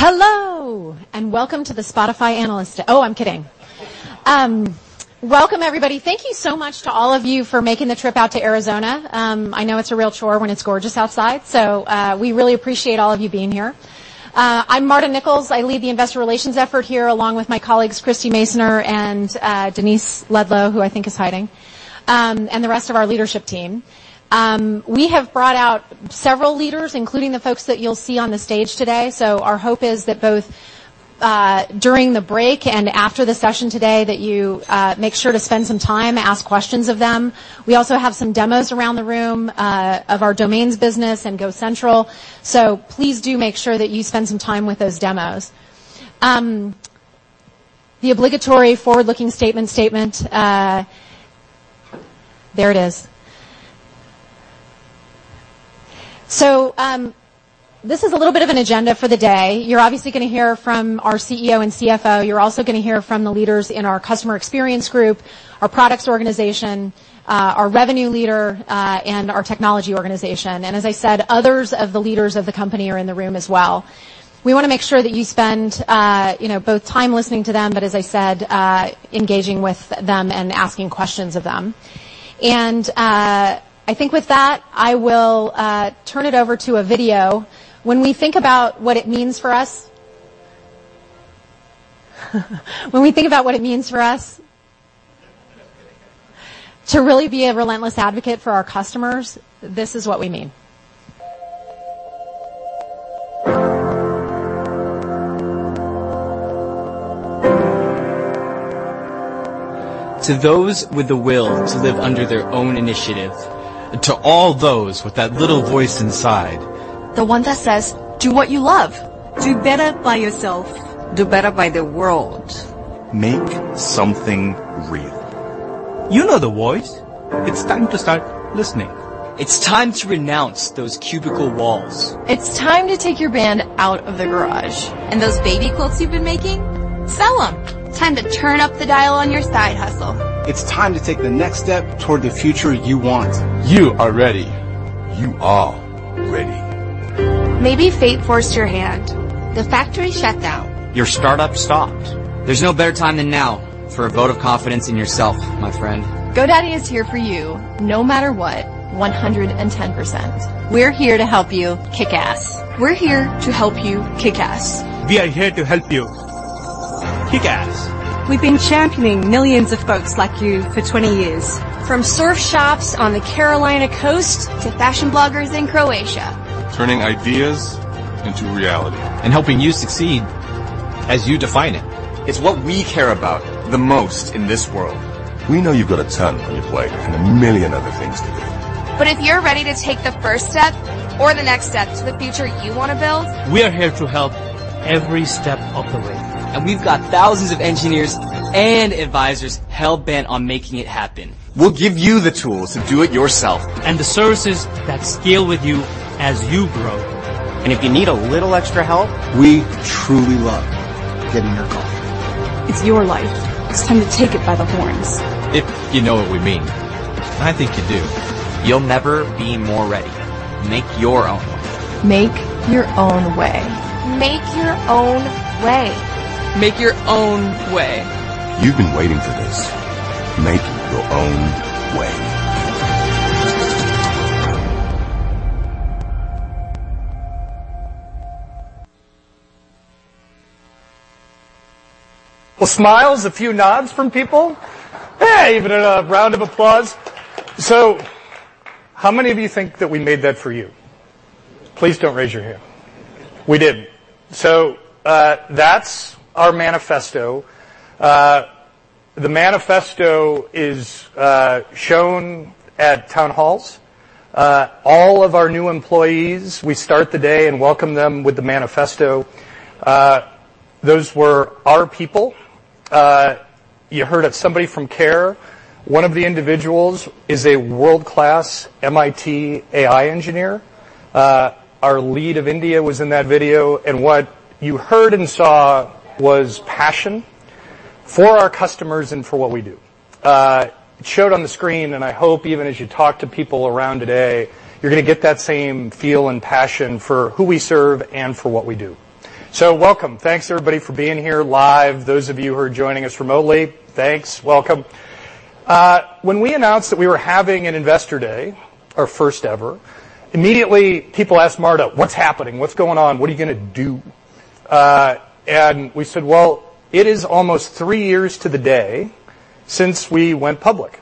Hello. Welcome to the Spotify Analyst Day. Oh, I'm kidding. Welcome, everybody. Thank you so much to all of you for making the trip out to Arizona. I know it's a real chore when it's gorgeous outside. We really appreciate all of you being here. I'm Marta Nichols. I lead the investor relations effort here, along with my colleagues, Christy Masoner and Denise Ludlow, who I think is hiding, and the rest of our leadership team. We have brought out several leaders, including the folks that you'll see on the stage today. Our hope is that both during the break and after the session today, you make sure to spend some time, ask questions of them. We also have some demos around the room of our Domains business and GoCentral. Please do make sure that you spend some time with those demos. The obligatory forward-looking statement. There it is. This is a little bit of an agenda for the day. You're obviously going to hear from our CEO and CFO. You're also going to hear from the leaders in our customer experience group, our products organization, our revenue leader, and our technology organization. As I said, others of the leaders of the company are in the room as well. We want to make sure that you spend both time listening to them. As I said, engaging with them and asking questions of them. I think with that, I will turn it over to a video. When we think about what it means for us to really be a relentless advocate for our customers, this is what we mean. To those with the will to live under their own initiative. To all those with that little voice inside. The one that says, "Do what you love. Do better by yourself. Do better by the world. Make something real. You know the voice. It's time to start listening. It's time to renounce those cubicle walls. It's time to take your band out of the garage. Those baby quilts you've been making, sell them. Time to turn up the dial on your side hustle. It's time to take the next step toward the future you want. You are ready. Maybe fate forced your hand. The factory shut down. Your startup stopped. There's no better time than now for a vote of confidence in yourself, my friend. GoDaddy is here for you, no matter what, 110%. We're here to help you kick ass. We are here to help you kick ass. We've been championing millions of folks like you for 20 years. From surf shops on the Carolina coast to fashion bloggers in Croatia. Turning ideas into reality. Helping you succeed as you define it. It's what we care about the most in this world. We know you've got a ton on your plate and a million other things to do. If you're ready to take the first step or the next step to the future you want to build. We are here to help every step of the way. We've got thousands of engineers and advisors hell-bent on making it happen. We'll give you the tools to do it yourself. The services that scale with you as you grow. If you need a little extra help, we truly love getting your call. It's your life. It's time to take it by the horns. If you know what we mean, and I think you do, you'll never be more ready. Make your own way. Make your own way. Make your own way. Make your own way. Make your own way. You've been waiting for this. Make your own way. Well, smiles, a few nods from people. Hey, even a round of applause. How many of you think that we made that for you? Please don't raise your hand. We didn't. That's our manifesto. The manifesto is shown at town halls. All of our new employees, we start the day and welcome them with the manifesto. Those were our people. You heard of somebody from care. One of the individuals is a world-class MIT AI engineer. Our lead of India was in that video, and what you heard and saw was passion for our customers and for what we do. It showed on the screen, and I hope even as you talk to people around today, you're going to get that same feel and passion for who we serve and for what we do. Welcome. Thanks, everybody for being here live. Those of you who are joining us remotely, thanks. Welcome. When we announced that we were having an investor day, our first ever, immediately people asked Marta, "What's happening? What's going on? What are you going to do?" We said, "Well, it is almost 3 years to the day since we went public."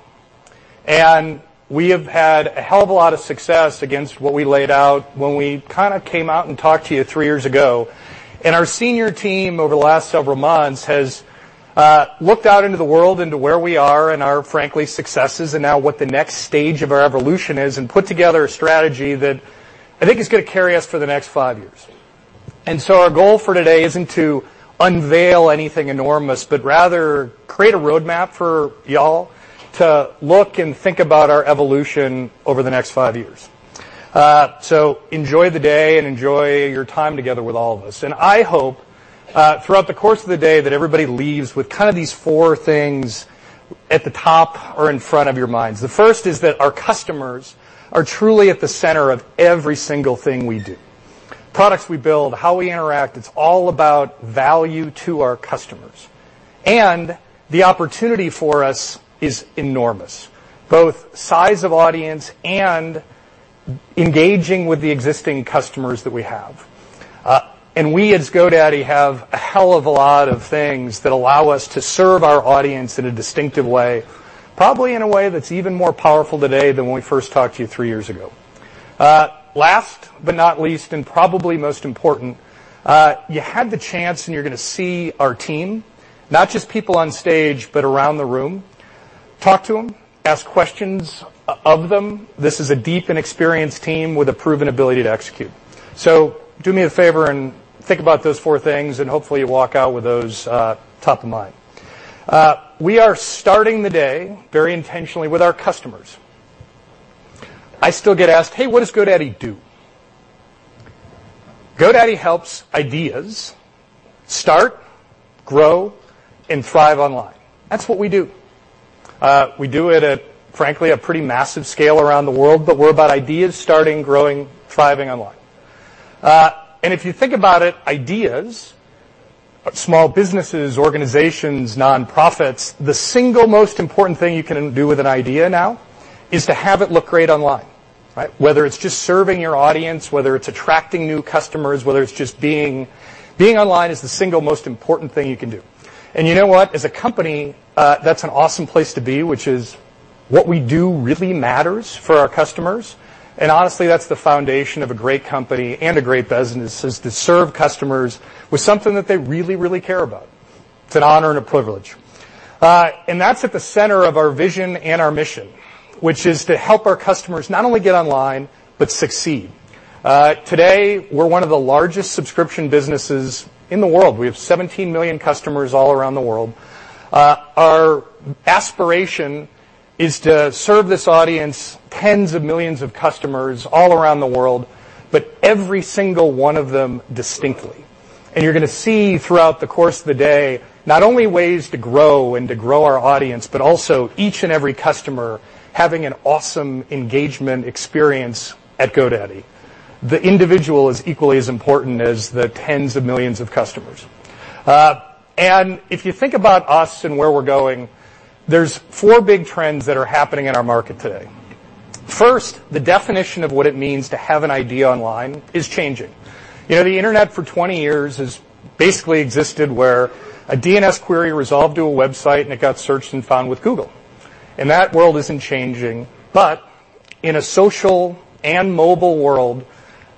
We have had a hell of a lot of success against what we laid out when we kind of came out and talked to you 3 years ago. Our senior team, over the last several months, has looked out into the world, into where we are and our, frankly, successes, and now what the next stage of our evolution is, and put together a strategy that I think is going to carry us for the next 5 years. Our goal for today isn't to unveil anything enormous, but rather create a roadmap for you all to look and think about our evolution over the next five years. Enjoy the day, and enjoy your time together with all of us. I hope, throughout the course of the day, that everybody leaves with kind of these four things at the top or in front of your minds. The first is that our customers are truly at the center of every single thing we do. Products we build, how we interact, it's all about value to our customers. The opportunity for us is enormous, both size of audience and engaging with the existing customers that we have. We, as GoDaddy, have a hell of a lot of things that allow us to serve our audience in a distinctive way, probably in a way that's even more powerful today than when we first talked to you three years ago. Last but not least, and probably most important, you had the chance, and you're going to see our team, not just people on stage, but around the room. Talk to them. Ask questions of them. This is a deep and experienced team with a proven ability to execute. Do me a favor and think about those four things, and hopefully, you walk out with those top of mind. We are starting the day very intentionally with our customers. I still get asked, "Hey, what does GoDaddy do?" GoDaddy helps ideas start, grow, and thrive online. That's what we do. We do it at, frankly, a pretty massive scale around the world, but we're about ideas starting, growing, thriving online. If you think about it, ideas, small businesses, organizations, nonprofits, the single most important thing you can do with an idea now is to have it look great online, right? Whether it's just serving your audience, whether it's attracting new customers, Being online is the single most important thing you can do. You know what? As a company, that's an awesome place to be, which is what we do really matters for our customers, and honestly, that's the foundation of a great company and a great business, is to serve customers with something that they really, really care about. It's an honor and a privilege. That's at the center of our vision and our mission, which is to help our customers not only get online but succeed. Today, we're one of the largest subscription businesses in the world. We have 17 million customers all around the world. Our aspiration is to serve this audience, tens of millions of customers all around the world, but every single one of them distinctly. You're going to see throughout the course of the day not only ways to grow and to grow our audience, but also each and every customer having an awesome engagement experience at GoDaddy. The individual is equally as important as the tens of millions of customers. If you think about us and where we're going, there's four big trends that are happening in our market today. First, the definition of what it means to have an idea online is changing. The internet for 20 years has basically existed where a DNS query resolved to a website, and it got searched and found with Google. That world isn't changing. In a social and mobile world,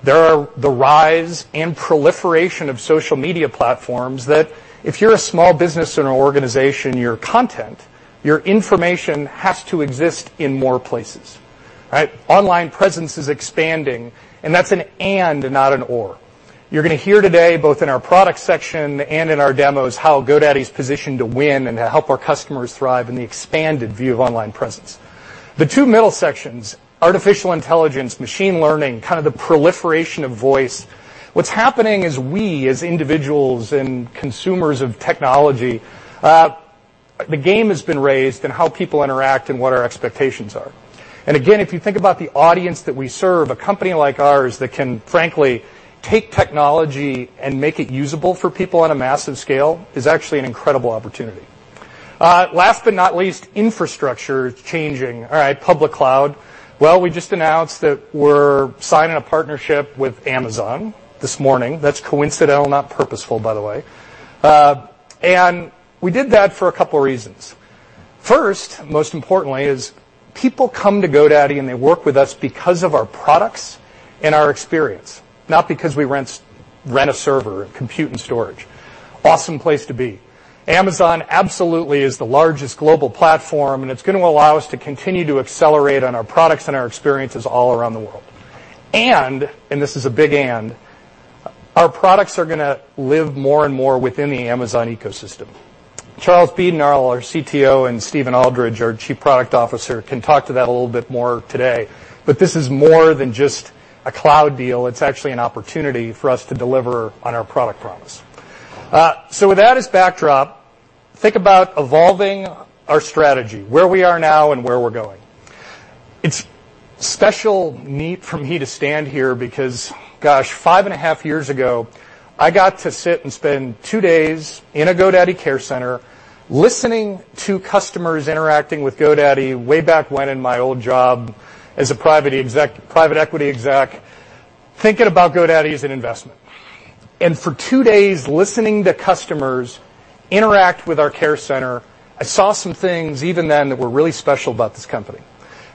there are the rise and proliferation of social media platforms that if you're a small business or an organization, your content, your information has to exist in more places, right? Online presence is expanding, and that's an and, not an or. You're going to hear today, both in our product section and in our demos, how GoDaddy's positioned to win and to help our customers thrive in the expanded view of online presence. The two middle sections, artificial intelligence, machine learning, kind of the proliferation of voice. What's happening is we, as individuals and consumers of technology, the game has been raised in how people interact and what our expectations are. Again, if you think about the audience that we serve, a company like ours that can, frankly, take technology and make it usable for people on a massive scale, is actually an incredible opportunity. Last but not least, infrastructure is changing. All right, public cloud. We just announced that we're signing a partnership with Amazon this morning. That's coincidental, not purposeful, by the way. We did that for a couple of reasons. First, most importantly, is people come to GoDaddy, and they work with us because of our products and our experience, not because we rent a server, compute, and storage. Awesome place to be. Amazon absolutely is the largest global platform, and it's going to allow us to continue to accelerate on our products and our experiences all around the world. This is a big and, our products are going to live more and more within the Amazon ecosystem. Charles Beadnall, our CTO, and Steven Aldrich, our Chief Product Officer, can talk to that a little bit more today, but this is more than just a cloud deal. It's actually an opportunity for us to deliver on our product promise. With that as backdrop, think about evolving our strategy, where we are now and where we're going. It's special for me to stand here because, gosh, five and a half years ago, I got to sit and spend two days in a GoDaddy care center listening to customers interacting with GoDaddy way back when in my old job as a private equity exec, thinking about GoDaddy as an investment. For two days listening to customers interact with our care center, I saw some things even then that were really special about this company.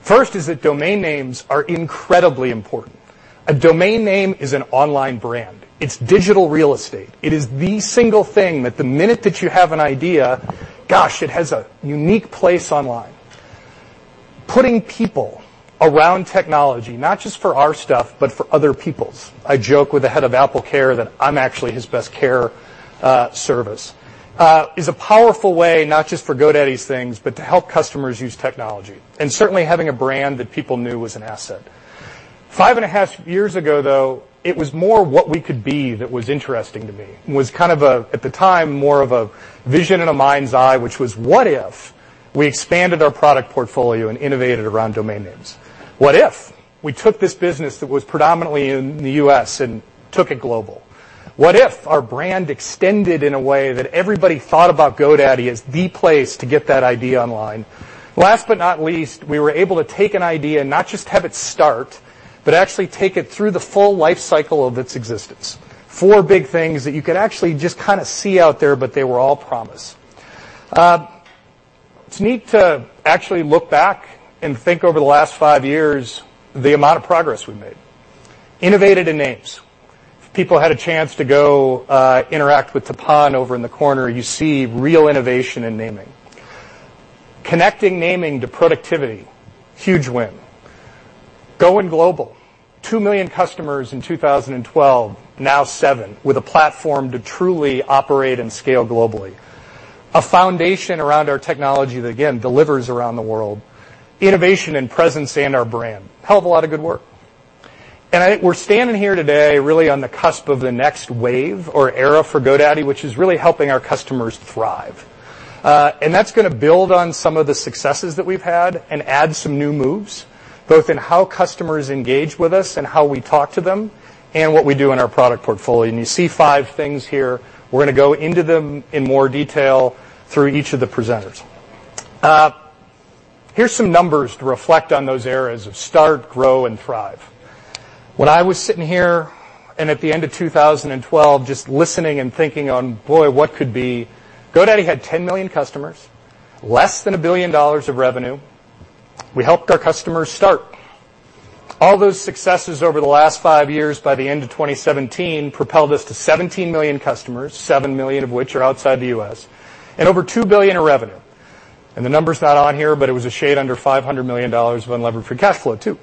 First is that domain names are incredibly important. A domain name is an online brand. It's digital real estate. It is the single thing that the minute that you have an idea, gosh, it has a unique place online. Putting people around technology, not just for our stuff, but for other people's. I joke with the head of AppleCare that I'm actually his best care service, is a powerful way, not just for GoDaddy's things, but to help customers use technology. Certainly, having a brand that people knew was an asset. Five and a half years ago, though, it was more what we could be that was interesting to me. It was kind of, at the time, more of a vision in a mind's eye, which was, what if we expanded our product portfolio and innovated around domain names? What if we took this business that was predominantly in the U.S. and took it global? What if our brand extended in a way that everybody thought about GoDaddy as the place to get that idea online? Last but not least, we were able to take an idea and not just have it start, but actually take it through the full life cycle of its existence. Four big things that you could actually just kind of see out there, but they were all promise. It's neat to actually look back and think over the last five years, the amount of progress we've made. Innovated in names. If people had a chance to go interact with Tapan over in the corner, you see real innovation in naming. Connecting naming to productivity, huge win. Going global. Two million customers in 2012, now seven, with a platform to truly operate and scale globally. A foundation around our technology that, again, delivers around the world. Innovation and presence in our brand. Hell of a lot of good work. We're standing here today really on the cusp of the next wave or era for GoDaddy, which is really helping our customers thrive. That's going to build on some of the successes that we've had and add some new moves, both in how customers engage with us and how we talk to them, and what we do in our product portfolio. You see five things here. We're going to go into them in more detail through each of the presenters. Here's some numbers to reflect on those areas of start, grow, and thrive. When I was sitting here and at the end of 2012, just listening and thinking on, boy, what could be, GoDaddy had 10 million customers, less than $1 billion of revenue. We helped our customers start. All those successes over the last five years, by the end of 2017, propelled us to 17 million customers, seven million of which are outside the U.S., and over $2 billion in revenue. The number's not on here, but it was a shade under $500 million of unlevered free cash flow too.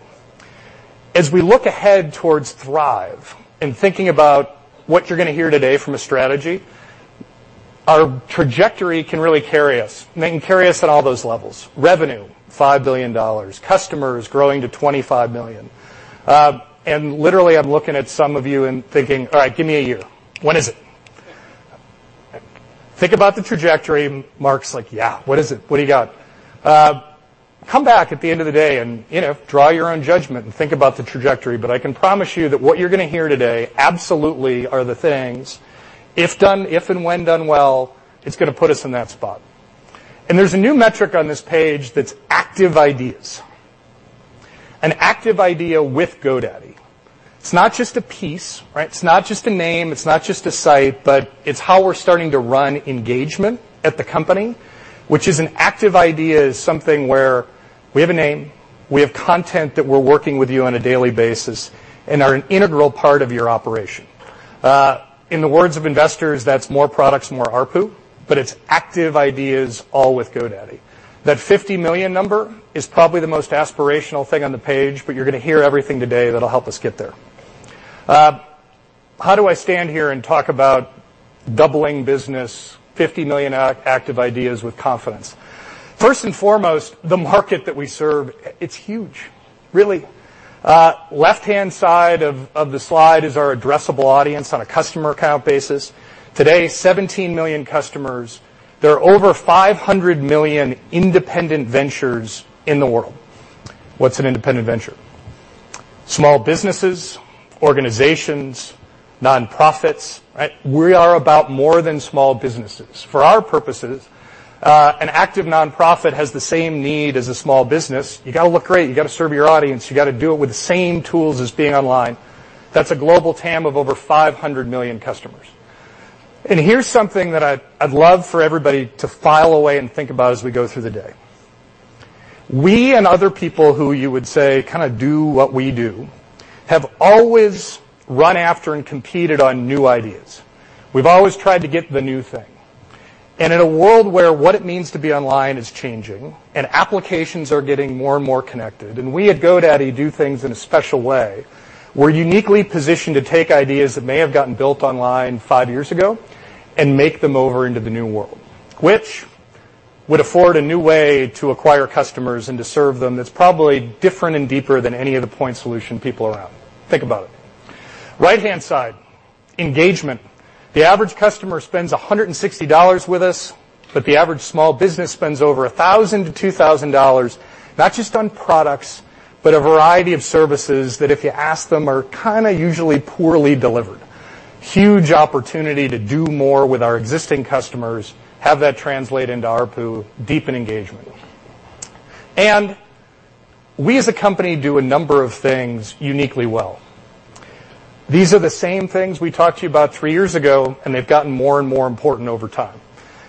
As we look ahead towards thrive and thinking about what you're going to hear today from a strategy, our trajectory can really carry us, and it can carry us at all those levels. Revenue, $5 billion. Customers, growing to 25 million. Literally, I'm looking at some of you and thinking, all right, give me a year. When is it? Think about the trajectory. Mark's like, "Yeah, what is it? What do you got?" Come back at the end of the day and draw your own judgment and think about the trajectory. I can promise you that what you're going to hear today absolutely are the things, if and when done well, it's going to put us in that spot. There's a new metric on this page that's active ideas. An active idea with GoDaddy. It's not just a piece. It's not just a name. It's not just a site, but it's how we're starting to run engagement at the company. An active idea is something where we have a name, we have content that we're working with you on a daily basis, and are an integral part of your operation. In the words of investors, that's more products and more ARPU. It's active ideas all with GoDaddy. That 50 million number is probably the most aspirational thing on the page. You're going to hear everything today that'll help us get there. How do I stand here and talk about doubling business, 50 million active ideas with confidence? First and foremost, the market that we serve, it's huge, really. Left-hand side of the slide is our addressable audience on a customer account basis. Today, 17 million customers. There are over 500 million independent ventures in the world. What's an independent venture? Small businesses, organizations, nonprofits. We are about more than small businesses. For our purposes, an active nonprofit has the same need as a small business. You got to look great. You got to serve your audience. You got to do it with the same tools as being online. That's a global TAM of over 500 million customers. Here's something that I'd love for everybody to file away and think about as we go through the day. We and other people who you would say kind of do what we do have always run after and competed on new ideas. We've always tried to get the new thing. In a world where what it means to be online is changing and applications are getting more and more connected, and we at GoDaddy do things in a special way, we're uniquely positioned to take ideas that may have gotten built online five years ago and make them over into the new world. Would afford a new way to acquire customers and to serve them that's probably different and deeper than any other point solution people around. Think about it. Right-hand side, engagement. The average customer spends $160 with us. The average small business spends over $1,000-$2,000, not just on products, a variety of services that if you ask them, are kind of usually poorly delivered. Huge opportunity to do more with our existing customers, have that translate into ARPU, deepen engagement. We as a company do a number of things uniquely well. These are the same things we talked to you about three years ago. They've gotten more and more important over time.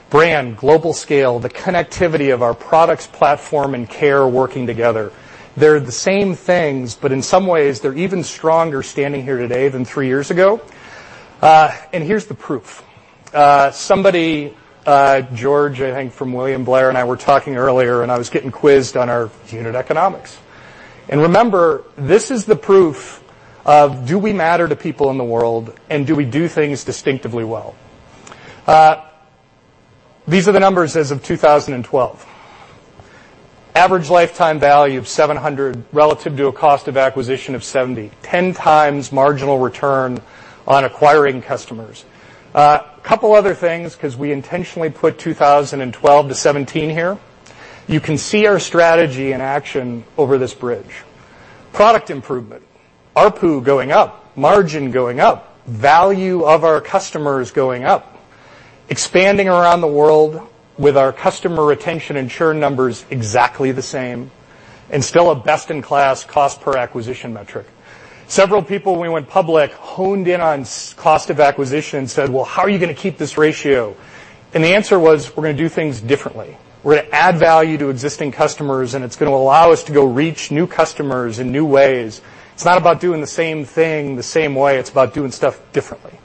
Brand, global scale, the connectivity of our products, platform, and care working together. They're the same things. In some ways, they're even stronger standing here today than three years ago. Here's the proof. Somebody, George, I think from William Blair, and I were talking earlier, and I was getting quizzed on our unit economics. Remember, this is the proof of do we matter to people in the world, and do we do things distinctively well? These are the numbers as of 2012. Average lifetime value of $700 relative to a cost of acquisition of $70. 10 times marginal return on acquiring customers. A couple other things, because we intentionally put 2012 to 2017 here. You can see our strategy in action over this bridge. Product improvement, ARPU going up, margin going up, value of our customers going up, expanding around the world with our customer retention and churn numbers exactly the same, still a best-in-class cost per acquisition metric. Several people, when we went public, honed in on cost of acquisition, said, "How are you going to keep this ratio?" The answer was, "We're going to do things differently." We're going to add value to existing customers, and it's going to allow us to go reach new customers in new ways. It's not about doing the same thing the same way. It's about doing stuff differently.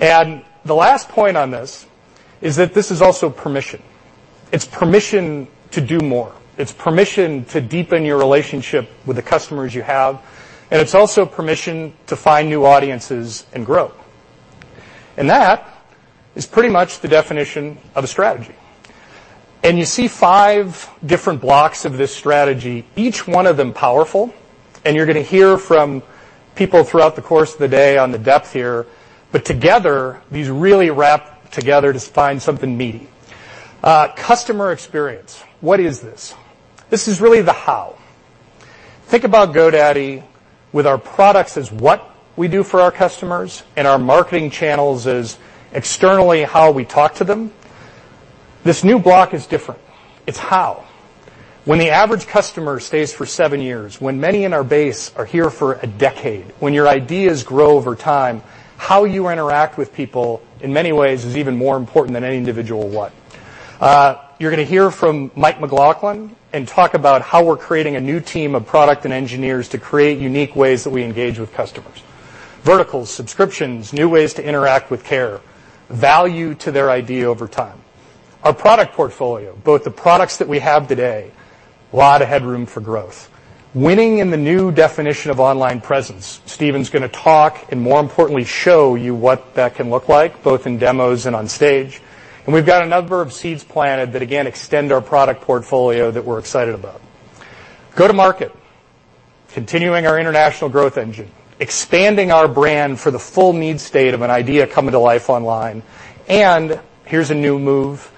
The last point on this is that this is also permission. It's permission to do more. It's permission to deepen your relationship with the customers you have, and it's also permission to find new audiences and grow. That is pretty much the definition of a strategy. You see 5 different blocks of this strategy, each one of them powerful, and you're going to hear from people throughout the course of the day on the depth here, but together, these really wrap together to find something meaty. Customer experience. What is this? This is really the how. Think about GoDaddy with our products as what we do for our customers and our marketing channels as externally how we talk to them. This new block is different. It's how. When the average customer stays for 7 years, when many in our base are here for a decade, when your ideas grow over time, how you interact with people, in many ways, is even more important than any individual what. You're going to hear from Mike McLaughlin and talk about how we're creating a new team of product and engineers to create unique ways that we engage with customers. Verticals, subscriptions, new ways to interact with care, value to their idea over time. Our product portfolio, both the products that we have today, a lot of headroom for growth. Winning in the new definition of online presence. Steven's going to talk and, more importantly, show you what that can look like, both in demos and on stage. We've got a number of seeds planted that, again, extend our product portfolio that we're excited about. Go-to-market. Continuing our international growth engine, expanding our brand for the full need state of an idea coming to life online. Here's a new move,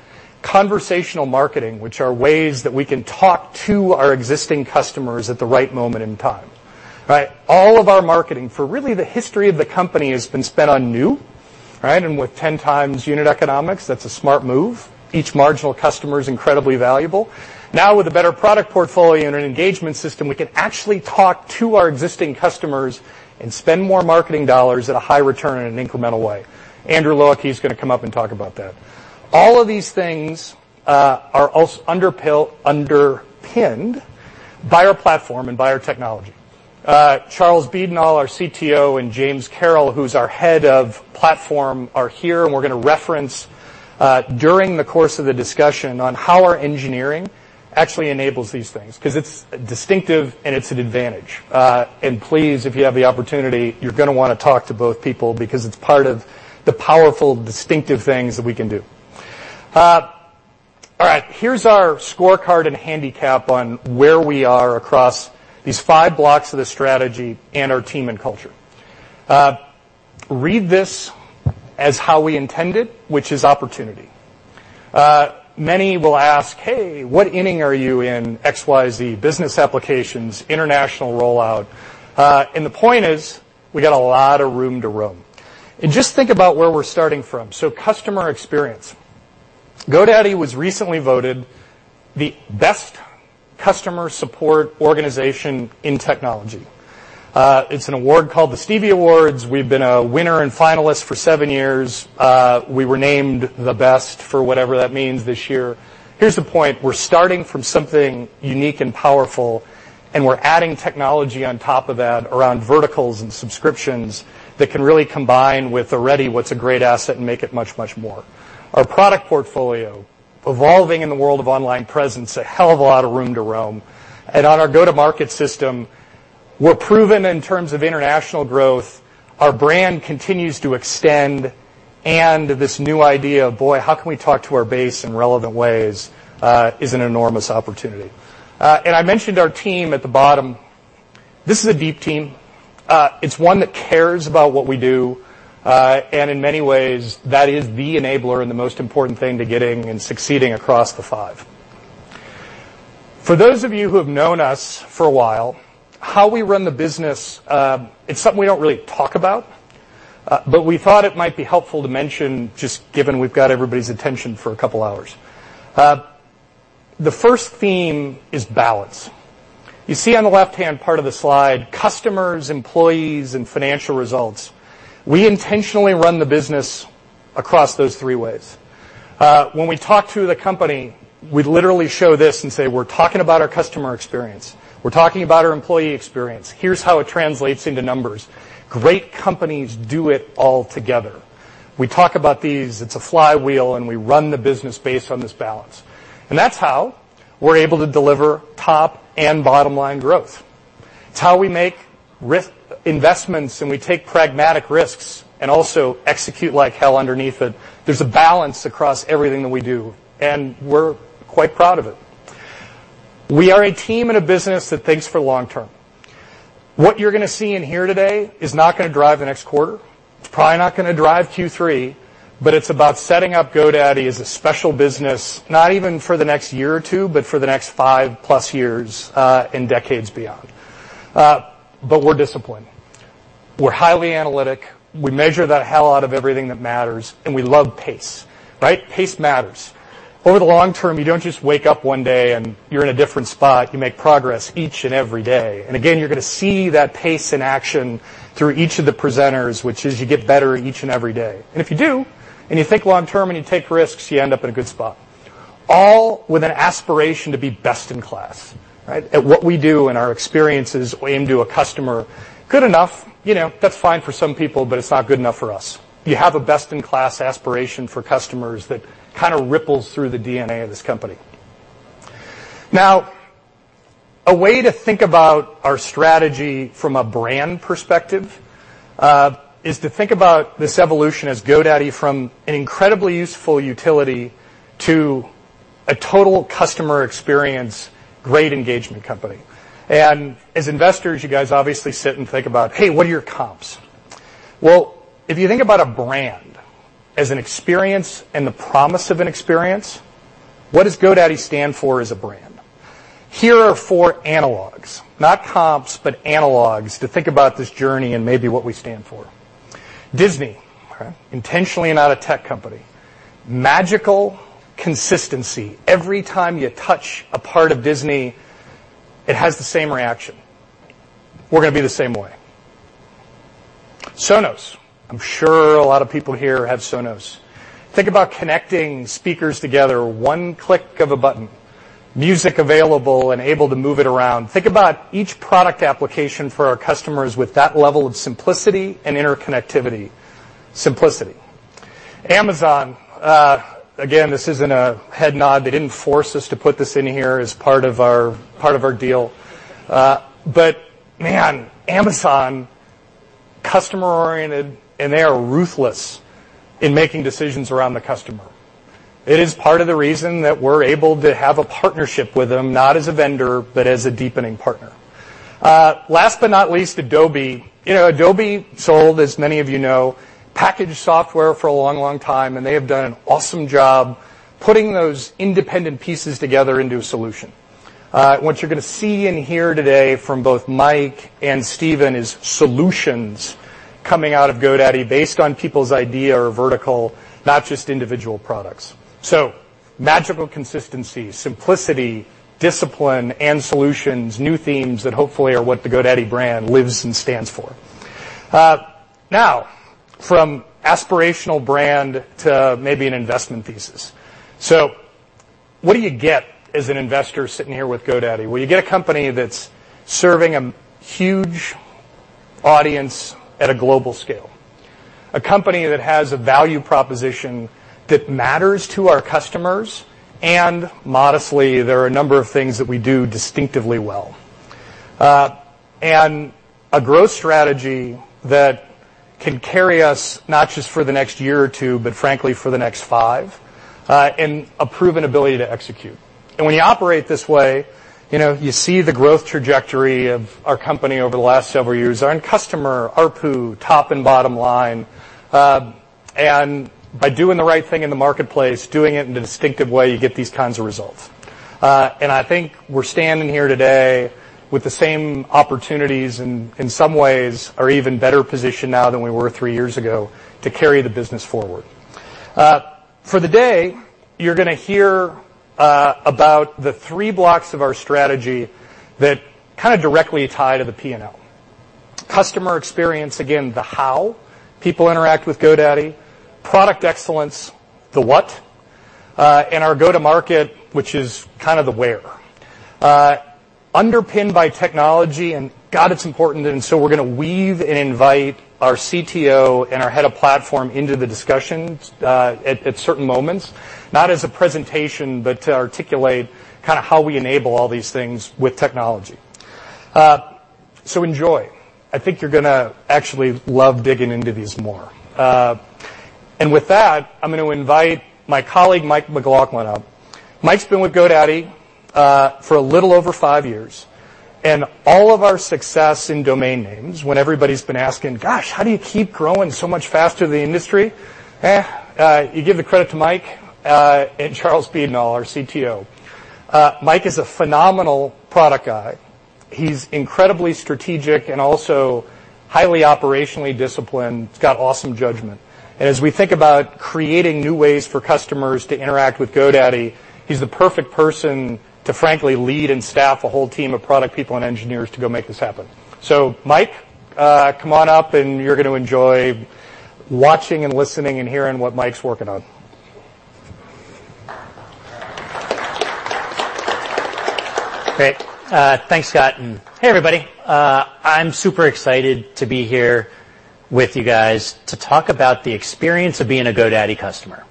conversational marketing, which are ways that we can talk to our existing customers at the right moment in time. Right? All of our marketing for really the history of the company has been spent on new, right? With 10 times unit economics, that's a smart move. Each marginal customer is incredibly valuable. Now, with a better product portfolio and an engagement system, we can actually talk to our existing customers and spend more marketing dollars at a high return in an incremental way. Andrew Low Ah Kee is going to come up and talk about that. All of these things are also underpinned by our platform and by our technology. Charles Beadnall, our CTO, and James Carroll, who's our head of platform, are here, and we're going to reference during the course of the discussion on how our engineering actually enables these things, because it's distinctive and it's an advantage. Please, if you have the opportunity, you're going to want to talk to both people because it's part of the powerful, distinctive things that we can do. All right. Here's our scorecard and handicap on where we are across these five blocks of the strategy and our team and culture. Read this as how we intend it, which is opportunity. Many will ask, "Hey, what inning are you in XYZ business applications, international rollout?" The point is, we got a lot of room to roam. Just think about where we're starting from. Customer experience. GoDaddy was recently voted the best customer support organization in technology. It's an award called the Stevie Awards. We've been a winner and finalist for seven years. We were named the best, for whatever that means, this year. Here's the point. We're starting from something unique and powerful. We're adding technology on top of that around verticals and subscriptions that can really combine with already what's a great asset and make it much, much more. Our product portfolio, evolving in the world of online presence, a hell of a lot of room to roam. On our go-to-market system, we're proven in terms of international growth, our brand continues to extend, and this new idea of, boy, how can we talk to our base in relevant ways, is an enormous opportunity. I mentioned our team at the bottom. This is a deep team. It's one that cares about what we do. In many ways, that is the enabler and the most important thing to getting and succeeding across the five. For those of you who have known us for a while, how we run the business, it's something we don't really talk about. We thought it might be helpful to mention just given we've got everybody's attention for a couple of hours. The first theme is balance. You see on the left-hand part of the slide, customers, employees, and financial results. We intentionally run the business across those three ways. When we talk to the company, we literally show this and say, "We're talking about our customer experience. We're talking about our employee experience. Here's how it translates into numbers." Great companies do it all together. We talk about these, it's a flywheel. We run the business based on this balance. That's how we're able to deliver top and bottom-line growth. It's how we make risk investments. We take pragmatic risks and also execute like hell underneath it. There's a balance across everything that we do. We're quite proud of it. We are a team and a business that thinks for long term. What you're going to see in here today is not going to drive the next quarter. It's probably not going to drive Q3. It's about setting up GoDaddy as a special business, not even for the next year or two, but for the next five plus years, and decades beyond. We're disciplined. We're highly analytic. We measure the hell out of everything that matters. We love pace. Right? Pace matters. Over the long term, you don't just wake up one day and you're in a different spot. You make progress each and every day. Again, you're going to see that pace in action through each of the presenters, which is you get better each and every day. If you do, and you think long term and you take risks, you end up in a good spot, all with an aspiration to be best in class. Right? At what we do and our experiences aimed to a customer. Good enough, that's fine for some people, but it's not good enough for us. You have a best-in-class aspiration for customers that kind of ripples through the DNA of this company. A way to think about our strategy from a brand perspective, is to think about this evolution as GoDaddy from an incredibly useful utility to a total customer experience, great engagement company. As investors, you guys obviously sit and think about, "Hey, what are your comps?" If you think about a brand as an experience and the promise of an experience, what does GoDaddy stand for as a brand? Here are four analogs, not comps, but analogs, to think about this journey and maybe what we stand for. Disney, okay, intentionally not a tech company. Magical consistency. Every time you touch a part of Disney, it has the same reaction. We're going to be the same way. Sonos. I'm sure a lot of people here have Sonos. Think about connecting speakers together, one click of a button, music available, and able to move it around. Think about each product application for our customers with that level of simplicity and interconnectivity. Simplicity. Amazon. Again, this isn't a head nod. They didn't force us to put this in here as part of our deal. Man, Amazon, customer oriented, and they are ruthless in making decisions around the customer. It is part of the reason that we're able to have a partnership with them, not as a vendor, but as a deepening partner. Last but not least, Adobe. Adobe sold, as many of you know, packaged software for a long, long time, and they have done an awesome job putting those independent pieces together into a solution. What you're going to see and hear today from both Mike and Steven is solutions coming out of GoDaddy based on people's idea or vertical, not just individual products. Magical consistency, simplicity, discipline, and solutions. New themes that hopefully are what the GoDaddy brand lives and stands for. From aspirational brand to maybe an investment thesis. What do you get as an investor sitting here with GoDaddy? You get a company that's serving a huge audience at a global scale, a company that has a value proposition that matters to our customers, and modestly, there are a number of things that we do distinctively well. A growth strategy that can carry us not just for the next year or two, but frankly, for the next five, and a proven ability to execute. When you operate this way, you see the growth trajectory of our company over the last several years, our end customer, ARPU, top and bottom line. By doing the right thing in the marketplace, doing it in a distinctive way, you get these kinds of results. I think we're standing here today with the same opportunities, and in some ways, are even better positioned now than we were 3 years ago to carry the business forward. For the day, you're going to hear about the three blocks of our strategy that kind of directly tie to the P&L. Customer experience, again, the how people interact with GoDaddy. Product excellence, the what, and our go to market, which is kind of the where. Underpinned by technology, God, it's important, we're going to weave and invite our CTO and our head of platform into the discussions at certain moments, not as a presentation, but to articulate kind of how we enable all these things with technology. Enjoy. I think you're going to actually love digging into these more. With that, I'm going to invite my colleague, Mike McLaughlin, up. Mike's been with GoDaddy for a little over five years, all of our success in domain names, when everybody's been asking, "Gosh, how do you keep growing so much faster than the industry?" Eh, you give the credit to Mike, Charles Beadnall, our CTO. Mike is a phenomenal product guy. He's incredibly strategic and also highly operationally disciplined. He's got awesome judgment. As we think about creating new ways for customers to interact with GoDaddy, he's the perfect person to frankly lead and staff a whole team of product people and engineers to go make this happen. Mike, come on up, you're going to enjoy watching and listening and hearing what Mike's working on. Great. Thanks, Scott, and hey, everybody. I'm super excited to be here with you guys to talk about the experience of being a GoDaddy customer.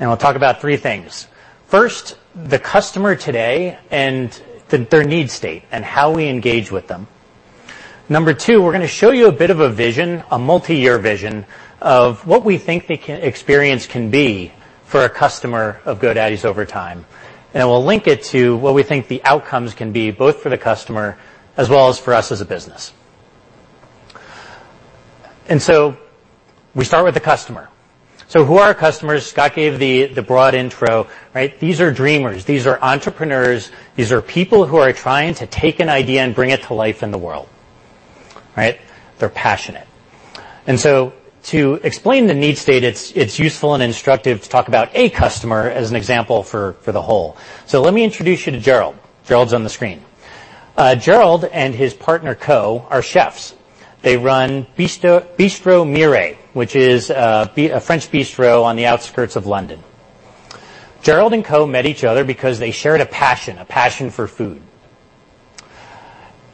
We'll talk about three things. First, the customer today and their need state and how we engage with them. Number 2, we're going to show you a bit of a vision, a multi-year vision, of what we think the experience can be for a customer of GoDaddy's over time. We'll link it to what we think the outcomes can be, both for the customer as well as for us as a business. We start with the customer. Who are our customers? Scott gave the broad intro. These are dreamers, these are entrepreneurs, these are people who are trying to take an idea and bring it to life in the world. They're passionate. To explain the need state, it's useful and instructive to talk about a customer as an example for the whole. Let me introduce you to Gerald. Gerald's on the screen. Gerald and his partner, Ko, are chefs. They run Bistro Mirey, which is a French bistro on the outskirts of London. Gerald and Ko met each other because they shared a passion, a passion for food.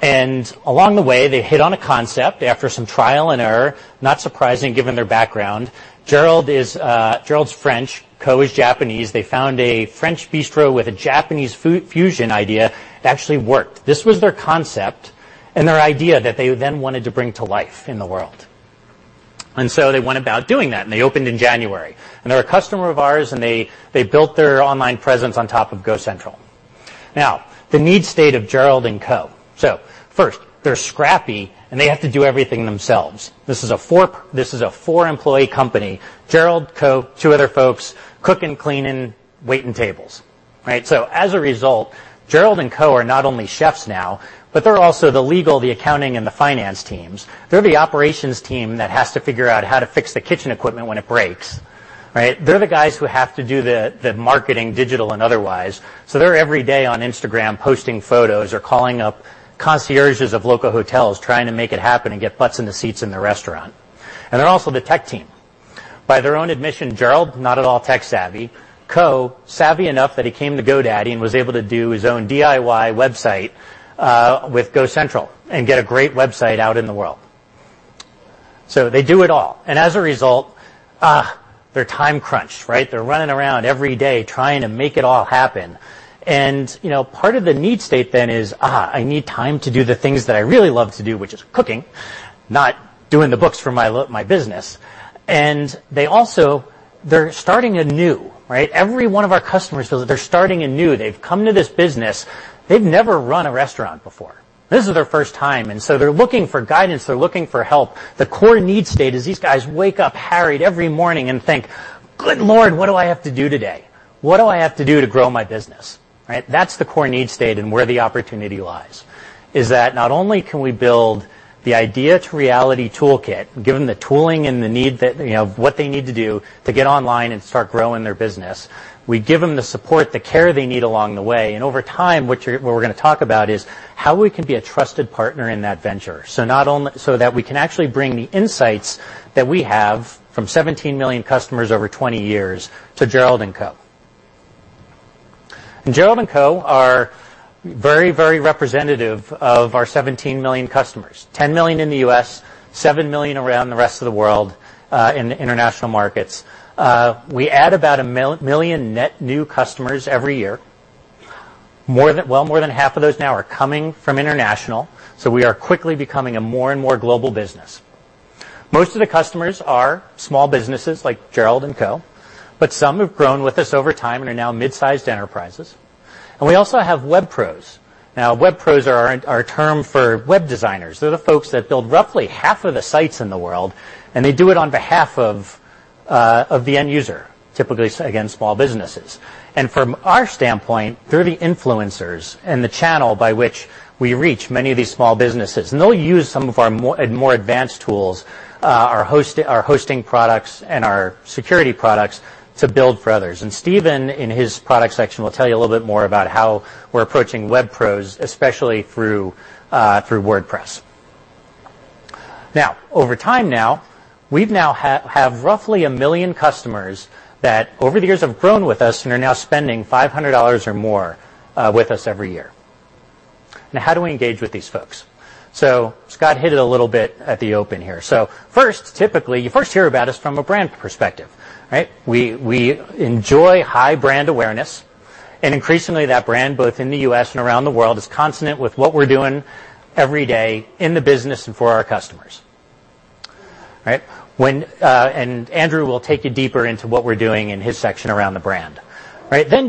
Along the way, they hit on a concept after some trial and error. Not surprising, given their background. Gerald's French, Ko is Japanese. They found a French bistro with a Japanese food fusion idea that actually worked. This was their concept and their idea that they then wanted to bring to life in the world. They went about doing that, they opened in January. They're a customer of ours, they built their online presence on top of GoCentral. The need state of Gerald and Ko. First, they're scrappy, and they have to do everything themselves. This is a four-employee company. Gerald, Ko, two other folks, cooking, cleaning, waiting tables. As a result, Gerald and Ko are not only chefs now, but they're also the legal, the accounting, and the finance teams. They're the operations team that has to figure out how to fix the kitchen equipment when it breaks. They're the guys who have to do the marketing, digital and otherwise. They're every day on Instagram posting photos or calling up concierges of local hotels trying to make it happen and get butts in the seats in the restaurant. They're also the tech team. By their own admission, Gerald, not at all tech-savvy, Ko, savvy enough that he came to GoDaddy and was able to do his own DIY website with GoCentral and get a great website out in the world. They do it all, and as a result, they're time crunched. They're running around every day trying to make it all happen. Part of the need state then is, "I need time to do the things that I really love to do," which is cooking, not doing the books for my business. They also, they're starting anew. Every one of our customers feels that they're starting anew. They've come to this business. They've never run a restaurant before. This is their first time, they're looking for guidance, they're looking for help. The core need state is these guys wake up harried every morning and think, "Good Lord, what do I have to do today? What do I have to do to grow my business?" That's the core need state and where the opportunity lies, is that not only can we build the idea-to-reality toolkit, give them the tooling and what they need to do to get online and start growing their business. We give them the support, the care they need along the way, and over time, what we're going to talk about is how we can be a trusted partner in that venture. That we can actually bring the insights that we have from 17 million customers over 20 years to Gerald and Ko. Gerald and Ko are very, very representative of our 17 million customers. 10 million in the U.S., 7 million around the rest of the world in the international markets. We add about a million net new customers every year. Well more than half of those now are coming from international, we are quickly becoming a more and more global business. Most of the customers are small businesses like Gerald and Ko, but some have grown with us over time and are now mid-sized enterprises. We also have web pros. Web pros are our term for web designers. They're the folks that build roughly half of the sites in the world, and they do it on behalf of the end user, typically, again, small businesses. From our standpoint, they're the influencers and the channel by which we reach many of these small businesses, they'll use some of our more advanced tools, our hosting products, and our security products to build for others. Steven Aldrich, in his product section, will tell you a little bit more about how we're approaching web pros, especially through WordPress. Over time now, we now have roughly 1 million customers that over the years have grown with us and are now spending $500 or more with us every year. How do we engage with these folks? Scott hit it a little bit at the open here. First, typically, you first hear about us from a brand perspective. We enjoy high brand awareness, increasingly, that brand, both in the U.S. and around the world, is consonant with what we're doing every day in the business and for our customers. Andrew Low Ah Kee will take you deeper into what we're doing in his section around the brand.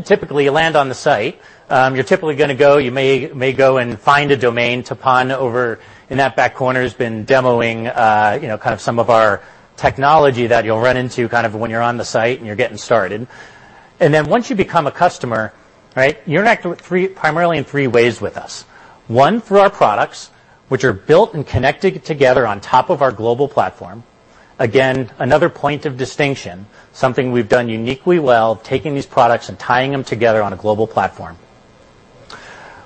Typically, you land on the site. You're typically going to go, you may go and find a domain. Tapan over in that back corner has been demoing kind of some of our technology that you'll run into kind of when you're on the site and you're getting started. Then once you become a customer, you interact primarily in three ways with us. One, through our products, which are built and connected together on top of our global platform. Again, another point of distinction, something we've done uniquely well, taking these products and tying them together on a global platform.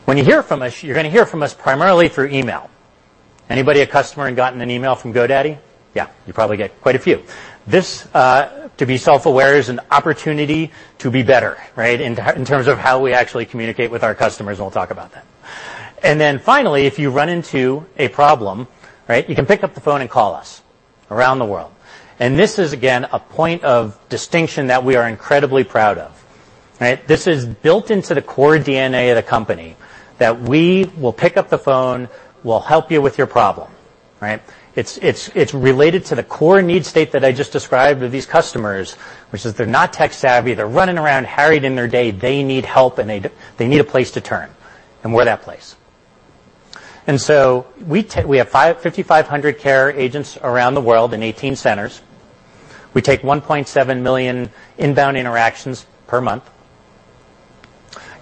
When you hear from us, you're going to hear from us primarily through email. Anybody a customer and gotten an email from GoDaddy? Yeah, you probably get quite a few. This, to be self-aware, is an opportunity to be better in terms of how we actually communicate with our customers, we'll talk about that. Finally, if you run into a problem, you can pick up the phone and call us around the world. This is, again, a point of distinction that we are incredibly proud of. This is built into the core DNA of the company, that we will pick up the phone, we'll help you with your problem. It's related to the core need state that I just described of these customers, which is they're not tech-savvy. They're running around, harried in their day. They need help, they need a place to turn, we're that place. We have 5,500 care agents around the world in 18 centers. We take 1.7 million inbound interactions per month.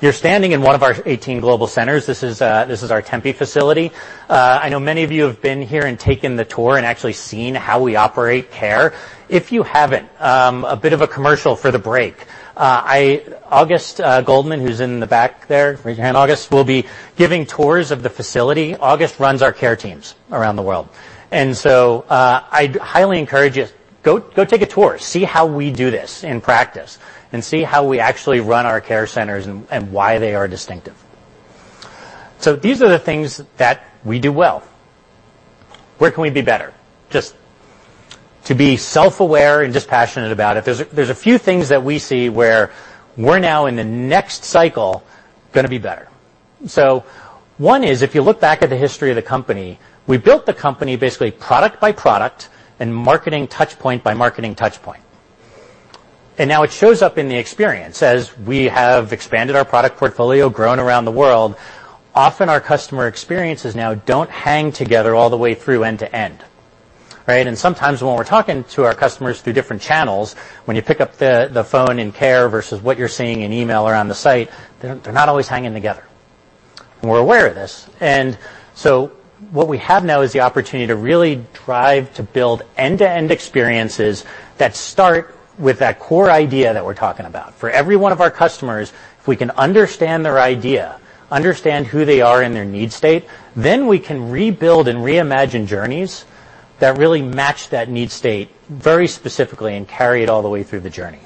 You're standing in one of our 18 global centers. This is our Tempe facility. I know many of you have been here and taken the tour and actually seen how we operate care. If you haven't, a bit of a commercial for the break. Auguste Goldman, who's in the back there, raise your hand, August, will be giving tours of the facility. August runs our care teams around the world, I highly encourage you, go take a tour. See how we do this in practice, and see how we actually run our care centers and why they are distinctive. These are the things that we do well. Where can we be better? Just to be self-aware and dispassionate about it, there's a few things that we see where we're now in the next cycle, going to be better. One is, if you look back at the history of the company, we built the company basically product by product and marketing touch point by marketing touch point. Now it shows up in the experience. As we have expanded our product portfolio, grown around the world, often our customer experiences now don't hang together all the way through end to end. Right? Sometimes when we're talking to our customers through different channels, when you pick up the phone in care versus what you're seeing in email or on the site, they're not always hanging together, and we're aware of this. What we have now is the opportunity to really drive to build end-to-end experiences that start with that core idea that we're talking about. For every one of our customers, if we can understand their idea, understand who they are in their need state, then we can rebuild and reimagine journeys that really match that need state very specifically and carry it all the way through the journey.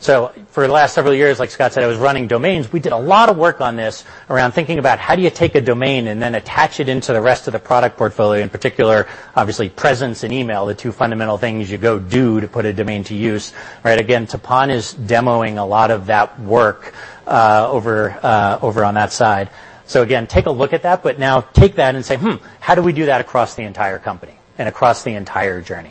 For the last several years, like Scott said, I was running domains. We did a lot of work on this around thinking about how do you take a domain and then attach it into the rest of the product portfolio, in particular, obviously, presence and email, the two fundamental things you go do to put a domain to use. Again, Tapan is demoing a lot of that work over on that side. Again, take a look at that, now take that and say, "Hmm, how do we do that across the entire company and across the entire journey?"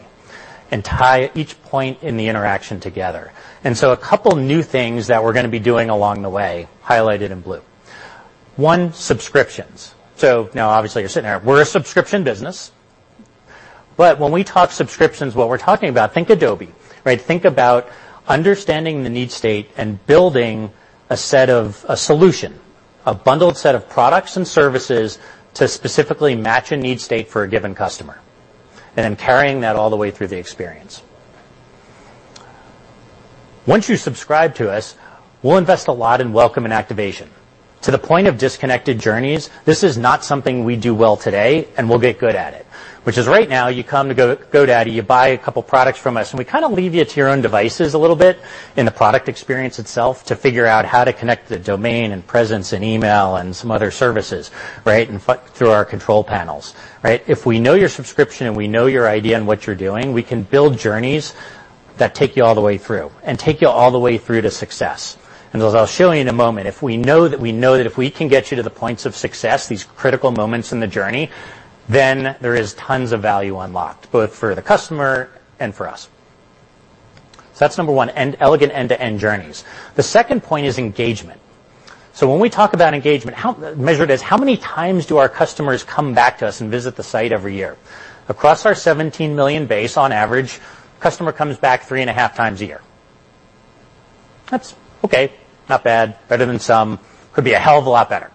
Tie each point in the interaction together. A couple new things that we're going to be doing along the way, highlighted in blue. One, subscriptions. Now, obviously, you're sitting there. We're a subscription business, but when we talk subscriptions, what we're talking about, think Adobe. Think about understanding the need state and building a solution, a bundled set of products and services to specifically match a need state for a given customer, and then carrying that all the way through the experience. Once you subscribe to us, we'll invest a lot in welcome and activation. To the point of disconnected journeys, this is not something we do well today, and we'll get good at it. Which is right now, you come to GoDaddy, you buy a couple products from us, and we kind of leave you to your own devices a little bit in the product experience itself to figure out how to connect the domain and presence and email and some other services through our control panels. If we know your subscription and we know your idea and what you're doing, we can build journeys that take you all the way through, and take you all the way through to success. As I'll show you in a moment, if we know that we know that if we can get you to the points of success, these critical moments in the journey, then there is tons of value unlocked, both for the customer and for us. That's number one, elegant end-to-end journeys. The second point is engagement. When we talk about engagement, measured as how many times do our customers come back to us and visit the site every year? Across our 17 million base, on average, a customer comes back three and a half times a year. That's okay. Not bad. Better than some. Could be a hell of a lot better.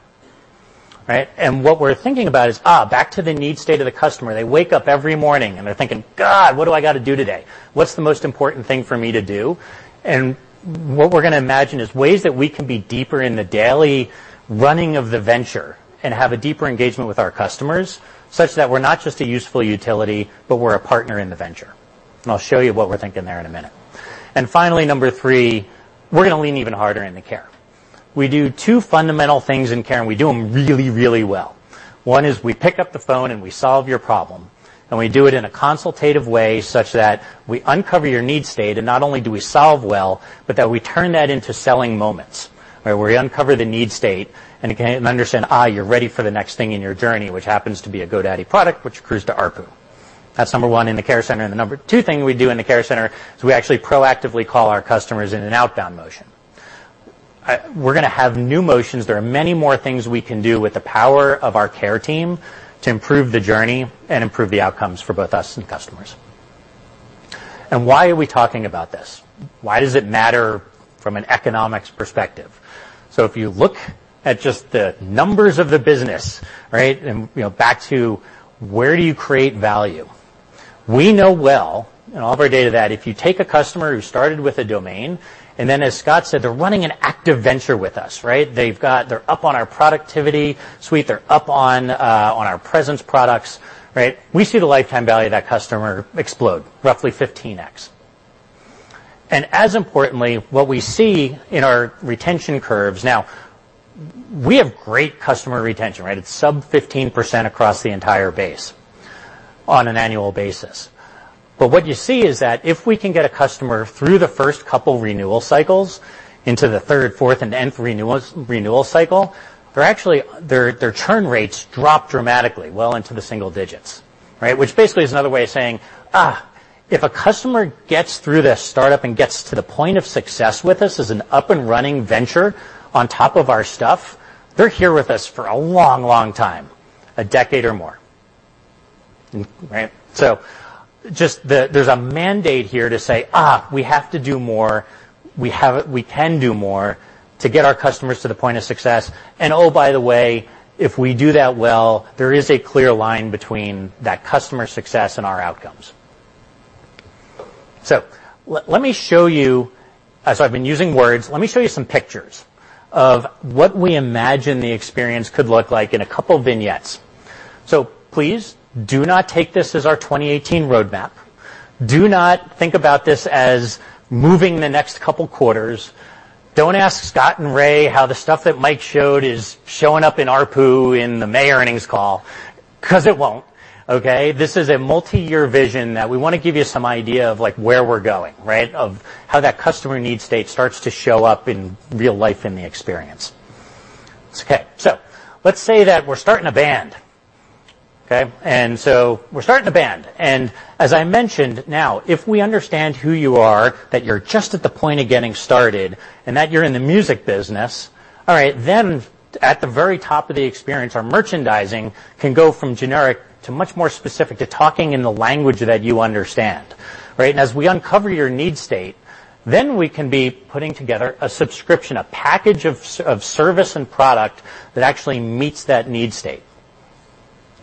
Right? What we're thinking about is, back to the need state of the customer. They wake up every morning and they're thinking, "God, what do I got to do today? What's the most important thing for me to do?" What we're going to imagine is ways that we can be deeper in the daily running of the venture and have a deeper engagement with our customers, such that we're not just a useful utility, but we're a partner in the venture. I'll show you what we're thinking there in a minute. Finally, number 3, we're going to lean even harder into care. We do two fundamental things in care, and we do them really, really well. One is we pick up the phone and we solve your problem, and we do it in a consultative way such that we uncover your need state, and not only do we solve well, but that we turn that into selling moments. Where we uncover the need state and understand you're ready for the next thing in your journey, which happens to be a GoDaddy product, which accrues to ARPU. That's number 1 in the care center. The number 2 thing we do in the care center is we actually proactively call our customers in an outbound motion. We're going to have new motions. There are many more things we can do with the power of our care team to improve the journey and improve the outcomes for both us and customers. Why are we talking about this? Why does it matter from an economics perspective? If you look at just the numbers of the business, back to where do you create value? We know well in all of our data that if you take a customer who started with a domain, and then as Scott said, they're running an active venture with us. They're up on our productivity suite. They're up on our presence products. We see the lifetime value of that customer explode roughly 15x. As importantly, what we see in the retention curves. Now, we have great customer retention. It's sub 15% across the entire base on an annual basis. What you see is that if we can get a customer through the first couple renewal cycles into the third, fourth, and nth renewal cycle, their churn rates drop dramatically, well into the single digits. Which basically is another way of saying, if a customer gets through this startup and gets to the point of success with us as an up and running venture on top of our stuff, they're here with us for a long time, a decade or more. There's a mandate here to say, we have to do more. We can do more to get our customers to the point of success. Oh, by the way, if we do that well, there is a clear line between that customer success and our outcomes. Let me show you, as I've been using words, let me show you some pictures of what we imagine the experience could look like in a couple vignettes. Please do not take this as our 2018 roadmap. Do not think about this as moving the next couple quarters. Don't ask Scott and Ray how the stuff that Mike showed is showing up in ARPU in the May earnings call, because it won't. This is a multi-year vision that we want to give you some idea of where we're going. Of how that customer need state starts to show up in real life in the experience. Let's say that we're starting a band. We're starting a band. As I mentioned now, if we understand who you are, that you're just at the point of getting started, and that you're in the music business, all right then, at the very top of the experience, our merchandising can go from generic to much more specific, to talking in the language that you understand. As we uncover your need state, we can be putting together a subscription, a package of service and product that actually meets that need state,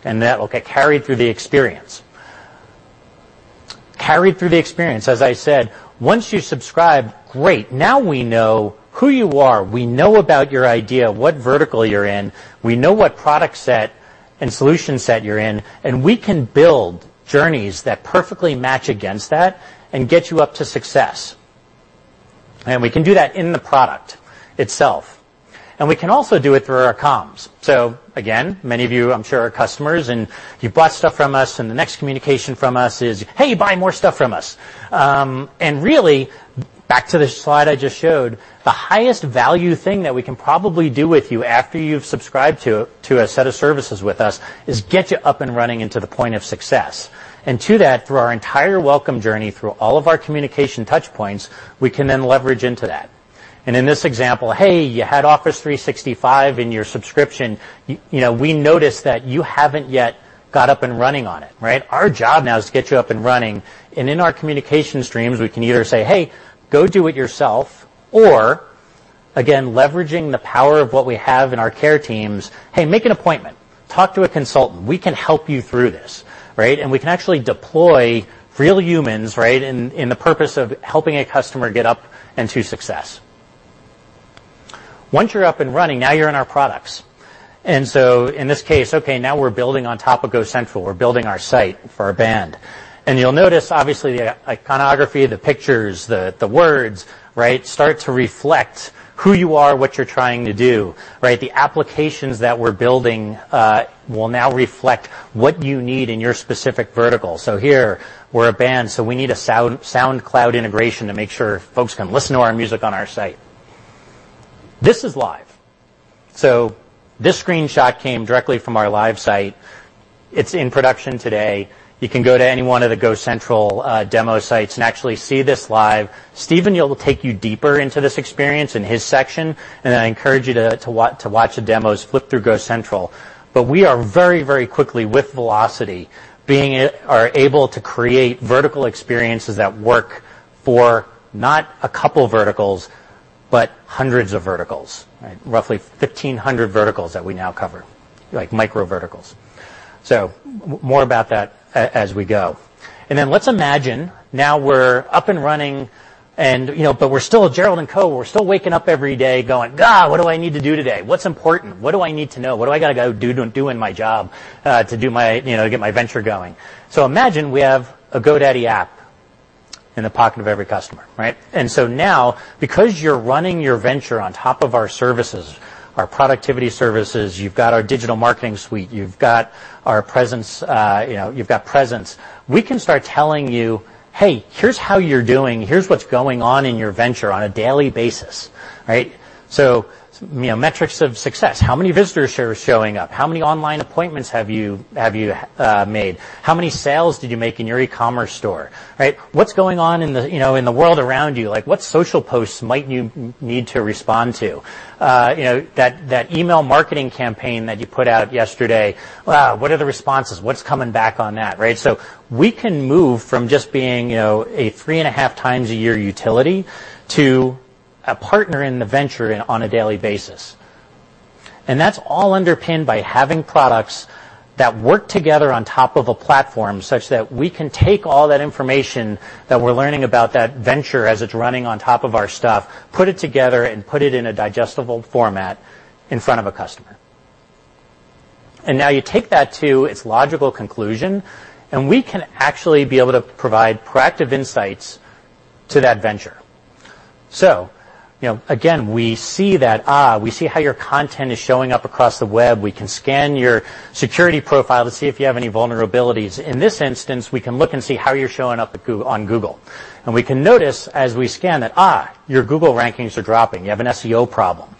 and that will get carried through the experience. Carried through the experience, as I said, once you subscribe, great. We know who you are. We know about your idea, what vertical you're in. We know what product set and solution set you're in, and we can build journeys that perfectly match against that and get you up to success. We can do that in the product itself. We can also do it through our comms. Again, many of you, I'm sure, are customers, and you've bought stuff from us, and the next communication from us is, "Hey, buy more stuff from us." Really, back to the slide I just showed, the highest value thing that we can probably do with you after you've subscribed to a set of services with us is get you up and running and to the point of success. To that, through our entire welcome journey, through all of our communication touch points, we can leverage into that. In this example, "Hey, you had Office 365 in your subscription. We noticed that you haven't yet got up and running on it. Our job now is to get you up and running." In our communication streams, we can either say, "Hey, go do it yourself," or, again, leveraging the power of what we have in our care teams, "Hey, make an appointment. Talk to a consultant. We can help you through this." We can actually deploy real humans in the purpose of helping a customer get up and to success. Once you're up and running, you're in our products. In this case, okay, we're building on top of GoCentral. We're building our site for our band. You'll notice, obviously, the iconography, the pictures, the words start to reflect who you are, what you're trying to do. The applications that we're building will reflect what you need in your specific vertical. Here, we're a band, so we need a SoundCloud integration to make sure folks can listen to our music on our site. This is live. This screenshot came directly from our live site. It's in production today. You can go to any one of the GoCentral demo sites and actually see this live. Steven will take you deeper into this experience in his section, and I encourage you to watch the demos, flip through GoCentral. We are very quickly, with velocity, are able to create vertical experiences that work for not a couple verticals, but hundreds of verticals. Roughly 1,500 verticals that we now cover, like micro verticals. More about that as we go. Let's imagine now we're up and running, but we're still Gerald and Co. We're still waking up every day going, "God, what do I need to do today? What's important? What do I need to know? What do I got to go do in my job to get my venture going?" Imagine we have a GoDaddy app in the pocket of every customer. Now, because you're running your venture on top of our services, our productivity services, you've got our digital marketing suite, you've got presence. We can start telling you, "Hey, here's how you're doing. Here's what's going on in your venture on a daily basis." Metrics of success. How many visitors are showing up? How many online appointments have you made? How many sales did you make in your e-commerce store? What's going on in the world around you? What social posts might you need to respond to? That email marketing campaign that you put out yesterday, what are the responses? What's coming back on that? We can move from just being a three and a half times a year utility to a partner in the venture and on a daily basis. That's all underpinned by having products that work together on top of a platform such that we can take all that information that we're learning about that venture as it's running on top of our stuff, put it together, and put it in a digestible format in front of a customer. You take that to its logical conclusion, and we can actually be able to provide proactive insights to that venture. Again, we see that, we see how your content is showing up across the web. We can scan your security profile to see if you have any vulnerabilities. In this instance, we can look and see how you're showing up on Google. We can notice, as we scan, that your Google rankings are dropping. You have an SEO problem.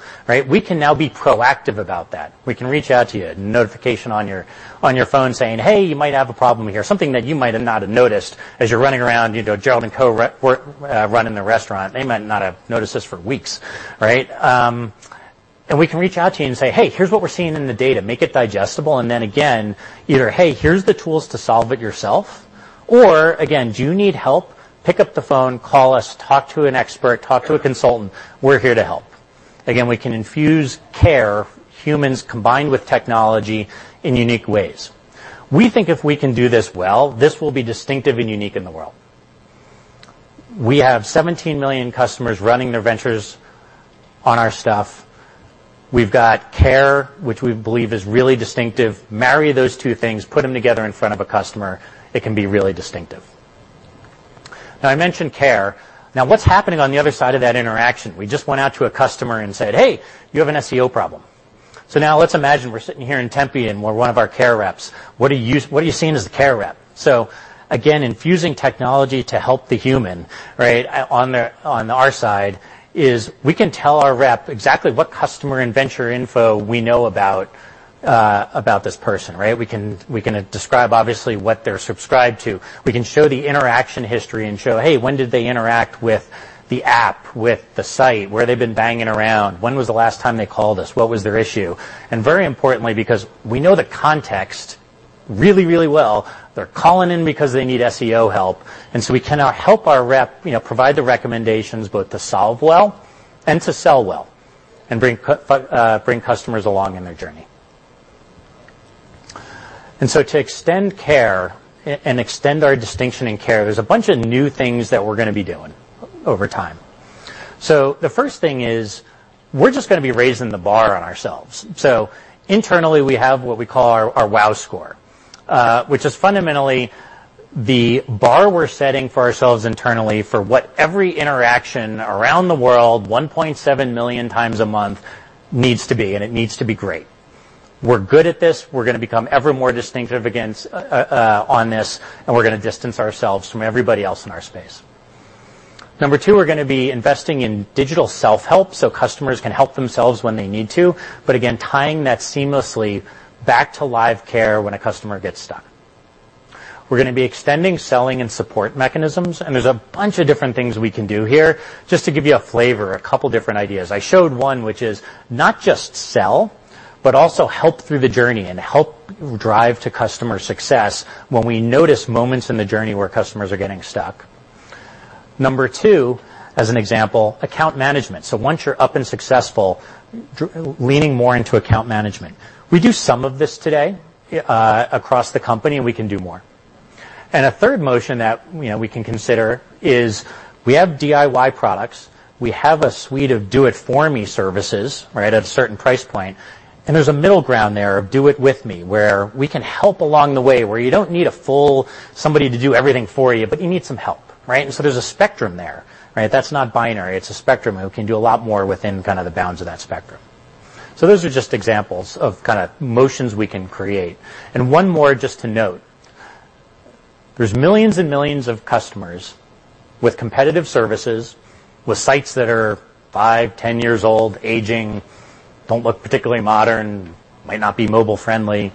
We can now be proactive about that. We can reach out to you, notification on your phone saying, "Hey, you might have a problem here." Something that you might not have noticed as you're running around. Gerald and co. running the restaurant, they might not have noticed this for weeks. We can reach out to you and say, "Hey, here's what we're seeing in the data," make it digestible, and then again, either, "Hey, here's the tools to solve it yourself," or again, "Do you need help? Pick up the phone, call us, talk to an expert, talk to a consultant. We're here to help." Again, we can infuse care, humans combined with technology, in unique ways. We think if we can do this well, this will be distinctive and unique in the world. We have 17 million customers running their ventures on our stuff. We've got care, which we believe is really distinctive. Marry those two things, put them together in front of a customer, it can be really distinctive. Now, I mentioned care. Now, what's happening on the other side of that interaction? We just went out to a customer and said, "Hey, you have an SEO problem." Now let's imagine we're sitting here in Tempe, and we're one of our care reps. What are you seeing as the care rep? Again, infusing technology to help the human on our side is we can tell our rep exactly what customer and venture info we know about this person. We can describe, obviously, what they're subscribed to. We can show the interaction history and show, hey, when did they interact with the app, with the site? Where they've been banging around. When was the last time they called us? What was their issue? Very importantly, because we know the context really, really well, they're calling in because they need SEO help, we can now help our rep provide the recommendations both to solve well and to sell well and bring customers along in their journey. To extend care and extend our distinction in care, there's a bunch of new things that we're going to be doing over time. The first thing is we're just going to be raising the bar on ourselves. Internally, we have what we call our Wow score, which is fundamentally the bar we're setting for ourselves internally for what every interaction around the world, 1.7 million times a month, needs to be, and it needs to be great. We're good at this. We're going to become ever more distinctive on this, and we're going to distance ourselves from everybody else in our space. Number 2, we're going to be investing in digital self-help, so customers can help themselves when they need to, but again, tying that seamlessly back to live care when a customer gets stuck. We're going to be extending selling and support mechanisms, and there's a bunch of different things we can do here. Just to give you a flavor, a couple different ideas. I showed one, which is not just sell, but also help through the journey and help drive to customer success when we notice moments in the journey where customers are getting stuck. Number 2, as an example, account management. Once you're up and successful, leaning more into account management. We do some of this today across the company, and we can do more. A third motion that we can consider is we have DIY products. We have a suite of do it for me services at a certain price point. There's a middle ground there of do it with me, where we can help along the way, where you don't need somebody to do everything for you, but you need some help. There's a spectrum there. That's not binary. It's a spectrum, we can do a lot more within kind of the bounds of that spectrum. Those are just examples of kind of motions we can create. One more just to note. There's millions and millions of customers with competitive services, with sites that are five, 10 years old, aging, don't look particularly modern, might not be mobile-friendly.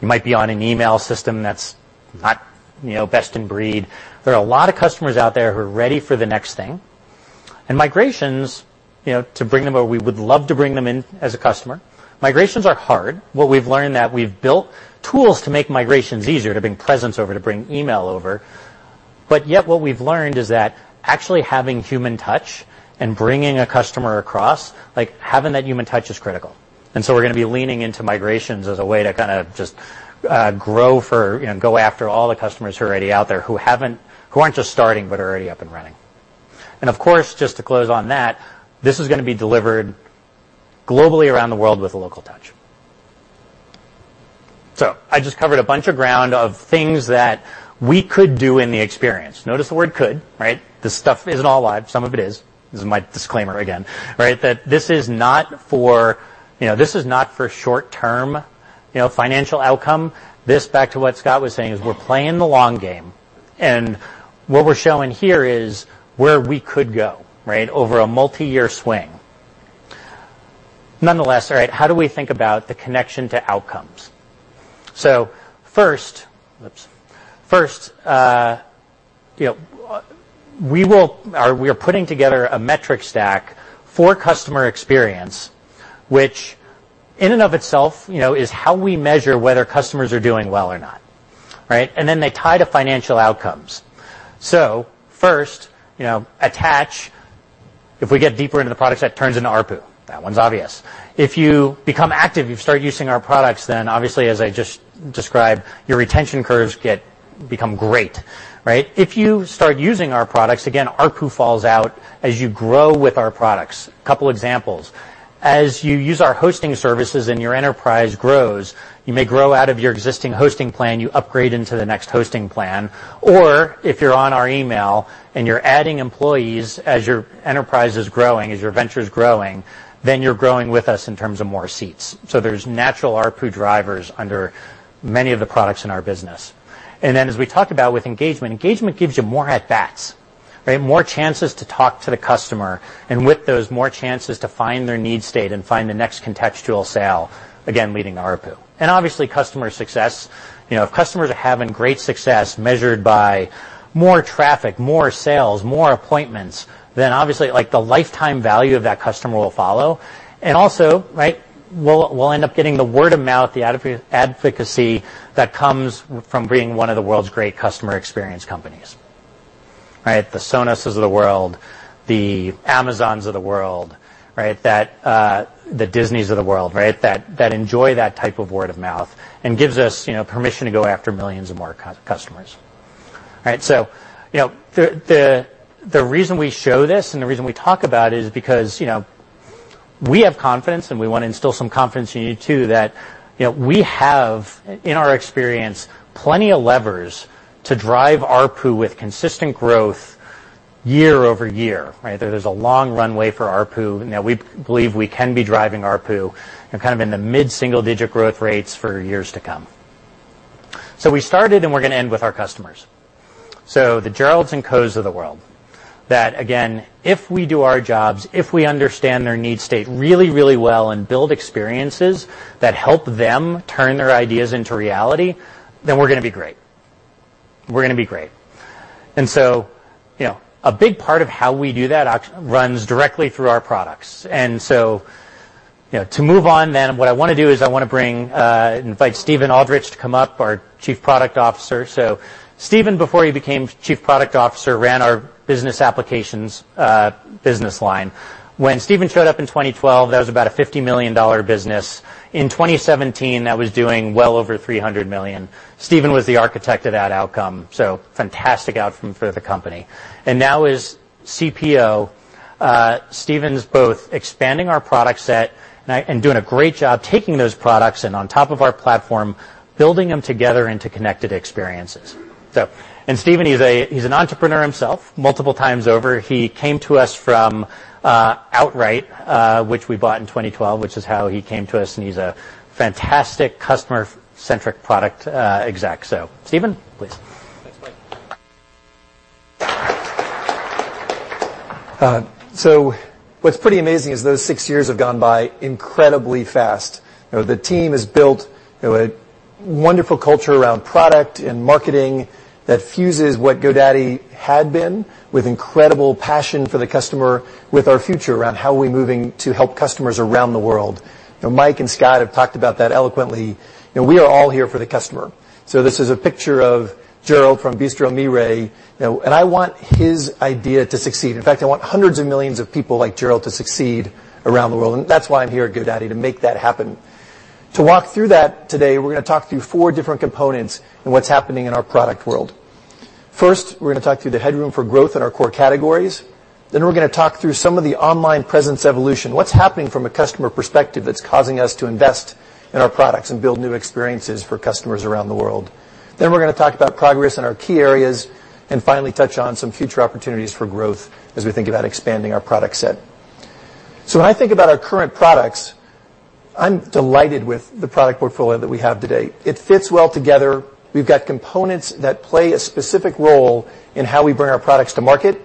You might be on an email system that's not best in breed. There are a lot of customers out there who are ready for the next thing, and migrations to bring them over, we would love to bring them in as a customer. Migrations are hard. What we've learned that we've built tools to make migrations easier, to bring presence over, to bring email over. Yet what we've learned is that actually having human touch and bringing a customer across, like having that human touch is critical. We're going to be leaning into migrations as a way to kind of just grow for, go after all the customers who are already out there who aren't just starting, but are already up and running. Of course, just to close on that, this is going to be delivered globally around the world with a local touch. I just covered a bunch of ground of things that we could do in the experience. Notice the word could. This stuff isn't all live. Some of it is. This is my disclaimer again. That this is not for short-term financial outcome. This, back to what Scott was saying, is we're playing the long game, and what we're showing here is where we could go over a multi-year swing. Nonetheless, how do we think about the connection to outcomes? First. First, we are putting together a metric stack for customer experience, which in and of itself is how we measure whether customers are doing well or not. Then they tie to financial outcomes. First, attach. If we get deeper into the products, that turns into ARPU. That one's obvious. If you become active, you start using our products, obviously, as I just described, your retention curves become great, right? If you start using our products, again, ARPU falls out as you grow with our products. Couple examples. As you use our hosting services and your enterprise grows, you may grow out of your existing hosting plan, you upgrade into the next hosting plan. If you're on our email and you're adding employees as your enterprise is growing, as your venture is growing, then you're growing with us in terms of more seats. There's natural ARPU drivers under many of the products in our business. Then as we talked about with engagement gives you more at-bats, right? More chances to talk to the customer, and with those, more chances to find their need state and find the next contextual sale, again, leading to ARPU. Obviously, customer success. If customers are having great success measured by more traffic, more sales, more appointments, then obviously, the lifetime value of that customer will follow. Also, we'll end up getting the word of mouth, the advocacy that comes from being one of the world's great customer experience companies. Right? The Sonoses of the world, the Amazons of the world. The Disneys of the world that enjoy that type of word of mouth and gives us permission to go after millions of more customers. All right. The reason we show this and the reason we talk about it is because we have confidence, and we want to instill some confidence in you, too, that we have, in our experience, plenty of levers to drive ARPU with consistent growth year-over-year. There's a long runway for ARPU. We believe we can be driving ARPU kind of in the mid-single-digit growth rates for years to come. We started and we're going to end with our customers. The Geralds and Kos of the world. That, again, if we do our jobs, if we understand their need state really, really well and build experiences that help them turn their ideas into reality, then we're going to be great. We're going to be great. A big part of how we do that runs directly through our products. To move on then, what I want to do is I want to invite Steven Aldrich to come up, our Chief Product Officer. Steven, before he became Chief Product Officer, ran our business applications business line. When Steven showed up in 2012, that was about a $50 million business. In 2017, that was doing well over $300 million. Steven was the architect of that outcome, so fantastic outcome for the company. Now as CPO, Steven's both expanding our product set and doing a great job taking those products and on top of our platform, building them together into connected experiences. Steven, he's an entrepreneur himself, multiple times over. He came to us from Outright, which we bought in 2012, which is how he came to us, and he's a fantastic customer-centric product exec. Steven, please. Thanks, Mike. What's pretty amazing is those six years have gone by incredibly fast. The team has built a wonderful culture around product and marketing that fuses what GoDaddy had been with incredible passion for the customer with our future around how we're moving to help customers around the world. Mike and Scott have talked about that eloquently. We are all here for the customer. This is a picture of Gerald from Bistro Mirey, and I want his idea to succeed. In fact, I want hundreds of millions of people like Gerald to succeed around the world, and that's why I'm here at GoDaddy to make that happen. To walk through that today, we're going to talk through four different components in what's happening in our product world. First, we're going to talk through the headroom for growth in our core categories. We're going to talk through some of the online presence evolution. What's happening from a customer perspective that's causing us to invest in our products and build new experiences for customers around the world. We're going to talk about progress in our key areas, and finally touch on some future opportunities for growth as we think about expanding our product set. When I think about our current products, I'm delighted with the product portfolio that we have today. It fits well together. We've got components that play a specific role in how we bring our products to market,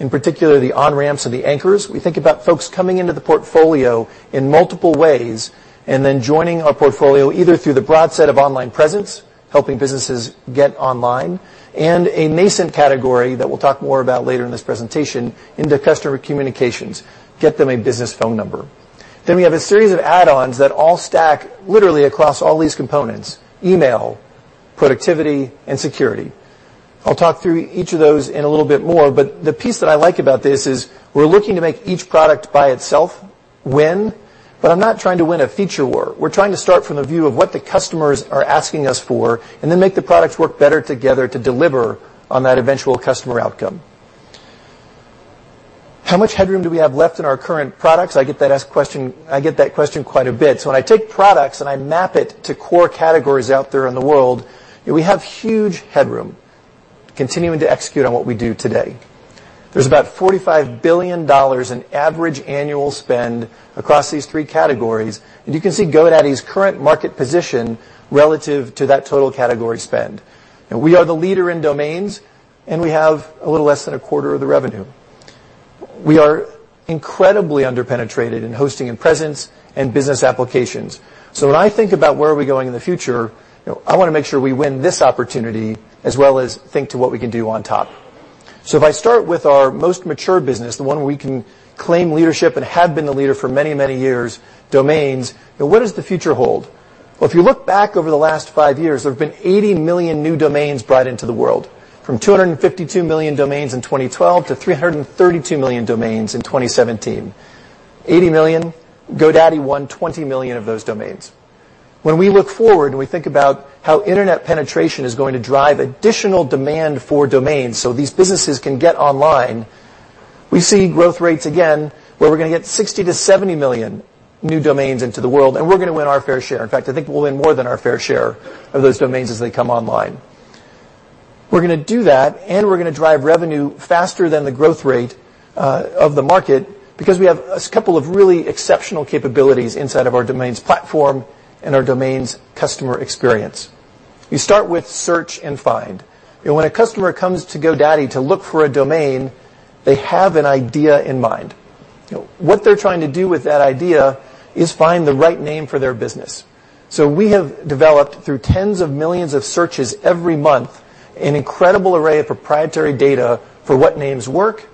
in particular, the on-ramps and the anchors. We think about folks coming into the portfolio in multiple ways and joining our portfolio either through the broad set of online presence, helping businesses get online, and a nascent category that we'll talk more about later in this presentation into customer communications, get them a business phone number. We have a series of add-ons that all stack literally across all these components, email, productivity, and security. I'll talk through each of those in a little bit more, but the piece that I like about this is we're looking to make each product by itself win, but I'm not trying to win a feature war. We're trying to start from the view of what the customers are asking us for and then make the products work better together to deliver on that eventual customer outcome. How much headroom do we have left in our current products? I get that question quite a bit. When I take products and I map it to core categories out there in the world, we have huge headroom continuing to execute on what we do today. There's about $45 billion in average annual spend across these three categories, and you can see GoDaddy's current market position relative to that total category spend. We are the leader in domains, and we have a little less than a quarter of the revenue. We are incredibly under-penetrated in hosting and presence and business applications. When I think about where are we going in the future, I want to make sure we win this opportunity as well as think to what we can do on top. If I start with our most mature business, the one we can claim leadership and have been the leader for many, many years, domains, what does the future hold? Well, if you look back over the last five years, there have been 80 million new domains brought into the world, from 252 million domains in 2012 to 332 million domains in 2017. 80 million. GoDaddy won 20 million of those domains. When we look forward and we think about how internet penetration is going to drive additional demand for domains so these businesses can get online, we see growth rates again, where we're going to get 60 million-70 million new domains into the world, and we're going to win our fair share. In fact, I think we'll win more than our fair share of those domains as they come online. We're going to do that, and we're going to drive revenue faster than the growth rate of the market because we have a couple of really exceptional capabilities inside of our domains platform and our domains customer experience. You start with search and find. When a customer comes to GoDaddy to look for a domain, they have an idea in mind. What they're trying to do with that idea is find the right name for their business. We have developed, through tens of millions of searches every month, an incredible array of proprietary data for what names work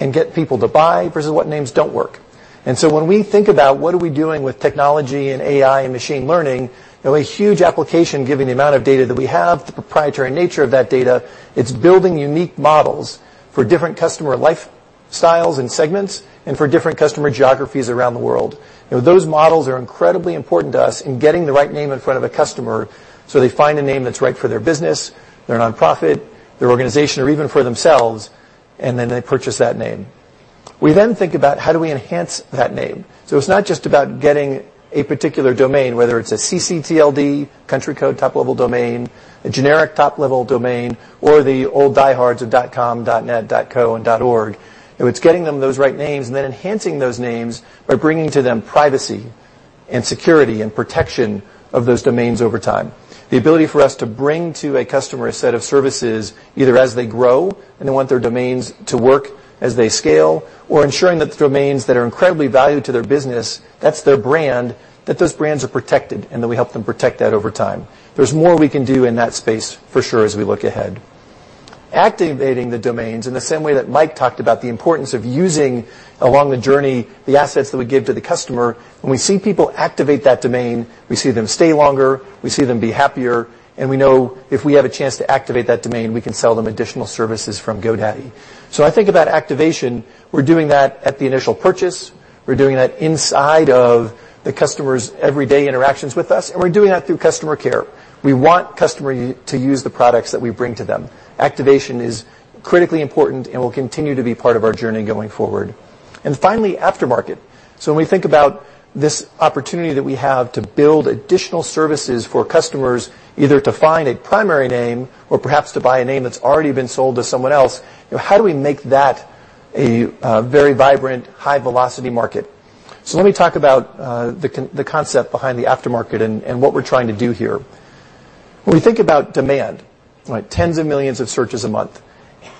and get people to buy versus what names don't work. When we think about what are we doing with technology and AI and machine learning, a huge application, given the amount of data that we have, the proprietary nature of that data, it's building unique models for different customer lifestyles and segments and for different customer geographies around the world. Those models are incredibly important to us in getting the right name in front of a customer so they find a name that's right for their business, their nonprofit, their organization, or even for themselves, and then they purchase that name. We then think about how do we enhance that name. It's not just about getting a particular domain, whether it's a ccTLD, country code top-level domain, a generic top-level domain, or the old diehards of .com, .net, .co, and .org. It's getting them those right names and then enhancing those names by bringing to them privacy and security and protection of those domains over time. The ability for us to bring to a customer a set of services, either as they grow and they want their domains to work as they scale, or ensuring that the domains that are incredibly valued to their business, that's their brand, that those brands are protected and that we help them protect that over time. There's more we can do in that space for sure as we look ahead. Activating the domains in the same way that Mike talked about the importance of using along the journey the assets that we give to the customer. When we see people activate that domain, we see them stay longer, we see them be happier, and we know if we have a chance to activate that domain, we can sell them additional services from GoDaddy. I think about activation. We're doing that at the initial purchase. We're doing that inside of the customer's everyday interactions with us, and we're doing that through customer care. We want customers to use the products that we bring to them. Activation is critically important and will continue to be part of our journey going forward. Finally, aftermarket. When we think about this opportunity that we have to build additional services for customers, either to find a primary name or perhaps to buy a name that's already been sold to someone else, how do we make that a very vibrant, high-velocity market? Let me talk about the concept behind the aftermarket and what we're trying to do here. When we think about demand, tens of millions of searches a month,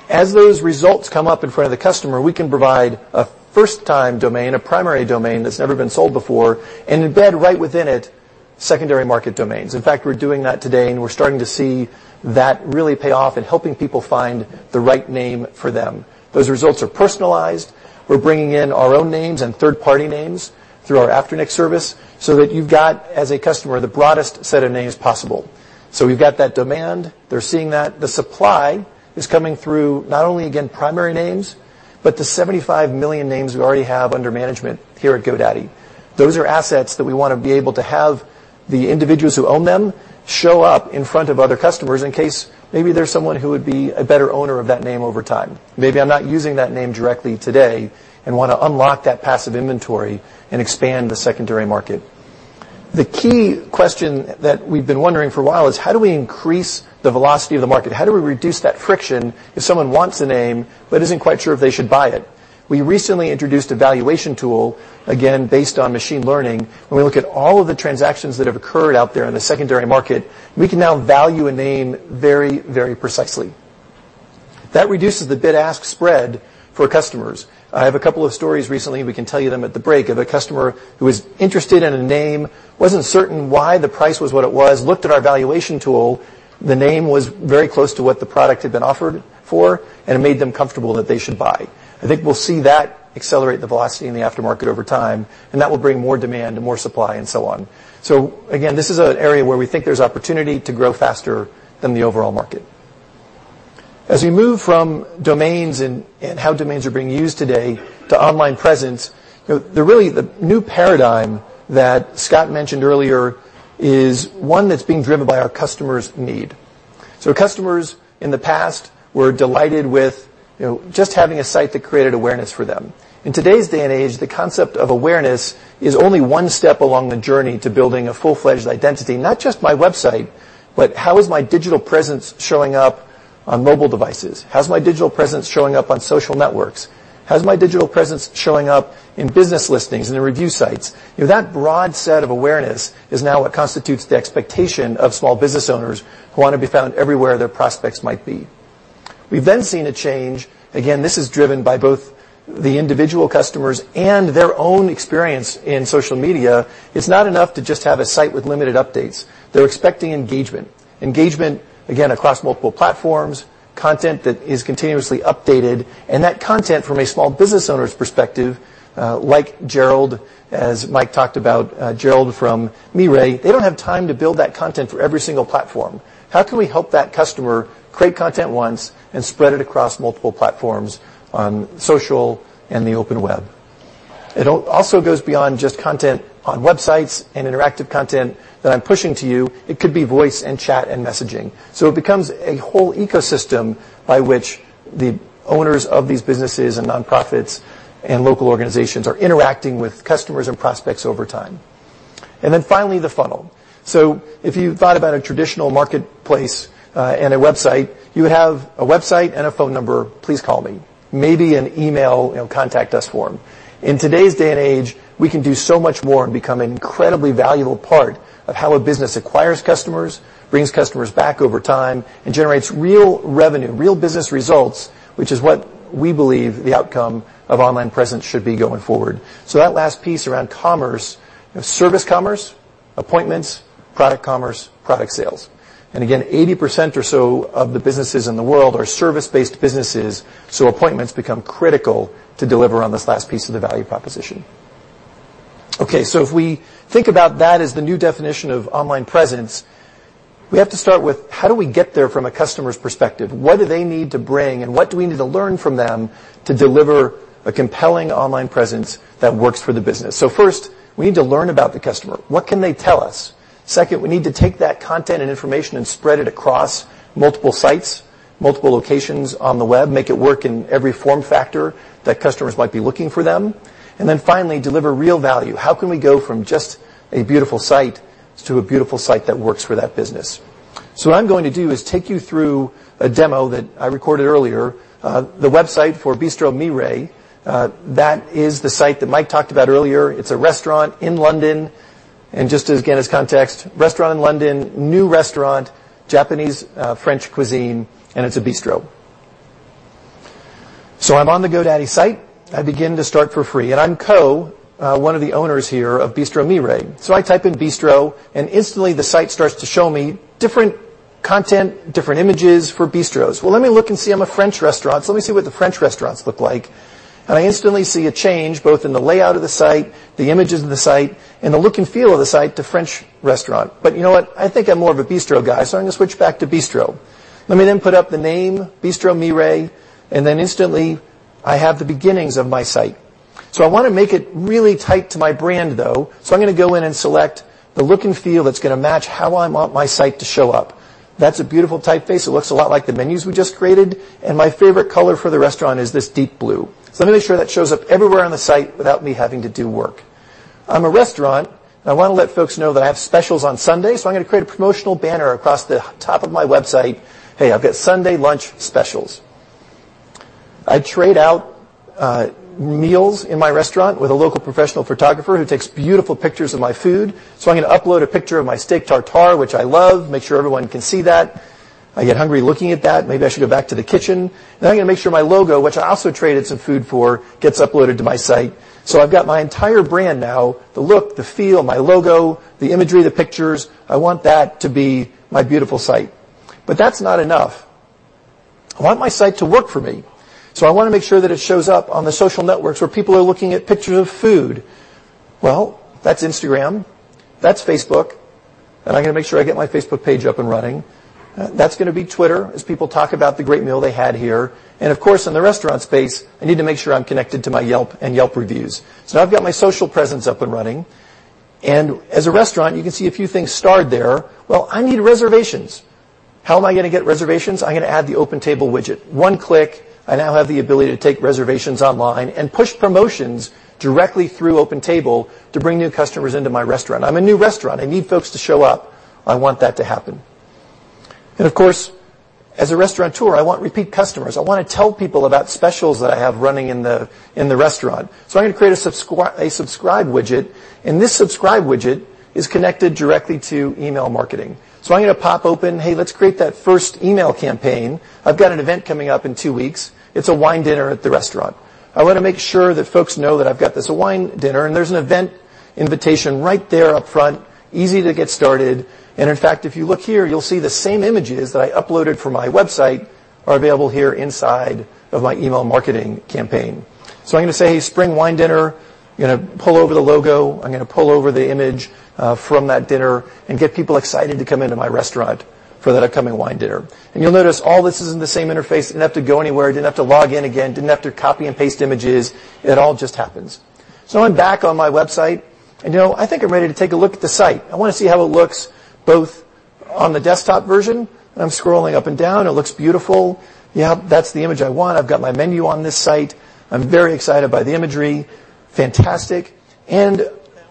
as those results come up in front of the customer, we can provide a first-time domain, a primary domain that's never been sold before, and embed right within it secondary market domains. In fact, we're doing that today, and we're starting to see that really pay off in helping people find the right name for them. Those results are personalized. We're bringing in our own names and third-party names through our Afternic service so that you've got, as a customer, the broadest set of names possible. We've got that demand. They're seeing that. The supply is coming through not only, again, primary names, but the 75 million names we already have under management here at GoDaddy. Those are assets that we want to be able to have the individuals who own them show up in front of other customers in case maybe there's someone who would be a better owner of that name over time. Maybe I'm not using that name directly today and want to unlock that passive inventory and expand the secondary market. The key question that we've been wondering for a while is, how do we increase the velocity of the market? How do we reduce that friction if someone wants a name but isn't quite sure if they should buy it? We recently introduced a valuation tool, again, based on machine learning. When we look at all of the transactions that have occurred out there in the secondary market, we can now value a name very precisely. That reduces the bid-ask spread for customers. I have a couple of stories recently, we can tell you them at the break, of a customer who was interested in a name, wasn't certain why the price was what it was, looked at our valuation tool. The name was very close to what the product had been offered for, and it made them comfortable that they should buy. I think we'll see that accelerate the velocity in the aftermarket over time, and that will bring more demand and more supply and so on. Again, this is an area where we think there's opportunity to grow faster than the overall market. As we move from domains and how domains are being used today to online presence, really the new paradigm that Scott mentioned earlier is one that's being driven by our customers' need. Customers in the past were delighted with just having a site that created awareness for them. In today's day and age, the concept of awareness is only one step along the journey to building a full-fledged identity, not just my website, but how is my digital presence showing up on mobile devices? How's my digital presence showing up on social networks? How's my digital presence showing up in business listings and in review sites? That broad set of awareness is now what constitutes the expectation of small business owners who want to be found everywhere their prospects might be. We've seen a change. Again, this is driven by both the individual customers and their own experience in social media. It's not enough to just have a site with limited updates. They're expecting engagement. Engagement, again, across multiple platforms, content that is continuously updated, and that content from a small business owner's perspective, like Gerald, as Mike talked about, Gerald from Mirey, they don't have time to build that content for every single platform. How can we help that customer create content once and spread it across multiple platforms on social and the open web? It also goes beyond just content on websites and interactive content that I'm pushing to you. It could be voice and chat and messaging. It becomes a whole ecosystem by which the owners of these businesses and nonprofits and local organizations are interacting with customers and prospects over time. Finally, the funnel. If you thought about a traditional marketplace, and a website, you would have a website and a phone number, please call me. Maybe an email and a contact us form. In today's day and age, we can do so much more and become an incredibly valuable part of how a business acquires customers, brings customers back over time, and generates real revenue, real business results, which is what we believe the outcome of online presence should be going forward. That last piece around commerce, service commerce, appointments, product commerce, product sales. Again, 80% or so of the businesses in the world are service-based businesses, so appointments become critical to deliver on this last piece of the value proposition. If we think about that as the new definition of online presence, we have to start with how do we get there from a customer's perspective? What do they need to bring, and what do we need to learn from them to deliver a compelling online presence that works for the business? First, we need to learn about the customer. What can they tell us? Second, we need to take that content and information and spread it across multiple sites, multiple locations on the web, make it work in every form factor that customers might be looking for them. Finally, deliver real value. How can we go from just a beautiful site to a beautiful site that works for that business? What I'm going to do is take you through a demo that I recorded earlier, the website for Bistro Mirey. That is the site that Mike talked about earlier. It's a restaurant in London. Just, again, as context, restaurant in London, new restaurant, Japanese-French cuisine, and it's a bistro. I'm on the GoDaddy site. I begin to start for free. I'm Ko, one of the owners here of Bistro Mirey. I type in bistro, and instantly the site starts to show me different content, different images for bistros. Well, let me look and see. I'm a French restaurant, so let me see what the French restaurants look like. I instantly see a change, both in the layout of the site, the images of the site, and the look and feel of the site to French restaurant. You know what? I think I'm more of a bistro guy, so I'm going to switch back to bistro. I then put up the name, Bistro Mirey, and then instantly I have the beginnings of my site. I want to make it really tight to my brand, though. I'm going to go in and select the look and feel that's going to match how I want my site to show up. That's a beautiful typeface. It looks a lot like the menus we just created. My favorite color for the restaurant is this deep blue. Let me make sure that shows up everywhere on the site without me having to do work. I'm a restaurant, and I want to let folks know that I have specials on Sunday, so I'm going to create a promotional banner across the top of my website. Hey, I've got Sunday lunch specials. I trade out meals in my restaurant with a local professional photographer who takes beautiful pictures of my food. I'm going to upload a picture of my steak tartare, which I love, make sure everyone can see that. I get hungry looking at that. Maybe I should go back to the kitchen. Now I'm going to make sure my logo, which I also traded some food for, gets uploaded to my site. I've got my entire brand now, the look, the feel, my logo, the imagery, the pictures. I want that to be my beautiful site. That's not enough. I want my site to work for me. I want to make sure that it shows up on the social networks where people are looking at pictures of food. Well, that's Instagram. That's Facebook. I got to make sure I get my Facebook page up and running. That's going to be Twitter, as people talk about the great meal they had here. Of course, in the restaurant space, I need to make sure I'm connected to my Yelp and Yelp reviews. Now I've got my social presence up and running. As a restaurant, you can see a few things starred there. Well, I need reservations. How am I going to get reservations? I'm going to add the OpenTable widget. One click, I now have the ability to take reservations online and push promotions directly through OpenTable to bring new customers into my restaurant. I'm a new restaurant. I need folks to show up. I want that to happen. Of course, as a restaurateur, I want repeat customers. I want to tell people about specials that I have running in the restaurant. I'm going to create a subscribe widget, and this subscribe widget is connected directly to email marketing. I'm going to pop open, hey, let's create that first email campaign. I've got an event coming up in two weeks. It's a wine dinner at the restaurant. I want to make sure that folks know that I've got this wine dinner. There's an event invitation right there up front, easy to get started. In fact, if you look here, you'll see the same images that I uploaded for my website are available here inside of my email marketing campaign. I'm going to say, "Hey, spring wine dinner." I'm going to pull over the logo. I'm going to pull over the image from that dinner and get people excited to come into my restaurant for that upcoming wine dinner. You'll notice all this is in the same interface. Didn't have to go anywhere, didn't have to log in again, didn't have to copy and paste images. It all just happens. I'm back on my website, and I think I'm ready to take a look at the site. I want to see how it looks both on the desktop version, and I'm scrolling up and down. It looks beautiful. Yep, that's the image I want. I've got my menu on this site. I'm very excited by the imagery. Fantastic.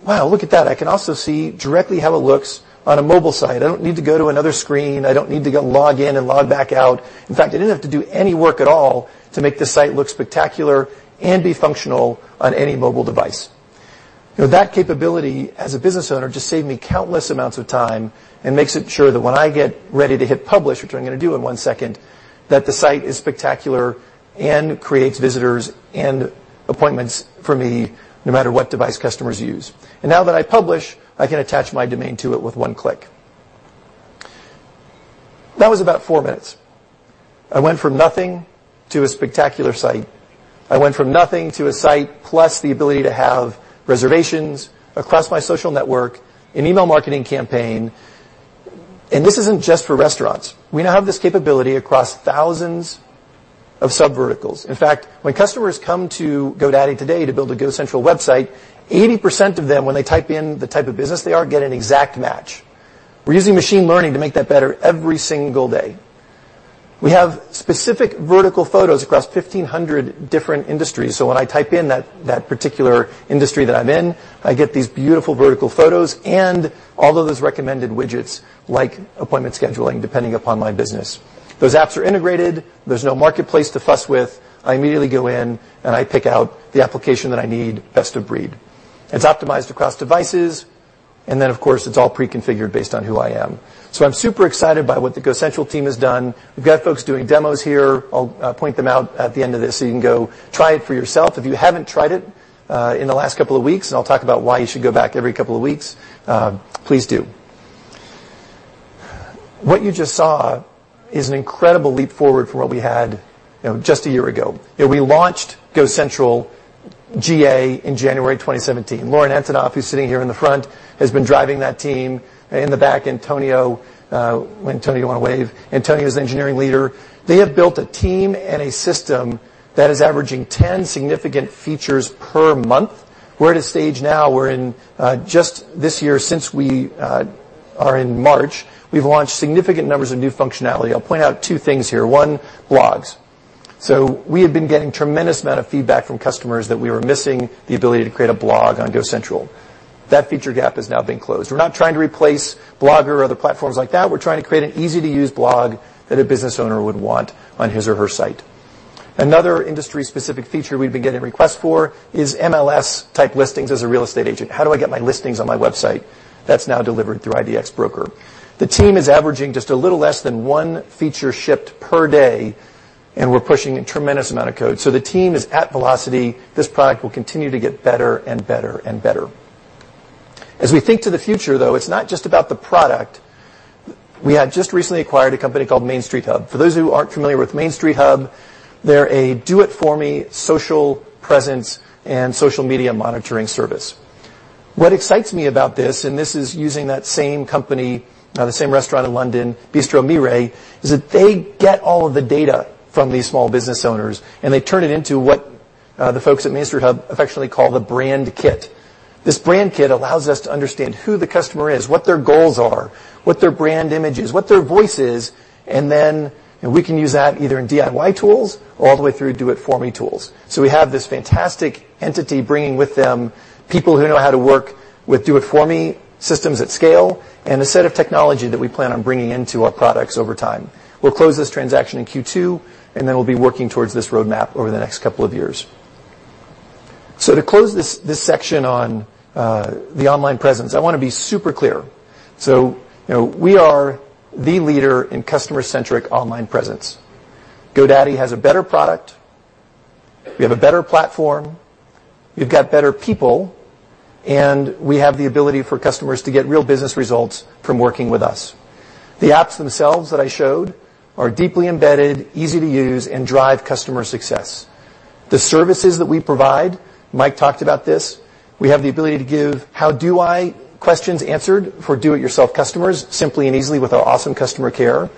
Wow, look at that. I can also see directly how it looks on a mobile site. I don't need to go to another screen. I don't need to go log in and log back out. In fact, I didn't have to do any work at all to make this site look spectacular and be functional on any mobile device. That capability, as a business owner, just saved me countless amounts of time and makes it sure that when I get ready to hit publish, which I'm going to do in one second, that the site is spectacular and creates visitors and appointments for me no matter what device customers use. Now that I publish, I can attach my domain to it with one click. That was about four minutes. I went from nothing to a spectacular site. I went from nothing to a site, plus the ability to have reservations across my social network, an email marketing campaign. This isn't just for restaurants. We now have this capability across thousands of sub-verticals. In fact, when customers come to GoDaddy today to build a GoCentral website, 80% of them, when they type in the type of business they are, get an exact match. We're using machine learning to make that better every single day. We have specific vertical photos across 1,500 different industries. When I type in that particular industry that I'm in, I get these beautiful vertical photos and all of those recommended widgets, like appointment scheduling, depending upon my business. Those apps are integrated. There's no marketplace to fuss with. I immediately go in, and I pick out the application that I need, best-of-breed. It's optimized across devices. Then, of course, it's all pre-configured based on who I am. I'm super excited by what the GoCentral team has done. We've got folks doing demos here. I'll point them out at the end of this so you can go try it for yourself. If you haven't tried it in the last couple of weeks, and I'll talk about why you should go back every couple of weeks, please do. What you just saw is an incredible leap forward from what we had just a year ago. We launched GoCentral GA in January 2017. Lauren Antonoff, who's sitting here in the front, has been driving that team. In the back, Antonio. Antonio, you want to wave? Antonio is the engineering leader. They have built a team and a system that is averaging 10 significant features per month. We're at a stage now, we're in just this year, since we are in March, we've launched significant numbers of new functionality. I'll point out two things here. One, blogs. We have been getting tremendous amount of feedback from customers that we were missing the ability to create a blog on GoCentral. That feature gap has now been closed. We're not trying to replace Blogger or other platforms like that. We're trying to create an easy-to-use blog that a business owner would want on his or her site. Another industry-specific feature we've been getting requests for is MLS-type listings as a real estate agent. How do I get my listings on my website? That's now delivered through IDX Broker. The team is averaging just a little less than one feature shipped per day, and we're pushing a tremendous amount of code. The team is at velocity. This product will continue to get better and better and better. As we think to the future, though, it's not just about the product. We had just recently acquired a company called Main Street Hub. For those who aren't familiar with Main Street Hub, they're a do-it-for-me social presence and social media monitoring service. What excites me about this, and this is using that same company, the same restaurant in London, Bistro Mirey, is that they get all of the data from these small business owners, and they turn it into what the folks at Main Street Hub affectionately call the brand kit. This brand kit allows us to understand who the customer is, what their goals are, what their brand image is, what their voice is, and then we can use that either in DIY tools all the way through do-it-for-me tools. We have this fantastic entity bringing with them people who know how to work with do-it-for-me systems at scale and a set of technology that we plan on bringing into our products over time. We'll close this transaction in Q2, then we'll be working towards this roadmap over the next couple of years. To close this section on the online presence, I want to be super clear. We are the leader in customer-centric online presence. GoDaddy has a better product. We have a better platform. We've got better people, and we have the ability for customers to get real business results from working with us. The apps themselves that I showed are deeply embedded, easy to use, and drive customer success. The services that we provide, Mike talked about this, we have the ability to give how do I questions answered for do-it-yourself customers simply and easily with our awesome customer care.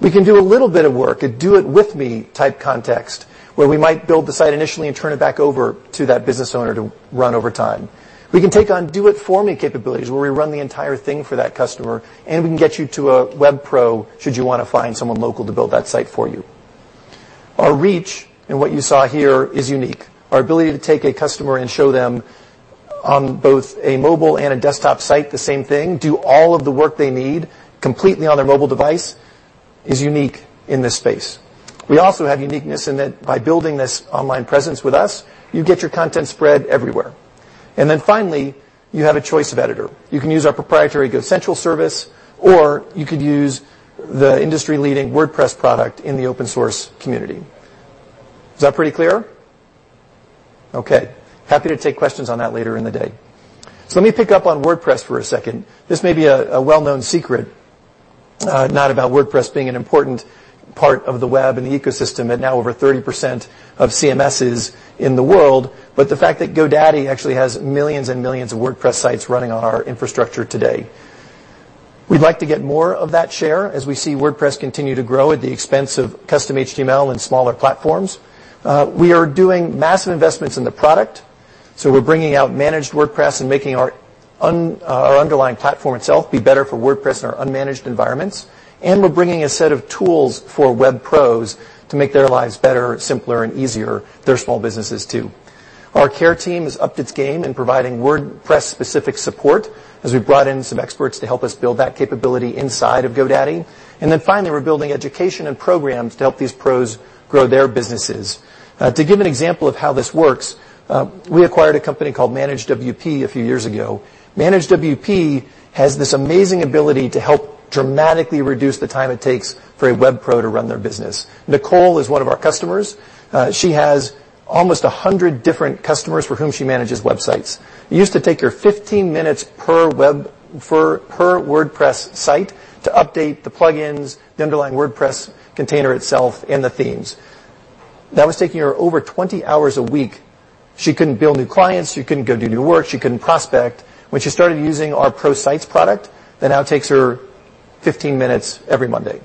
We can do a little bit of work, a do-it-with-me type context, where we might build the site initially and turn it back over to that business owner to run over time. We can take on do-it-for-me capabilities, where we run the entire thing for that customer, and we can get you to a web pro should you want to find someone local to build that site for you. Our reach, and what you saw here, is unique. Our ability to take a customer and show them on both a mobile and a desktop site the same thing, do all of the work they need completely on their mobile device, is unique in this space. We also have uniqueness in that by building this online presence with us, you get your content spread everywhere. Then finally, you have a choice of editor. You can use our proprietary GoCentral service, or you could use the industry-leading WordPress product in the open source community. Is that pretty clear? Okay. Happy to take questions on that later in the day. Let me pick up on WordPress for a second. This may be a well-known secret, not about WordPress being an important part of the web and the ecosystem at now over 30% of CMSs in the world. The fact that GoDaddy actually has millions and millions of WordPress sites running on our infrastructure today. We'd like to get more of that share as we see WordPress continue to grow at the expense of custom HTML and smaller platforms. We are doing massive investments in the product. We're bringing out managed WordPress and making our underlying platform itself be better for WordPress in our unmanaged environments. We're bringing a set of tools for web pros to make their lives better, simpler, and easier, their small businesses too. Our care team has upped its game in providing WordPress-specific support as we brought in some experts to help us build that capability inside of GoDaddy. Then finally, we're building education and programs to help these pros grow their businesses. To give an example of how this works, we acquired a company called ManageWP a few years ago. ManageWP has this amazing ability to help dramatically reduce the time it takes for a web pro to run their business. Nicole is one of our customers. She has almost 100 different customers for whom she manages websites. It used to take her 15 minutes per WordPress site to update the plugins, the underlying WordPress container itself, and the themes. That was taking her over 20 hours a week. She couldn't bill new clients. She couldn't go do new work. She couldn't prospect. When she started using our Pro Sites product, that now takes her 15 minutes every Monday.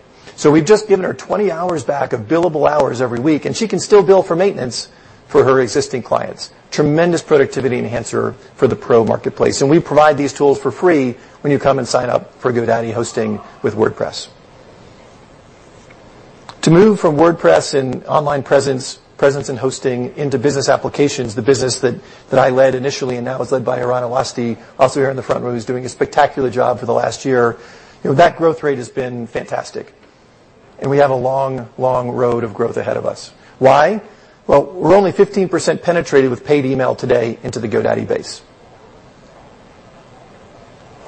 We've just given her 20 hours back of billable hours every week, and she can still bill for maintenance for her existing clients. Tremendous productivity enhancer for the pro marketplace. We provide these tools for free when you come and sign up for GoDaddy hosting with WordPress. To move from WordPress and online presence and hosting into business applications, the business that I led initially and now is led by Iran Alasti, also here in the front row, who's doing a spectacular job for the last year. That growth rate has been fantastic, and we have a long, long road of growth ahead of us. Why? Well, we're only 15% penetrated with paid email today into the GoDaddy base.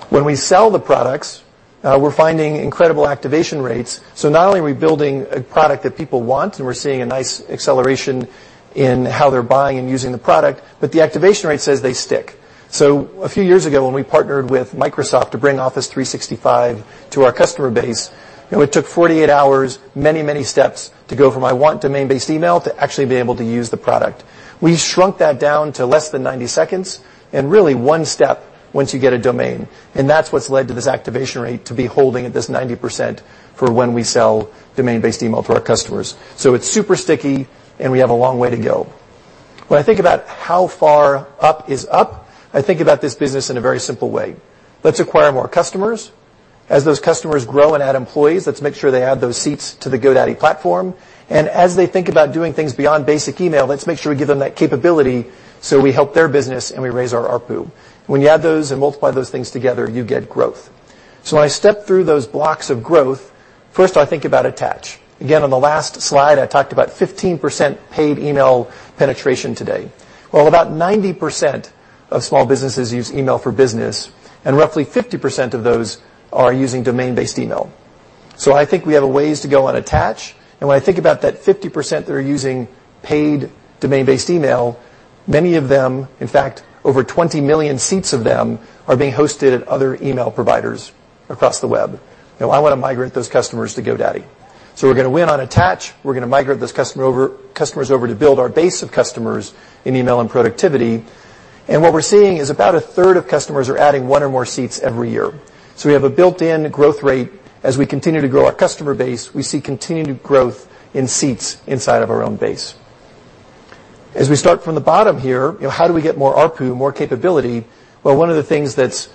When we sell the products, we're finding incredible activation rates. Not only are we building a product that people want, and we're seeing a nice acceleration in how they're buying and using the product, but the activation rate says they stick. A few years ago, when we partnered with Microsoft to bring Office 365 to our customer base, it took 48 hours, many, many steps to go from, I want domain-based email, to actually being able to use the product. We shrunk that down to less than 90 seconds and really one step once you get a domain, and that's what's led to this activation rate to be holding at this 90% for when we sell domain-based email to our customers. It's super sticky, and we have a long way to go. When I think about how far up is up, I think about this business in a very simple way. Let's acquire more customers. As those customers grow and add employees, let's make sure they add those seats to the GoDaddy platform. As they think about doing things beyond basic email, let's make sure we give them that capability, so we help their business, and we raise our ARPU. When you add those and multiply those things together, you get growth. When I step through those blocks of growth, first I think about attach. Again, on the last slide, I talked about 15% paid email penetration today. Well, about 90% of small businesses use email for business, and roughly 50% of those are using domain-based email. I think we have a ways to go on attach, and when I think about that 50% that are using paid domain-based email, many of them, in fact, over 20 million seats of them, are being hosted at other email providers across the web. I want to migrate those customers to GoDaddy. We're going to win on attach. We're going to migrate those customers over to build our base of customers in email and productivity. What we're seeing is about a third of customers are adding one or more seats every year. We have a built-in growth rate. As we continue to grow our customer base, we see continued growth in seats inside of our own base. As we start from the bottom here, how do we get more ARPU, more capability? One of the things that's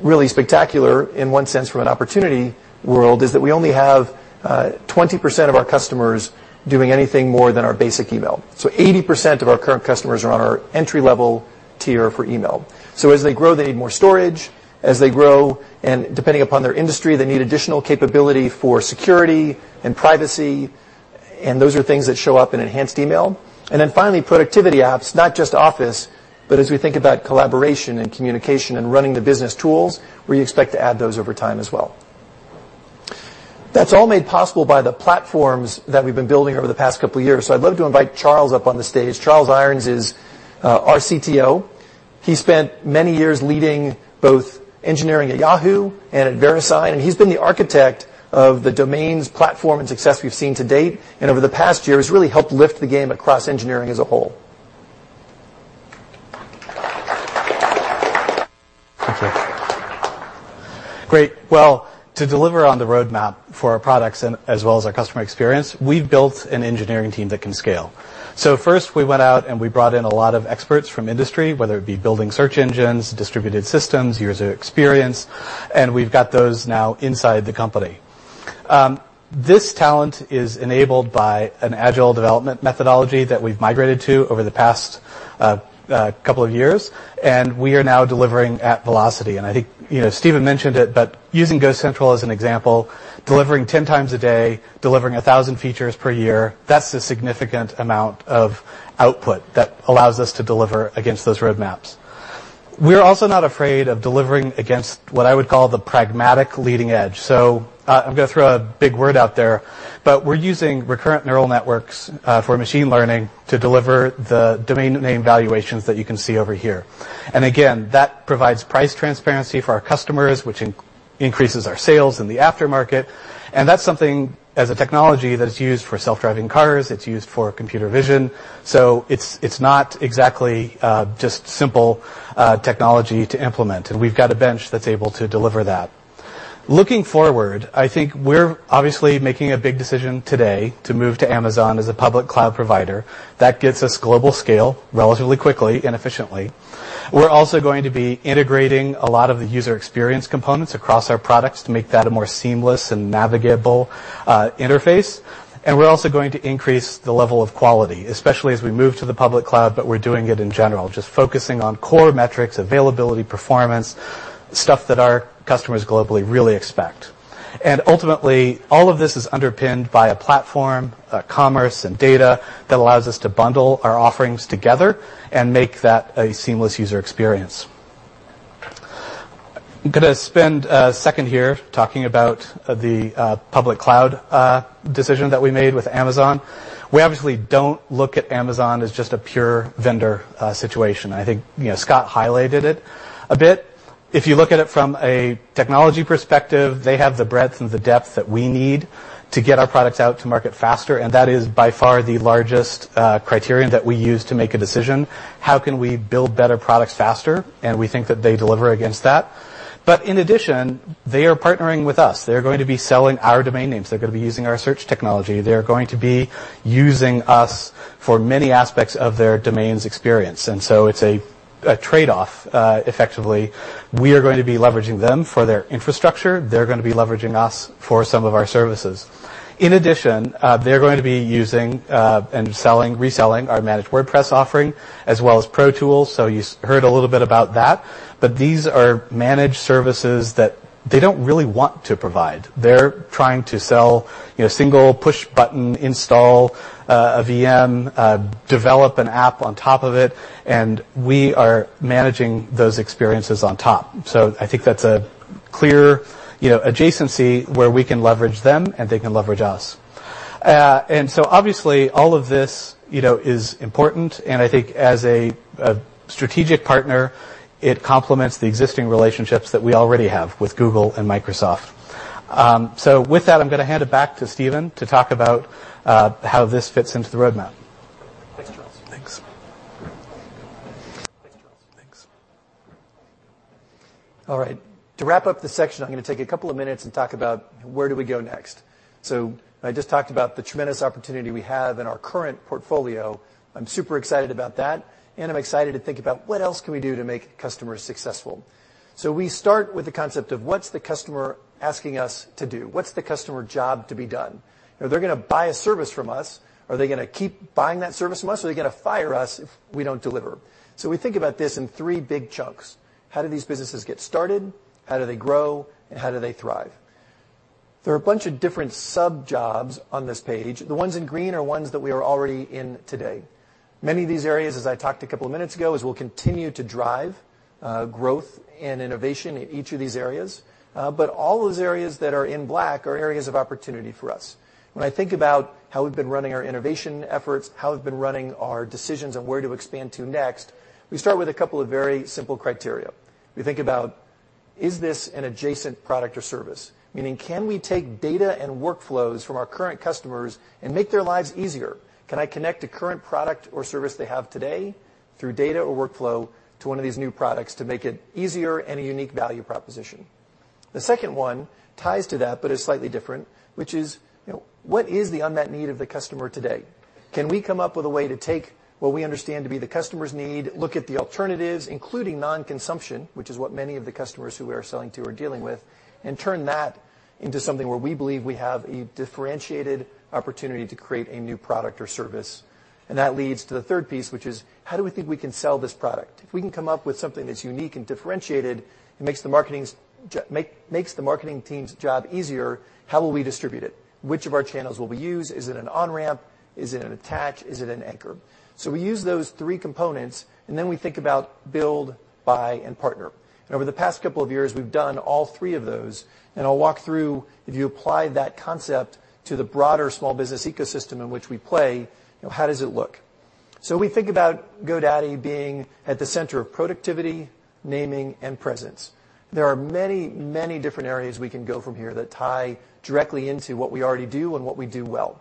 really spectacular in one sense from an opportunity world is that we only have 20% of our customers doing anything more than our basic email. 80% of our current customers are on our entry-level tier for email. As they grow, they need more storage. As they grow, depending upon their industry, they need additional capability for security and privacy, and those are things that show up in enhanced email. Finally, productivity apps, not just Office, but as we think about collaboration and communication and running the business tools, we expect to add those over time as well. That's all made possible by the platforms that we've been building over the past couple of years. I'd love to invite Charles up on the stage. Charles Beadnall is our CTO. He spent many years leading both engineering at Yahoo and at VeriSign, he's been the architect of the domains platform and success we've seen to date, and over the past year has really helped lift the game across engineering as a whole. Thank you. Great. To deliver on the roadmap for our products as well as our customer experience, we've built an engineering team that can scale. First we went out, we brought in a lot of experts from industry, whether it be building search engines, distributed systems, user experience, and we've got those now inside the company. This talent is enabled by an agile development methodology that we've migrated to over the past couple of years, and we are now delivering at velocity. I think Steven mentioned it, but using GoCentral as an example, delivering 10 times a day, delivering 1,000 features per year, that's a significant amount of output that allows us to deliver against those roadmaps. We're also not afraid of delivering against what I would call the pragmatic leading edge. I'm going to throw a big word out there, we're using recurrent neural networks for machine learning to deliver the domain name valuations that you can see over here. Again, that provides price transparency for our customers, which increases our sales in the aftermarket. That's something as a technology that is used for self-driving cars, it's used for computer vision, it's not exactly just simple technology to implement, and we've got a bench that's able to deliver that. Looking forward, I think we're obviously making a big decision today to move to Amazon as a public cloud provider. That gets us global scale relatively quickly and efficiently. We're also going to be integrating a lot of the user experience components across our products to make that a more seamless and navigable interface. We're also going to increase the level of quality, especially as we move to the public cloud, we're doing it in general, just focusing on core metrics, availability, performance, stuff that our customers globally really expect. Ultimately, all of this is underpinned by a platform, commerce, and data that allows us to bundle our offerings together and make that a seamless user experience. I'm going to spend a second here talking about the public cloud decision that we made with Amazon. We obviously don't look at Amazon as just a pure vendor situation. I think Scott highlighted it a bit. If you look at it from a technology perspective, they have the breadth and the depth that we need to get our products out to market faster, that is by far the largest criterion that we use to make a decision. How can we build better products faster? We think that they deliver against that. In addition, they are partnering with us. They're going to be selling our domain names. They're going to be using our search technology. They're going to be using us for many aspects of their domains experience. It's a trade-off, effectively. We are going to be leveraging them for their infrastructure. They're going to be leveraging us for some of our services. In addition, they're going to be using, and reselling our managed WordPress offering, as well as Pro Tools. You heard a little bit about that, but these are managed services that they don't really want to provide. They're trying to sell single push button install a VM, develop an app on top of it, we are managing those experiences on top. I think that's a clear adjacency where we can leverage them and they can leverage us. Obviously, all of this is important, I think as a strategic partner, it complements the existing relationships that we already have with Google and Microsoft. With that, I'm going to hand it back to Steven to talk about how this fits into the roadmap. Thanks, Charles. Thanks. Thanks, Charles. Thanks. All right. To wrap up the section, I'm going to take a couple of minutes and talk about where do we go next. I just talked about the tremendous opportunity we have in our current portfolio. I'm super excited about that, and I'm excited to think about what else can we do to make customers successful. We start with the concept of what's the customer asking us to do? What's the customer job to be done? They're going to buy a service from us. Are they going to keep buying that service from us, or are they going to fire us if we don't deliver? We think about this in three big chunks. How do these businesses get started? How do they grow, and how do they thrive? There are a bunch of different sub jobs on this page. The ones in green are ones that we are already in today. Many of these areas, as I talked a couple of minutes ago, is we'll continue to drive growth and innovation in each of these areas. All those areas that are in black are areas of opportunity for us. When I think about how we've been running our innovation efforts, how we've been running our decisions on where to expand to next, we start with a couple of very simple criteria. We think about, is this an adjacent product or service? Meaning, can we take data and workflows from our current customers and make their lives easier? Can I connect a current product or service they have today through data or workflow to one of these new products to make it easier and a unique value proposition? The second one ties to that, but is slightly different, which is, what is the unmet need of the customer today? Can we come up with a way to take what we understand to be the customer's need, look at the alternatives, including non-consumption, which is what many of the customers who we are selling to are dealing with, and turn that into something where we believe we have a differentiated opportunity to create a new product or service. That leads to the third piece, which is, how do we think we can sell this product? If we can come up with something that's unique and differentiated, it makes the marketing team's job easier. How will we distribute it? Which of our channels will we use? Is it an on-ramp? Is it an attach? Is it an anchor? We use those three components, then we think about build, buy, and partner. Over the past couple of years, we've done all three of those. I'll walk through, if you apply that concept to the broader small business ecosystem in which we play, how does it look? We think about GoDaddy being at the center of productivity, naming, and presence. There are many, many different areas we can go from here that tie directly into what we already do and what we do well.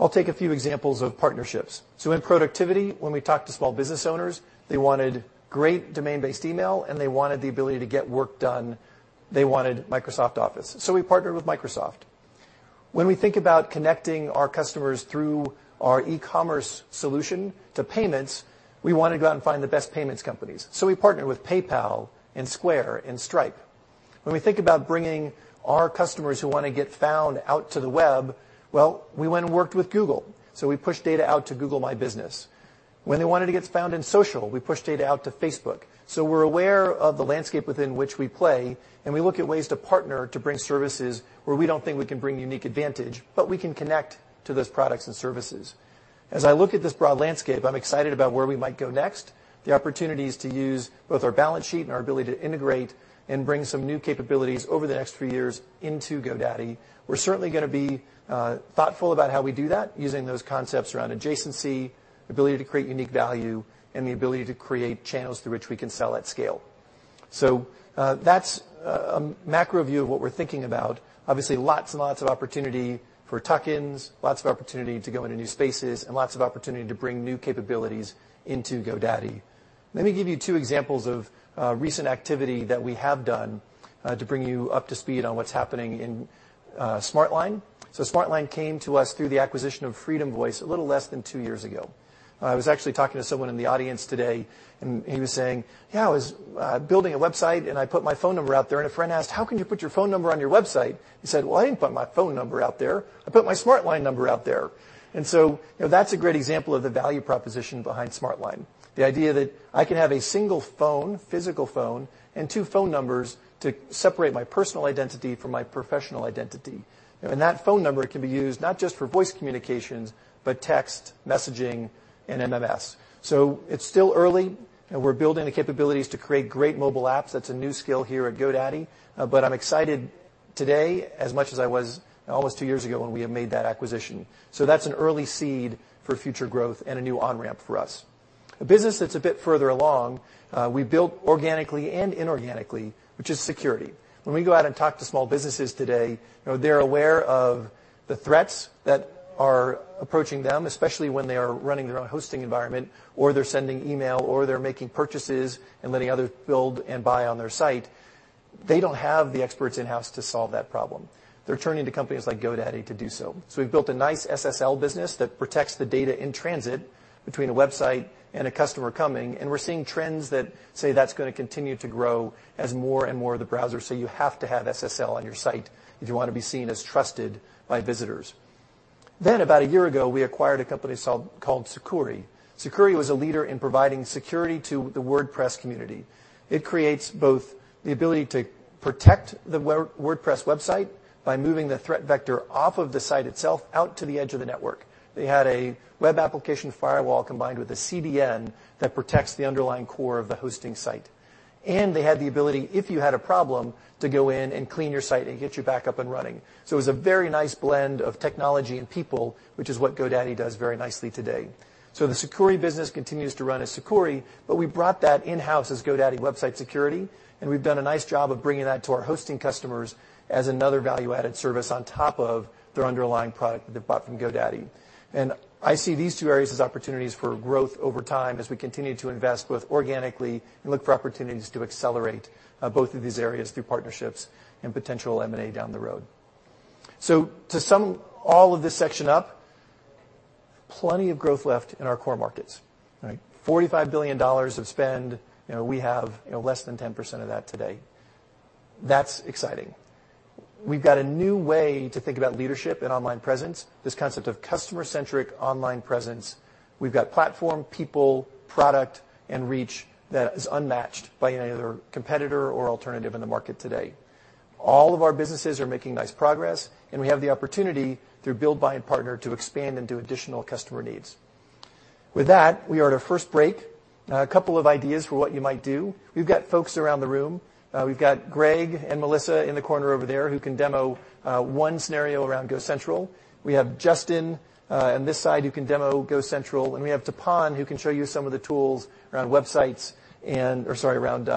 I'll take a few examples of partnerships. In productivity, when we talk to small business owners, they wanted great domain-based email, and they wanted the ability to get work done. They wanted Microsoft Office. We partnered with Microsoft. When we think about connecting our customers through our e-commerce solution to payments, we want to go out and find the best payments companies. We partnered with PayPal and Square and Stripe. When we think about bringing our customers who want to get found out to the web, well, we went and worked with Google. We pushed data out to Google My Business. When they wanted to get found in social, we pushed data out to Facebook. We're aware of the landscape within which we play, and we look at ways to partner to bring services where we don't think we can bring unique advantage, but we can connect to those products and services. As I look at this broad landscape, I'm excited about where we might go next, the opportunities to use both our balance sheet and our ability to integrate and bring some new capabilities over the next few years into GoDaddy. We're certainly going to be thoughtful about how we do that using those concepts around adjacency, ability to create unique value, and the ability to create channels through which we can sell at scale. That's a macro view of what we're thinking about. Obviously, lots and lots of opportunity for tuck-ins, lots of opportunity to go into new spaces, and lots of opportunity to bring new capabilities into GoDaddy. Let me give you two examples of recent activity that we have done to bring you up to speed on what's happening in SmartLine. SmartLine came to us through the acquisition of FreedomVoice a little less than two years ago. I was actually talking to someone in the audience today, and he was saying, "Yeah, I was building a website, and I put my phone number out there, and a friend asked, 'How can you put your phone number on your website?'" He said, "Well, I didn't put my phone number out there. I put my SmartLine number out there." That's a great example of the value proposition behind SmartLine. The idea that I can have a single phone, physical phone, and two phone numbers to separate my personal identity from my professional identity. That phone number can be used not just for voice communications, but text, messaging, and MMS. It's still early. We're building the capabilities to create great mobile apps. That's a new skill here at GoDaddy. I'm excited. Today, as much as I was almost two years ago when we had made that acquisition. That's an early seed for future growth and a new on-ramp for us. A business that's a bit further along, we built organically and inorganically, which is security. When we go out and talk to small businesses today, they're aware of the threats that are approaching them, especially when they are running their own hosting environment, or they're sending email, or they're making purchases and letting others build and buy on their site. They don't have the experts in-house to solve that problem. They're turning to companies like GoDaddy to do so. We've built a nice SSL business that protects the data in transit between a website and a customer coming, and we're seeing trends that say that's going to continue to grow as more and more of the browsers say you have to have SSL on your site if you want to be seen as trusted by visitors. About one year ago, we acquired a company called Sucuri. Sucuri was a leader in providing security to the WordPress community. It creates both the ability to protect the WordPress website by moving the threat vector off of the site itself out to the edge of the network. They had a web application firewall combined with a CDN that protects the underlying core of the hosting site. They had the ability, if you had a problem, to go in and clean your site and get you back up and running. It was a very nice blend of technology and people, which is what GoDaddy does very nicely today. The Sucuri business continues to run as Sucuri, but we brought that in-house as GoDaddy Website Security, and we've done a nice job of bringing that to our hosting customers as another value-added service on top of their underlying product that they've bought from GoDaddy. I see these two areas as opportunities for growth over time as we continue to invest both organically and look for opportunities to accelerate both of these areas through partnerships and potential M&A down the road. To sum all of this section up, plenty of growth left in our core markets. $45 billion of spend, we have less than 10% of that today. That's exciting. We've got a new way to think about leadership and online presence, this concept of customer-centric online presence. We've got platform, people, product, and reach that is unmatched by any other competitor or alternative in the market today. All of our businesses are making nice progress, and we have the opportunity, through build, buy, and partner, to expand into additional customer needs. With that, we are at our first break. A couple of ideas for what you might do. We've got folks around the room. We've got Greg and Melissa in the corner over there who can demo one scenario around GoCentral. We have Justin on this side who can demo GoCentral, and we have Tapan, who can show you some of the tools around websites, or, sorry, around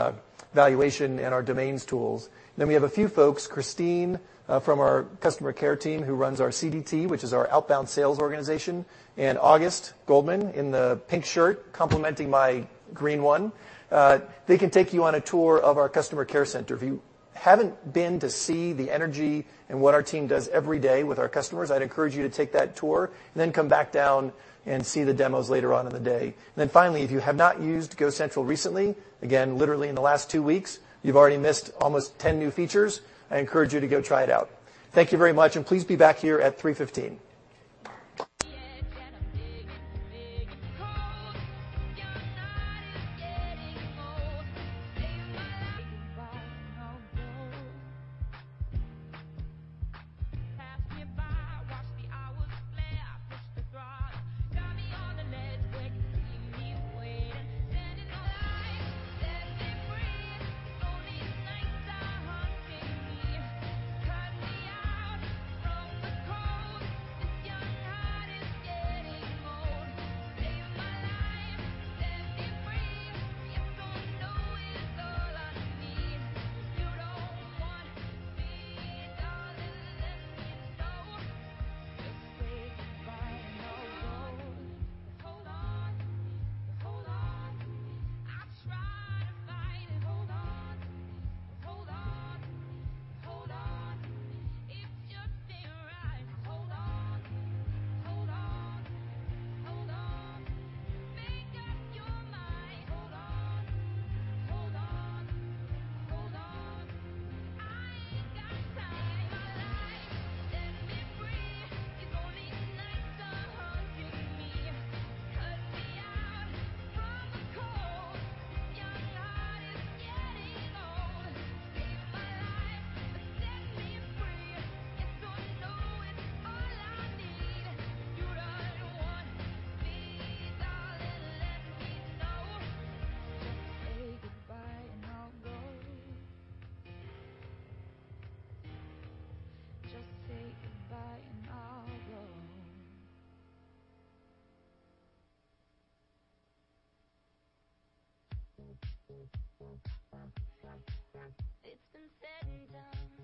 valuation and our domains tools. We have a few folks, Christine from our customer care team, who runs our CDT, which is our outbound sales organization, and Auguste Goldman in the pink shirt, complementing my green one. It's been said and done.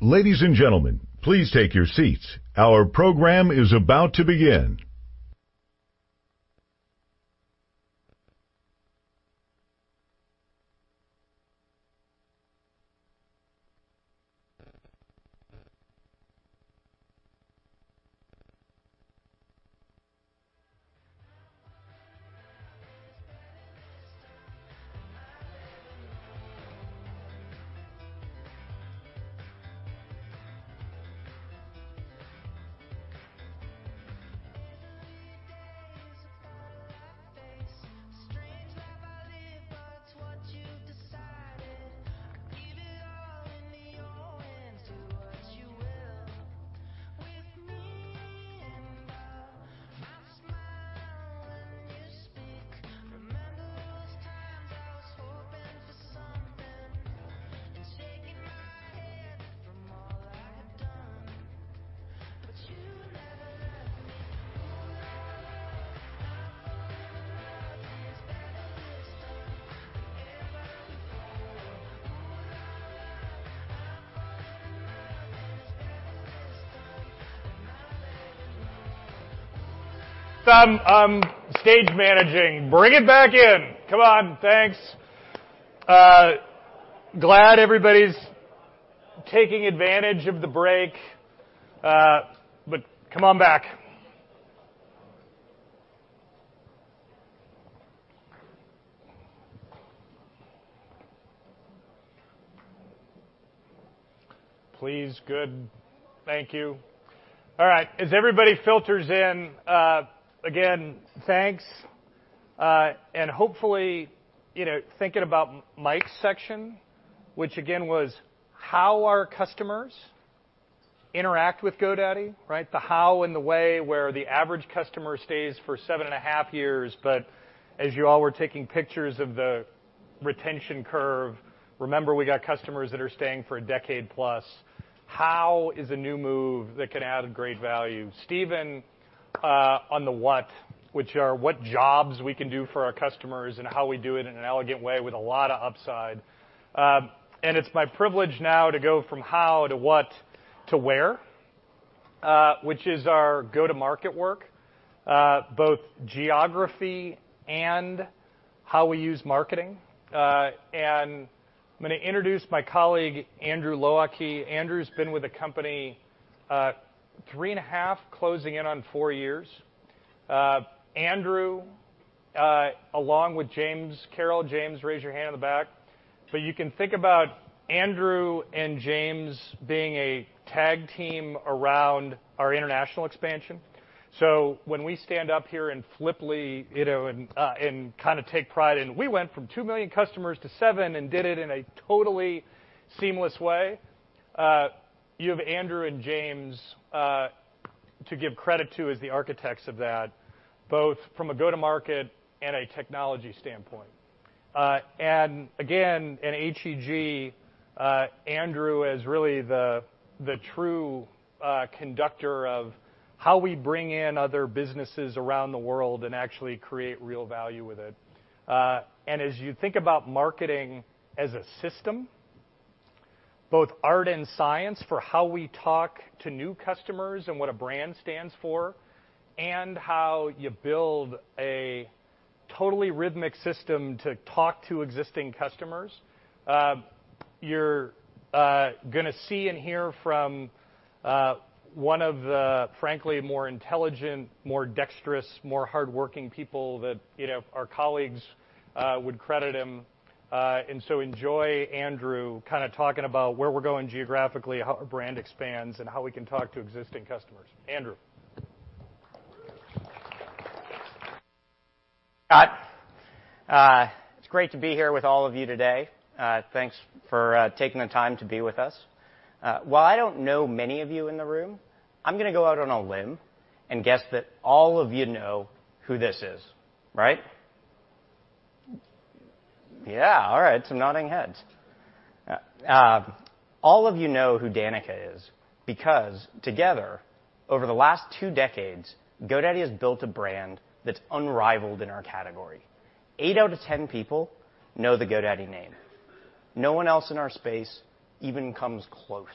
Ladies and gentlemen, please take your seats. Our program is about to begin. Stage managing. Bring it back in. Come on. Thanks. Glad everybody's taking advantage of the break, but come on back. Please. Good. Thank you. All right. As everybody filters in, again, thanks. Hopefully, thinking about Mike's section, which again, was how our customers interact with GoDaddy. The how and the way where the average customer stays for seven and a half years. As you all were taking pictures of the Retention curve. Remember, we got customers that are staying for a decade plus. How is a new move that can add great value? Steven, on the what, which are what jobs we can do for our customers, and how we do it in an elegant way with a lot of upside. It's my privilege now to go from how to what to where, which is our go-to-market work, both geography and how we use marketing. I'm going to introduce my colleague, Andrew Low Ah Kee. Andrew's been with the company three and a half, closing in on four years. Andrew, along with James Carroll. James, raise your hand in the back. You can think about Andrew and James being a tag team around our international expansion. When we stand up here and flippantly take pride in, "We went from two million customers to seven, and did it in a totally seamless way," you have Andrew and James to give credit to as the architects of that, both from a go-to-market and a technology standpoint. Again, in HEG, Andrew is really the true conductor of how we bring in other businesses around the world and actually create real value with it. As you think about marketing as a system, both art and science for how we talk to new customers and what a brand stands for, and how you build a totally rhythmic system to talk to existing customers, you're going to see and hear from one of the, frankly, more intelligent, more dexterous, more hardworking people that our colleagues would credit him. Enjoy Andrew talking about where we're going geographically, how our brand expands, and how we can talk to existing customers. Andrew. Scott. It's great to be here with all of you today. Thanks for taking the time to be with us. While I don't know many of you in the room, I'm going to go out on a limb and guess that all of you know who this is, right? Yeah. All right. Some nodding heads. All of you know who Danica is because together, over the last 2 decades, GoDaddy has built a brand that's unrivaled in our category. 8 out of 10 people know the GoDaddy name. No one else in our space even comes close.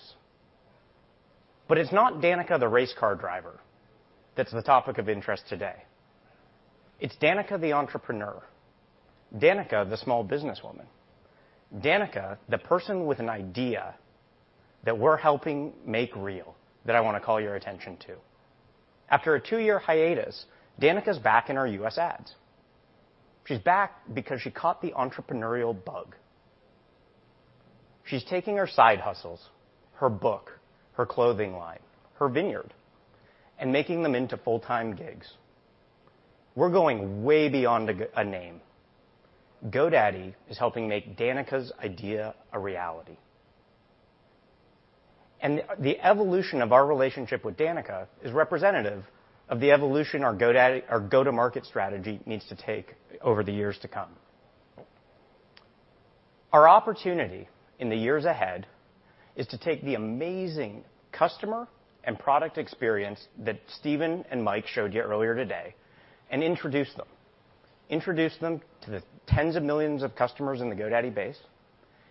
But it's not Danica the race car driver that's the topic of interest today. It's Danica the entrepreneur, Danica the small business woman, Danica the person with an idea that we're helping make real that I want to call your attention to. After a 2-year hiatus, Danica's back in our U.S. ads. She's back because she caught the entrepreneurial bug. She's taking her side hustles, her book, her clothing line, her vineyard, and making them into full-time gigs. We're going way beyond a name. GoDaddy is helping make Danica's idea a reality. The evolution of our relationship with Danica is representative of the evolution our GoDaddy, our go-to-market strategy needs to take over the years to come. Our opportunity in the years ahead is to take the amazing customer and product experience that Steven and Mike showed you earlier today and introduce them. Introduce them to the tens of millions of customers in the GoDaddy base,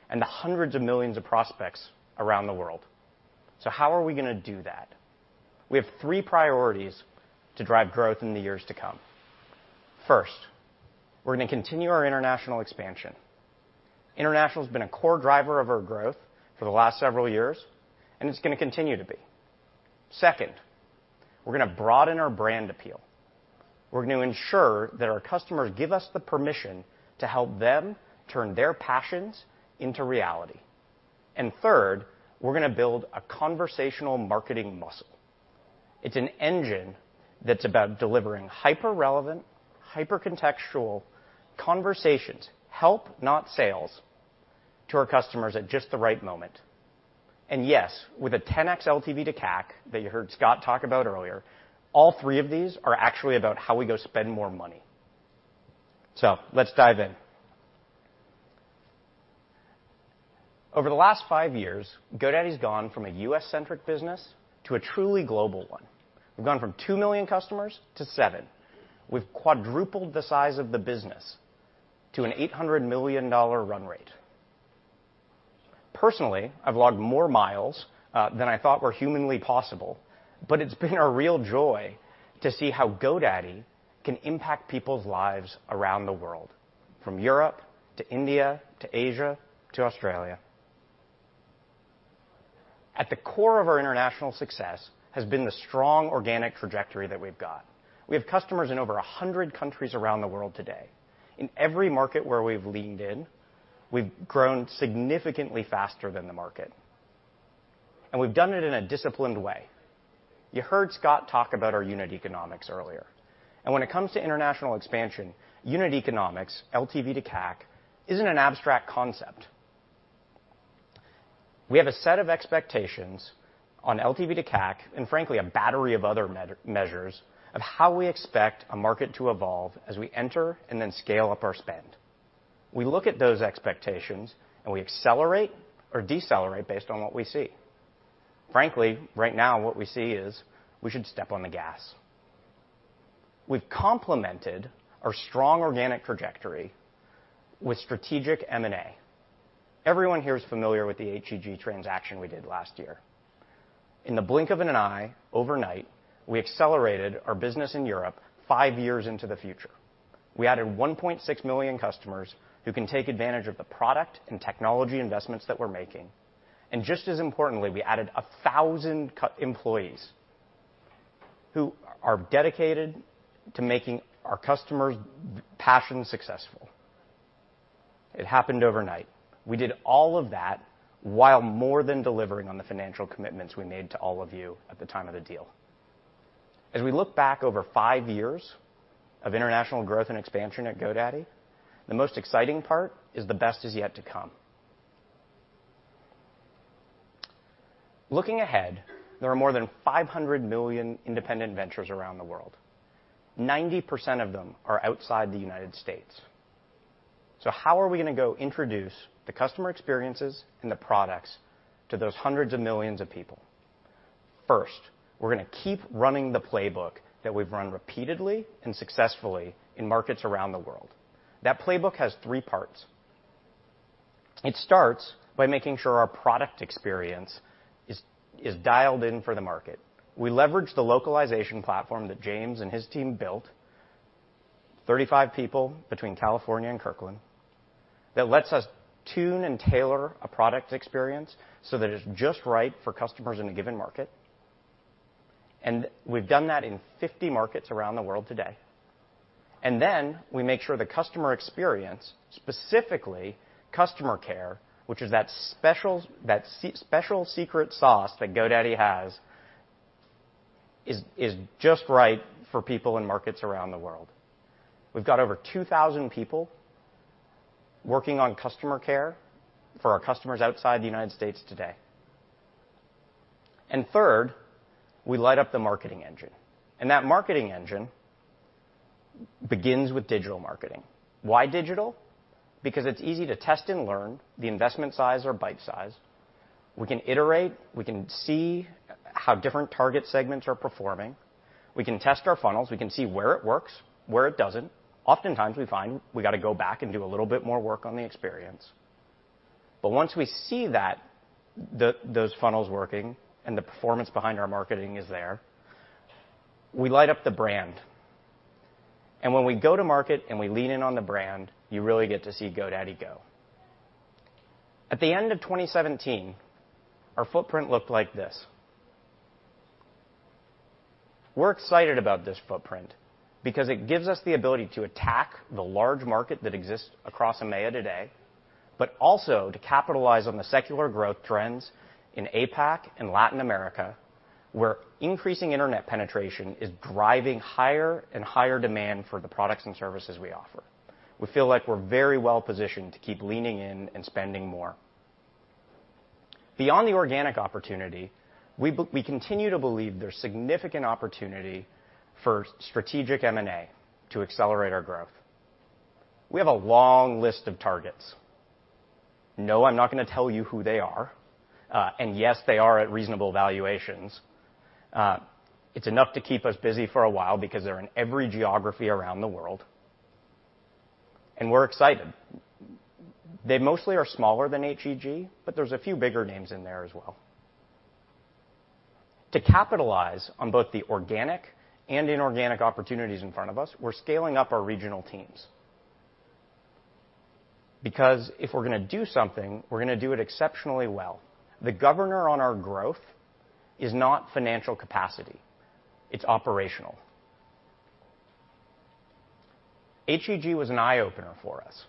and the hundreds of millions of prospects around the world. How are we going to do that? We have three priorities to drive growth in the years to come. First, we're going to continue our international expansion. International has been a core driver of our growth for the last several years, and it's going to continue to be. Second, we're going to broaden our brand appeal. We're going to ensure that our customers give us the permission to help them turn their passions into reality. Third, we're going to build a conversational marketing muscle. It's an engine that's about delivering hyper-relevant, hyper-contextual conversations, help, not sales, to our customers at just the right moment. Yes, with a 10X LTV to CAC that you heard Scott talk about earlier, all three of these are actually about how we go spend more money. Let's dive in. Over the last 5 years, GoDaddy's gone from a U.S.-centric business to a truly global one. We've gone from 2 million customers to seven. We've quadrupled the size of the business to an $800 million run rate. Personally, I've logged more miles than I thought were humanly possible, but it's been a real joy to see how GoDaddy can impact people's lives around the world, from Europe to India, to Asia, to Australia. At the core of our international success has been the strong organic trajectory that we've got. We have customers in over 100 countries around the world today. In every market where we've leaned in, we've grown significantly faster than the market, and we've done it in a disciplined way. You heard Scott talk about our unit economics earlier, when it comes to international expansion, unit economics, LTV to CAC, isn't an abstract concept. We have a set of expectations on LTV to CAC, frankly, a battery of other measures of how we expect a market to evolve as we enter and then scale up our spend. We look at those expectations, we accelerate or decelerate based on what we see. Frankly, right now, what we see is we should step on the gas. We've complemented our strong organic trajectory with strategic M&A. Everyone here is familiar with the HEG transaction we did last year. In the blink of an eye, overnight, we accelerated our business in Europe five years into the future. We added 1.6 million customers who can take advantage of the product and technology investments that we're making, just as importantly, we added 1,000 employees who are dedicated to making our customers' passion successful. It happened overnight. We did all of that while more than delivering on the financial commitments we made to all of you at the time of the deal. As we look back over five years of international growth and expansion at GoDaddy, the most exciting part is the best is yet to come. Looking ahead, there are more than 500 million independent ventures around the world. 90% of them are outside the U.S. How are we going to go introduce the customer experiences and the products to those hundreds of millions of people? First, we're going to keep running the playbook that we've run repeatedly and successfully in markets around the world. That playbook has three parts. It starts by making sure our product experience is dialed in for the market. We leverage the localization platform that James and his team built, 35 people between California and Kirkland, that lets us tune and tailor a product experience so that it's just right for customers in a given market. We've done that in 50 markets around the world today. We make sure the customer experience, specifically customer care, which is that special secret sauce that GoDaddy has, is just right for people in markets around the world. We've got over 2,000 people working on customer care for our customers outside the U.S. today. Third, we light up the marketing engine, that marketing engine begins with digital marketing. Why digital? Because it's easy to test and learn. The investment size are bite size. We can iterate. We can see how different target segments are performing. We can test our funnels. We can see where it works, where it doesn't. Oftentimes, we find we got to go back and do a little bit more work on the experience. Once we see those funnels working, the performance behind our marketing is there, we light up the brand. When we go to market, we lean in on the brand, you really get to see GoDaddy go. At the end of 2017, our footprint looked like this. We're excited about this footprint because it gives us the ability to attack the large market that exists across EMEA today, also to capitalize on the secular growth trends in APAC and Latin America, where increasing internet penetration is driving higher and higher demand for the products and services we offer. We feel like we're very well positioned to keep leaning in and spending more. Beyond the organic opportunity, we continue to believe there's significant opportunity for strategic M&A to accelerate our growth. We have a long list of targets. No, I'm not going to tell you who they are. Yes, they are at reasonable valuations. It's enough to keep us busy for a while because they're in every geography around the world, we're excited. They mostly are smaller than HEG, there's a few bigger names in there as well. To capitalize on both the organic and inorganic opportunities in front of us, we're scaling up our regional teams because if we're going to do something, we're going to do it exceptionally well. The governor on our growth is not financial capacity. It's operational. HEG was an eye-opener for us.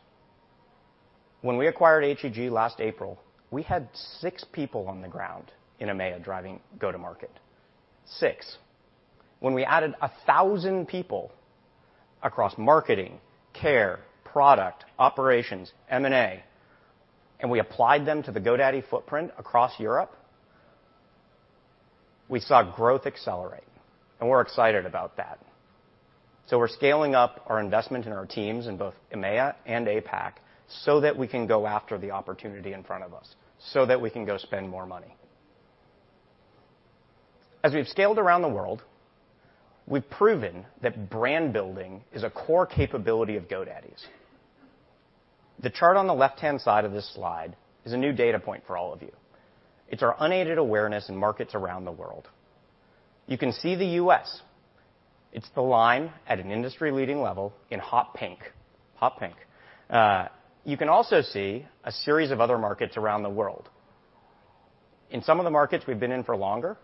When we acquired HEG last April, we had six people on the ground in EMEA driving go-to-market. Six. When we added 1,000 people across marketing, care, product, operations, M&A, we applied them to the GoDaddy footprint across Europe, we saw growth accelerate, we're excited about that. We're scaling up our investment in our teams in both EMEA and APAC so that we can go after the opportunity in front of us, so that we can go spend more money. As we've scaled around the world, we've proven that brand building is a core capability of GoDaddy's. The chart on the left-hand side of this slide is a new data point for all of you. It's our unaided awareness in markets around the world. You can see the U.S. It's the line at an industry-leading level in hot pink. Hot pink. You can also see a series of other markets around the world. In some of the markets we've been in for longer,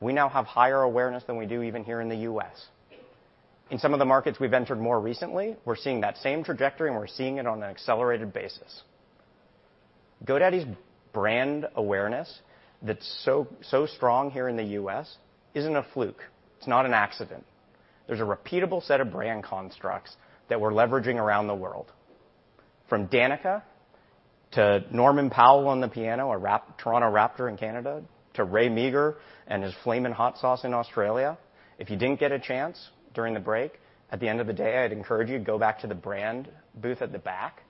we now have higher awareness than we do even here in the U.S. In some of the markets we've entered more recently, we're seeing that same trajectory, we're seeing it on an accelerated basis. GoDaddy's brand awareness that's so strong here in the U.S. isn't a fluke. It's not an accident. There's a repeatable set of brand constructs that we're leveraging around the world, from Danica to Norman Powell on the piano, a Toronto Raptor in Canada, to Ray Meagher and his Flamin' Hot Sauce in Australia. If you didn't get a chance during the break, at the end of the day, I'd encourage you to go back to the brand booth at the back.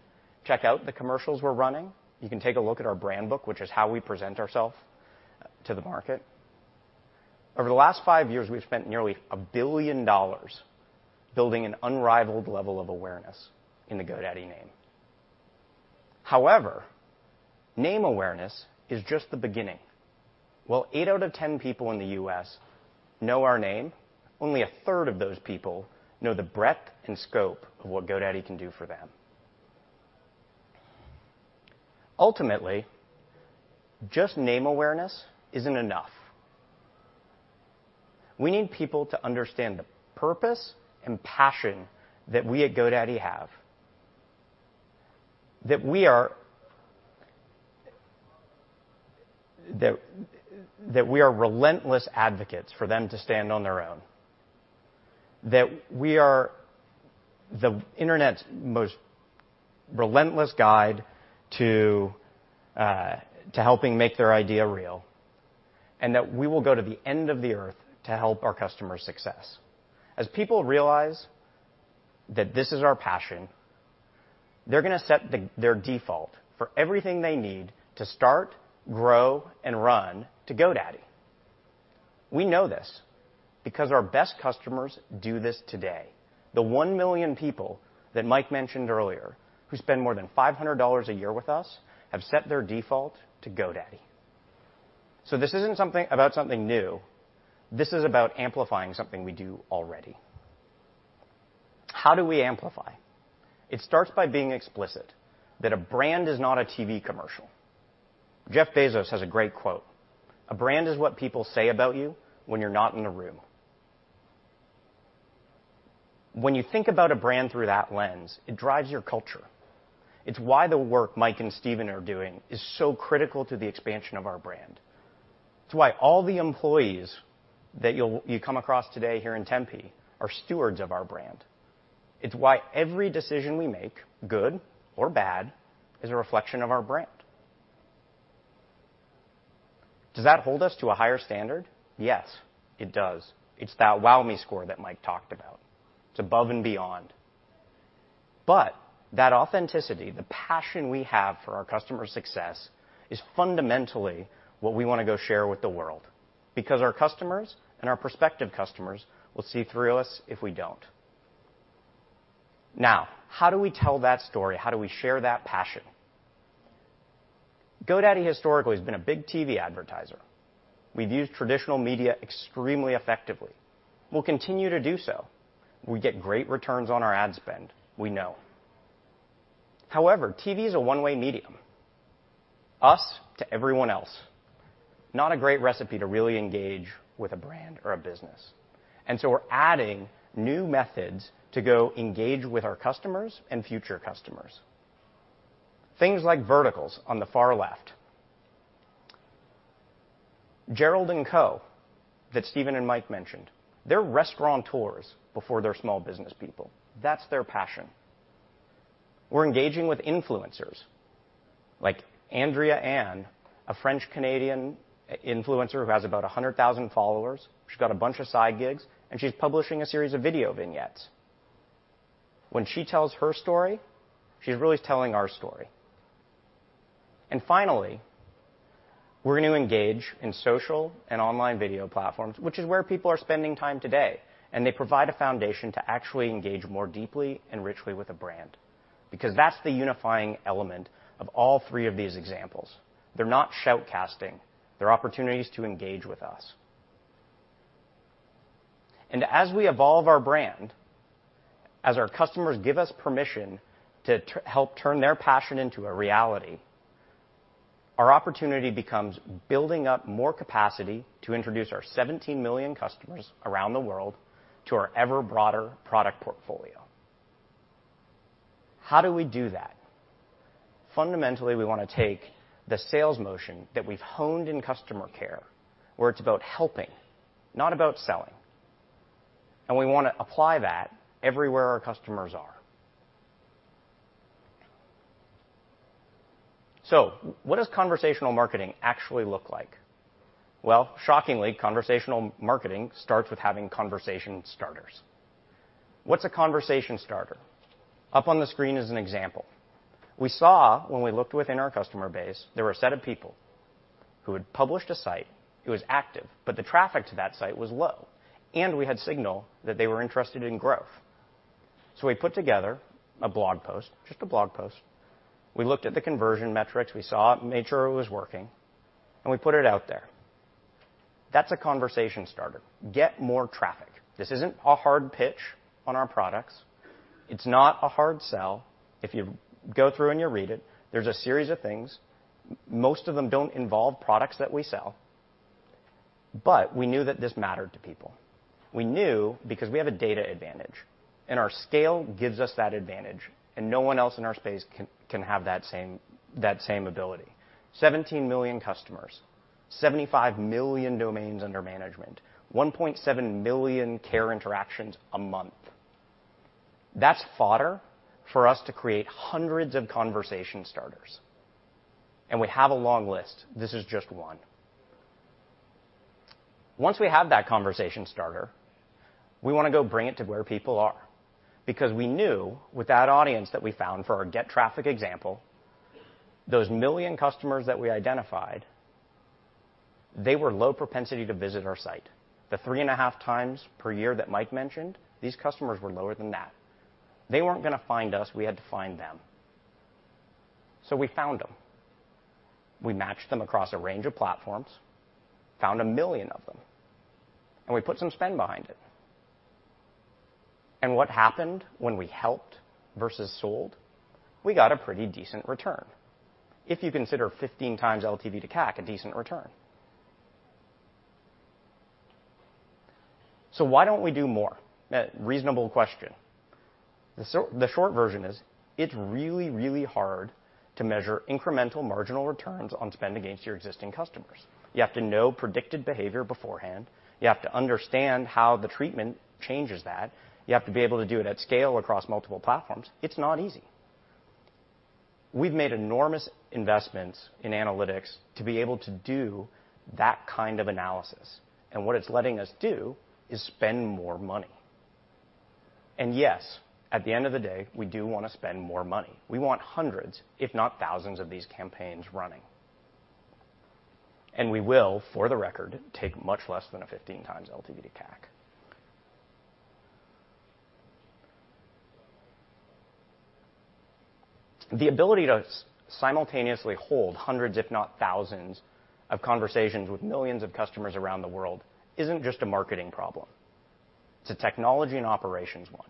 Check out the commercials we're running. You can take a look at our brand book, which is how we present ourselves to the market. Over the last five years, we've spent nearly $1 billion building an unrivaled level of awareness in the GoDaddy name. However, name awareness is just the beginning. While eight out of 10 people in the U.S. know our name, only a third of those people know the breadth and scope of what GoDaddy can do for them. Ultimately, just name awareness isn't enough. We need people to understand the purpose and passion that we at GoDaddy have. That we are relentless advocates for them to stand on their own. That we are the internet's most relentless guide to helping make their idea real, and we will go to the end of the Earth to help our customers' success. As people realize that this is our passion, they're going to set their default for everything they need to start, grow, and run to GoDaddy. We know this because our best customers do this today. The 1 million people that Mike mentioned earlier, who spend more than $500 a year with us, have set their default to GoDaddy. This isn't about something new. This is about amplifying something we do already. How do we amplify? It starts by being explicit that a brand is not a TV commercial. Jeff Bezos has a great quote, "A brand is what people say about you when you're not in the room." When you think about a brand through that lens, it drives your culture. It's why the work Mike and Steven are doing is so critical to the expansion of our brand. It's why all the employees that you'll come across today here in Tempe are stewards of our brand. It's why every decision we make, good or bad, is a reflection of our brand. Does that hold us to a higher standard? Yes, it does. It's that Wow score that Mike talked about. It's above and beyond. That authenticity, the passion we have for our customers' success, is fundamentally what we want to go share with the world, because our customers and our prospective customers will see through us if we don't. Now, how do we tell that story? How do we share that passion? GoDaddy historically has been a big TV advertiser. We've used traditional media extremely effectively. We'll continue to do so. We get great returns on our ad spend. We know. However, TV is a one-way medium. Us to everyone else. Not a great recipe to really engage with a brand or a business. We're adding new methods to go engage with our customers and future customers. Things like verticals on the far left. Gerald and Co. that Steven and Mike mentioned, they're restaurateurs before they're small business people. That's their passion. We're engaging with influencers like Andrea Ann, a French-Canadian influencer who has about 100,000 followers. She's got a bunch of side gigs, and she's publishing a series of video vignettes. When she tells her story, she's really telling our story. Finally, we're going to engage in social and online video platforms, which is where people are spending time today, and they provide a foundation to actually engage more deeply and richly with a brand. Because that's the unifying element of all three of these examples. They're not shoutcasting. They're opportunities to engage with us. As we evolve our brand, as our customers give us permission to help turn their passion into a reality, our opportunity becomes building up more capacity to introduce our 17 million customers around the world to our ever broader product portfolio. How do we do that? Fundamentally, we want to take the sales motion that we've honed in customer care, where it's about helping, not about selling, and we want to apply that everywhere our customers are. What does conversational marketing actually look like? Well, shockingly, conversational marketing starts with having conversation starters. What is a conversation starter? Up on the screen is an example. We saw when we looked within our customer base, there were a set of people who had published a site, it was active, but the traffic to that site was low, and we had signal that they were interested in growth. We put together a blog post, just a blog post. We looked at the conversion metrics. We saw it, made sure it was working, and we put it out there. That's a conversation starter. Get more traffic. This isn't a hard pitch on our products. It's not a hard sell. If you go through and you read it, there's a series of things. Most of them don't involve products that we sell. But we knew that this mattered to people. We knew because we have a data advantage. Our scale gives us that advantage, and no one else in our space can have that same ability. 17 million customers, 75 million domains under management, 1.7 million care interactions a month. That's fodder for us to create hundreds of conversation starters, and we have a long list. This is just one. Once we have that conversation starter, we want to go bring it to where people are. We knew, with that audience that we found for our get traffic example, those 1 million customers that we identified, they were low propensity to visit our site. The 3.5 times per year that Mike mentioned, these customers were lower than that. They weren't going to find us, we had to find them. We found them. We matched them across a range of platforms, found 1 million of them, and we put some spend behind it. What happened when we helped versus sold? We got a pretty decent return. If you consider 15 times LTV to CAC a decent return. Why don't we do more? Reasonable question. The short version is, it's really, really hard to measure incremental marginal returns on spend against your existing customers. You have to know predicted behavior beforehand. You have to understand how the treatment changes that. You have to be able to do it at scale across multiple platforms. It's not easy. We've made enormous investments in analytics to be able to do that kind of analysis, and what it's letting us do is spend more money. Yes, at the end of the day, we do want to spend more money. We want hundreds, if not thousands, of these campaigns running. We will, for the record, take much less than a 15 times LTV to CAC. The ability to simultaneously hold hundreds if not thousands of conversations with millions of customers around the world isn't just a marketing problem. It's a technology and operations one,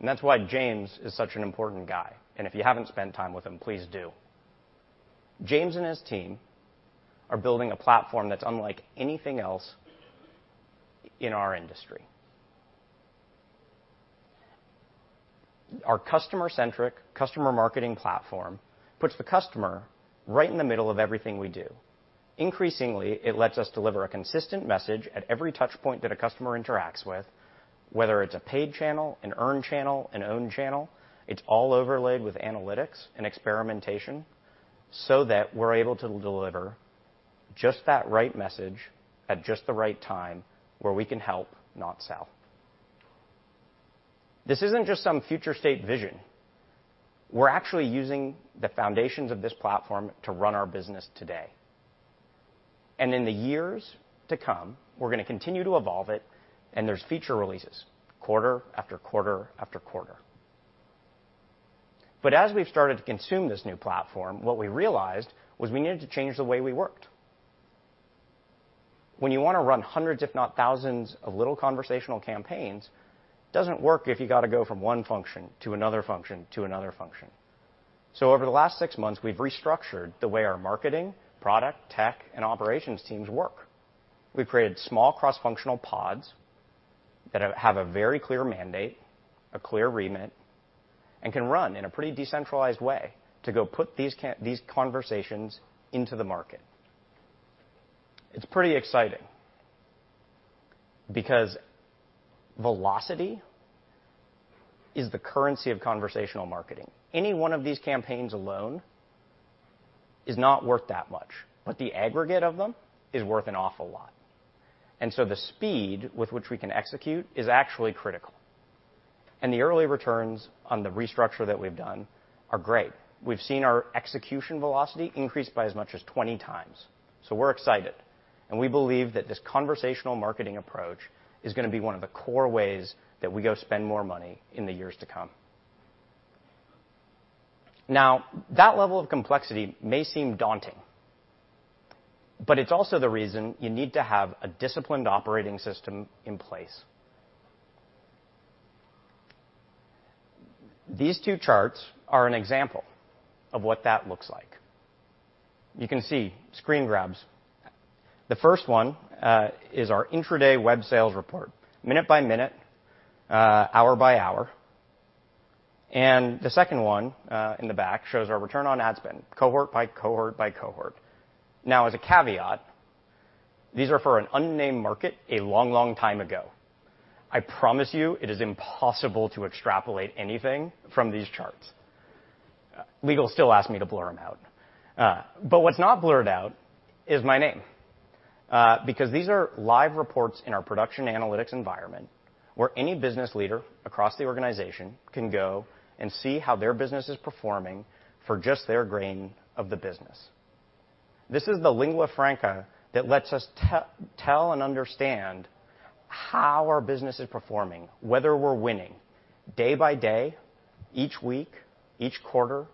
and that's why James is such an important guy, and if you haven't spent time with him, please do. James and his team are building a platform that's unlike anything else in our industry. Our customer-centric customer marketing platform puts the customer right in the middle of everything we do. Increasingly, it lets us deliver a consistent message at every touchpoint that a customer interacts with, whether it's a paid channel, an earned channel, an owned channel. It's all overlaid with analytics and experimentation so that we're able to deliver just that right message at just the right time where we can help, not sell. This isn't just some future state vision. We're actually using the foundations of this platform to run our business today. In the years to come, we're going to continue to evolve it, and there's feature releases quarter, after quarter, after quarter. As we've started to consume this new platform, what we realized was we needed to change the way we worked. When you want to run hundreds if not thousands of little conversational campaigns, it doesn't work if you got to go from one function to another function, to another function. Over the last six months, we've restructured the way our marketing, product, tech, and operations teams work. We've created small cross-functional pods that have a very clear mandate, a clear remit, and can run in a pretty decentralized way to go put these conversations into the market. It's pretty exciting because velocity is the currency of conversational marketing. Any one of these campaigns alone is not worth that much, but the aggregate of them is worth an awful lot. The speed with which we can execute is actually critical, and the early returns on the restructure that we've done are great. We've seen our execution velocity increase by as much as 20 times. We're excited, and we believe that this conversational marketing approach is going to be one of the core ways that we go spend more money in the years to come. That level of complexity may seem daunting, but it's also the reason you need to have a disciplined operating system in place. These two charts are an example of what that looks like. You can see screen grabs. The first one is our intraday web sales report, minute by minute, hour by hour. The second one, in the back, shows our return on ad spend, cohort by cohort, by cohort. As a caveat, these are for an unnamed market a long, long time ago. I promise you, it is impossible to extrapolate anything from these charts. Legal still asked me to blur them out. What's not blurred out is my name, because these are live reports in our production analytics environment where any business leader across the organization can go and see how their business is performing for just their grain of the business. This is the lingua franca that lets us tell and understand how our business is performing, whether we're winning day by day, each week, each quarter,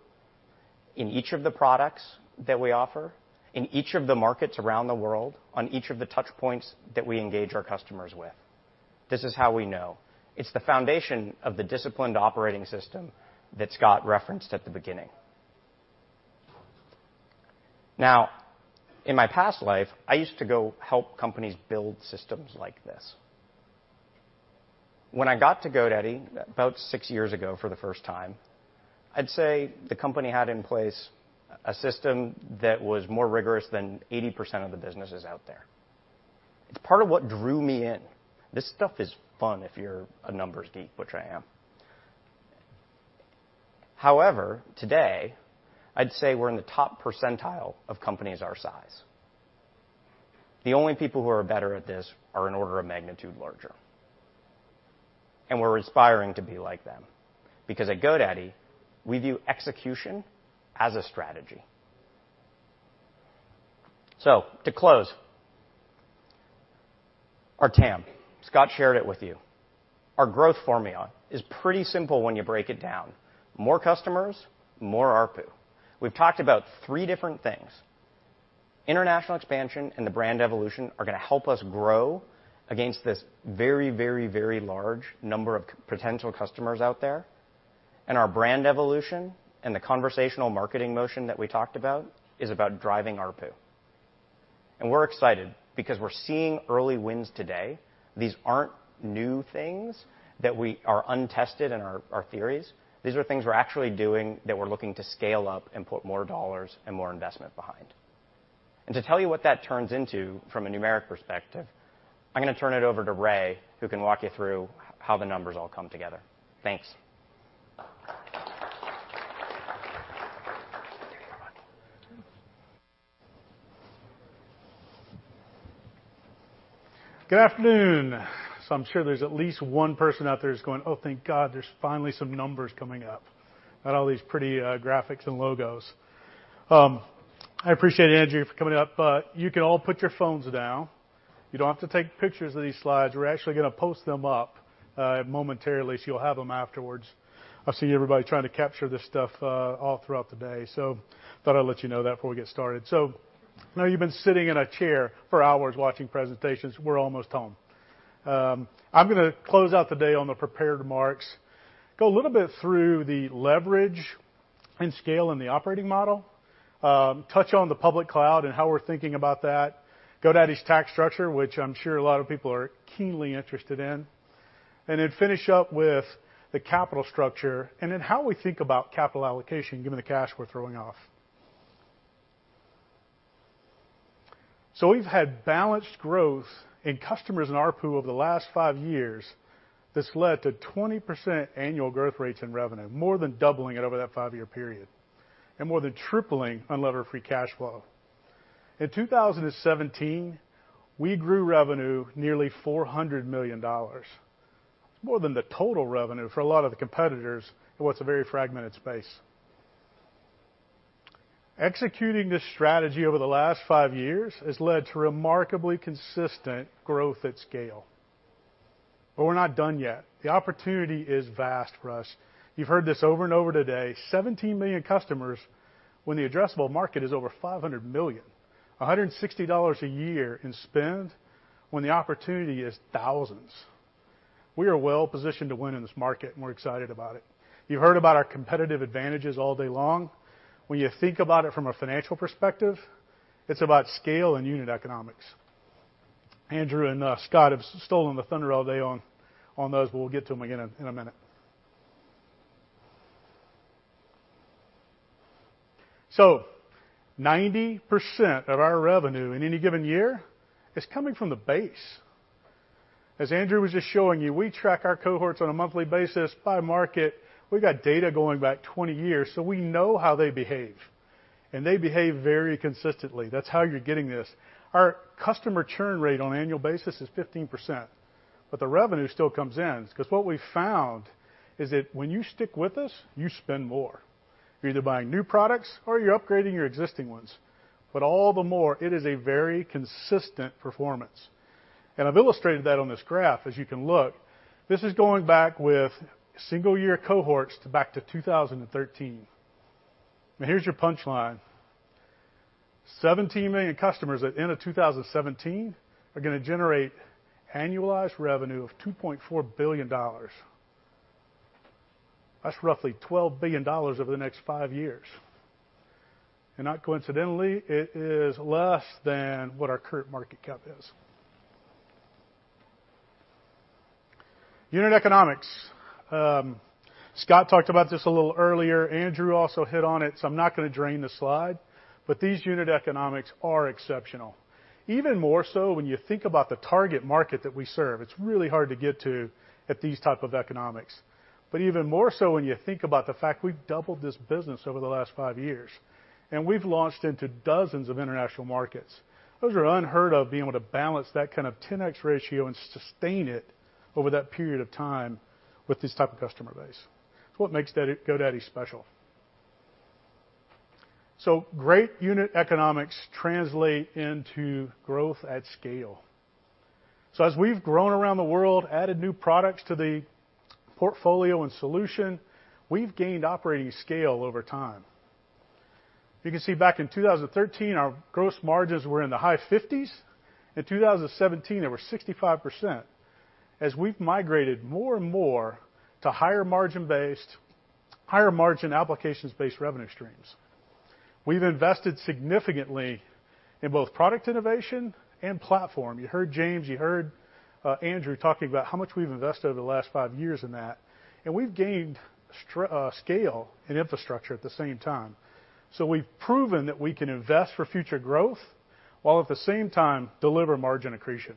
in each of the products that we offer, in each of the markets around the world, on each of the touchpoints that we engage our customers with. This is how we know. It's the foundation of the disciplined operating system that Scott referenced at the beginning. In my past life, I used to go help companies build systems like this. When I got to GoDaddy about six years ago for the first time, I'd say the company had in place a system that was more rigorous than 80% of the businesses out there. It's part of what drew me in. This stuff is fun if you're a numbers geek, which I am. However, today, I'd say we're in the top percentile of companies our size. The only people who are better at this are an order of magnitude larger, and we're aspiring to be like them. At GoDaddy, we view execution as a strategy. To close, our TAM, Scott shared it with you. Our growth formula is pretty simple when you break it down. More customers, more ARPU. We've talked about three different things. International expansion and the brand evolution are going to help us grow against this very, very, very large number of potential customers out there. Our brand evolution and the conversational marketing motion that we talked about is about driving ARPU. We're excited because we're seeing early wins today. These aren't new things that are untested and are theories. These are things we're actually doing that we're looking to scale up and put more dollars and more investment behind. To tell you what that turns into from a numeric perspective, I'm going to turn it over to Ray, who can walk you through how the numbers all come together. Thanks. Good afternoon. I'm sure there's at least one person out there who's going, "Oh, thank God, there's finally some numbers coming up, not all these pretty graphics and logos." I appreciate Andrew for coming up, but you can all put your phones down. You don't have to take pictures of these slides. We're actually going to post them up momentarily, so you'll have them afterwards. I've seen everybody trying to capture this stuff all throughout the day, thought I'd let you know that before we get started. I know you've been sitting in a chair for hours watching presentations. We're almost home. I'm going to close out the day on the prepared remarks, go a little bit through the leverage and scale in the operating model, touch on the public cloud and how we're thinking about that, GoDaddy's tax structure, which I'm sure a lot of people are keenly interested in, and then finish up with the capital structure, and then how we think about capital allocation given the cash we're throwing off. We've had balanced growth in customers and ARPU over the last five years. This led to 20% annual growth rates in revenue, more than doubling it over that five-year period, and more than tripling unlevered free cash flow. In 2017, we grew revenue nearly $400 million. That's more than the total revenue for a lot of the competitors in what's a very fragmented space. Executing this strategy over the last five years has led to remarkably consistent growth at scale. We're not done yet. The opportunity is vast for us. You've heard this over and over today, 17 million customers when the addressable market is over 500 million. $160 a year in spend when the opportunity is thousands. We are well positioned to win in this market, and we're excited about it. You've heard about our competitive advantages all day long. When you think about it from a financial perspective, it's about scale and unit economics. Andrew and Scott have stolen the thunder all day on those, we'll get to them again in a minute. 90% of our revenue in any given year is coming from the base. As Andrew was just showing you, we track our cohorts on a monthly basis by market. We've got data going back 20 years, we know how they behave, and they behave very consistently. That's how you're getting this. Our customer churn rate on an annual basis is 15%, the revenue still comes in because what we've found is that when you stick with us, you spend more. You're either buying new products or you're upgrading your existing ones. All the more, it is a very consistent performance. I've illustrated that on this graph, as you can look. This is going back with single year cohorts back to 2013. Here's your punchline. 17 million customers at the end of 2017 are going to generate annualized revenue of $2.4 billion. That's roughly $12 billion over the next five years. Not coincidentally, it is less than what our current market cap is. Unit economics. Scott talked about this a little earlier. Andrew also hit on it, I'm not going to drain the slide, these unit economics are exceptional. Even more so when you think about the target market that we serve. It's really hard to get to at these type of economics. Even more so when you think about the fact we've doubled this business over the last five years, and we've launched into dozens of international markets. Those are unheard of, being able to balance that kind of 10x ratio and sustain it over that period of time with this type of customer base. It's what makes GoDaddy special. Great unit economics translate into growth at scale. As we've grown around the world, added new products to the portfolio and solution, we've gained operating scale over time. You can see back in 2013, our gross margins were in the high 50s. In 2017, they were 65%. As we've migrated more and more to higher margin applications-based revenue streams. We've invested significantly in both product innovation and platform. You heard James, you heard Andrew talking about how much we've invested over the last five years in that, we've gained scale and infrastructure at the same time. We've proven that we can invest for future growth while at the same time deliver margin accretion.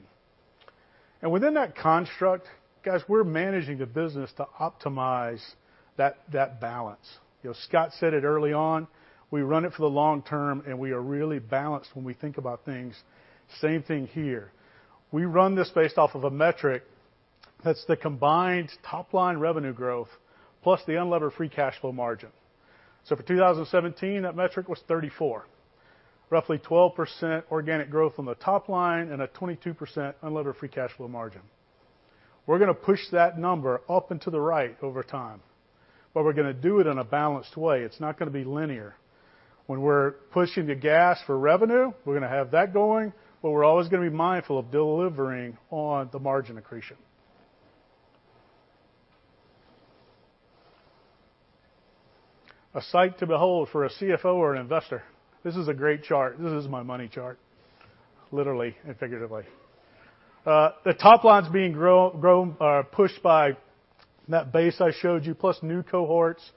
Within that construct, guys, we're managing the business to optimize that balance. Scott said it early on, we run it for the long term, we are really balanced when we think about things. Same thing here. We run this based off of a metric that's the combined top-line revenue growth, plus the unlevered free cash flow margin. For 2017, that metric was 34%. Roughly 12% organic growth on the top line and a 22% unlevered free cash flow margin. We're going to push that number up and to the right over time, we're going to do it in a balanced way. It's not going to be linear. When we're pushing the gas for revenue, we're going to have that going, we're always going to be mindful of delivering on the margin accretion. A sight to behold for a CFO or an investor. This is a great chart. This is my money chart, literally and figuratively. The top line's being pushed by that base I showed you, plus new cohorts,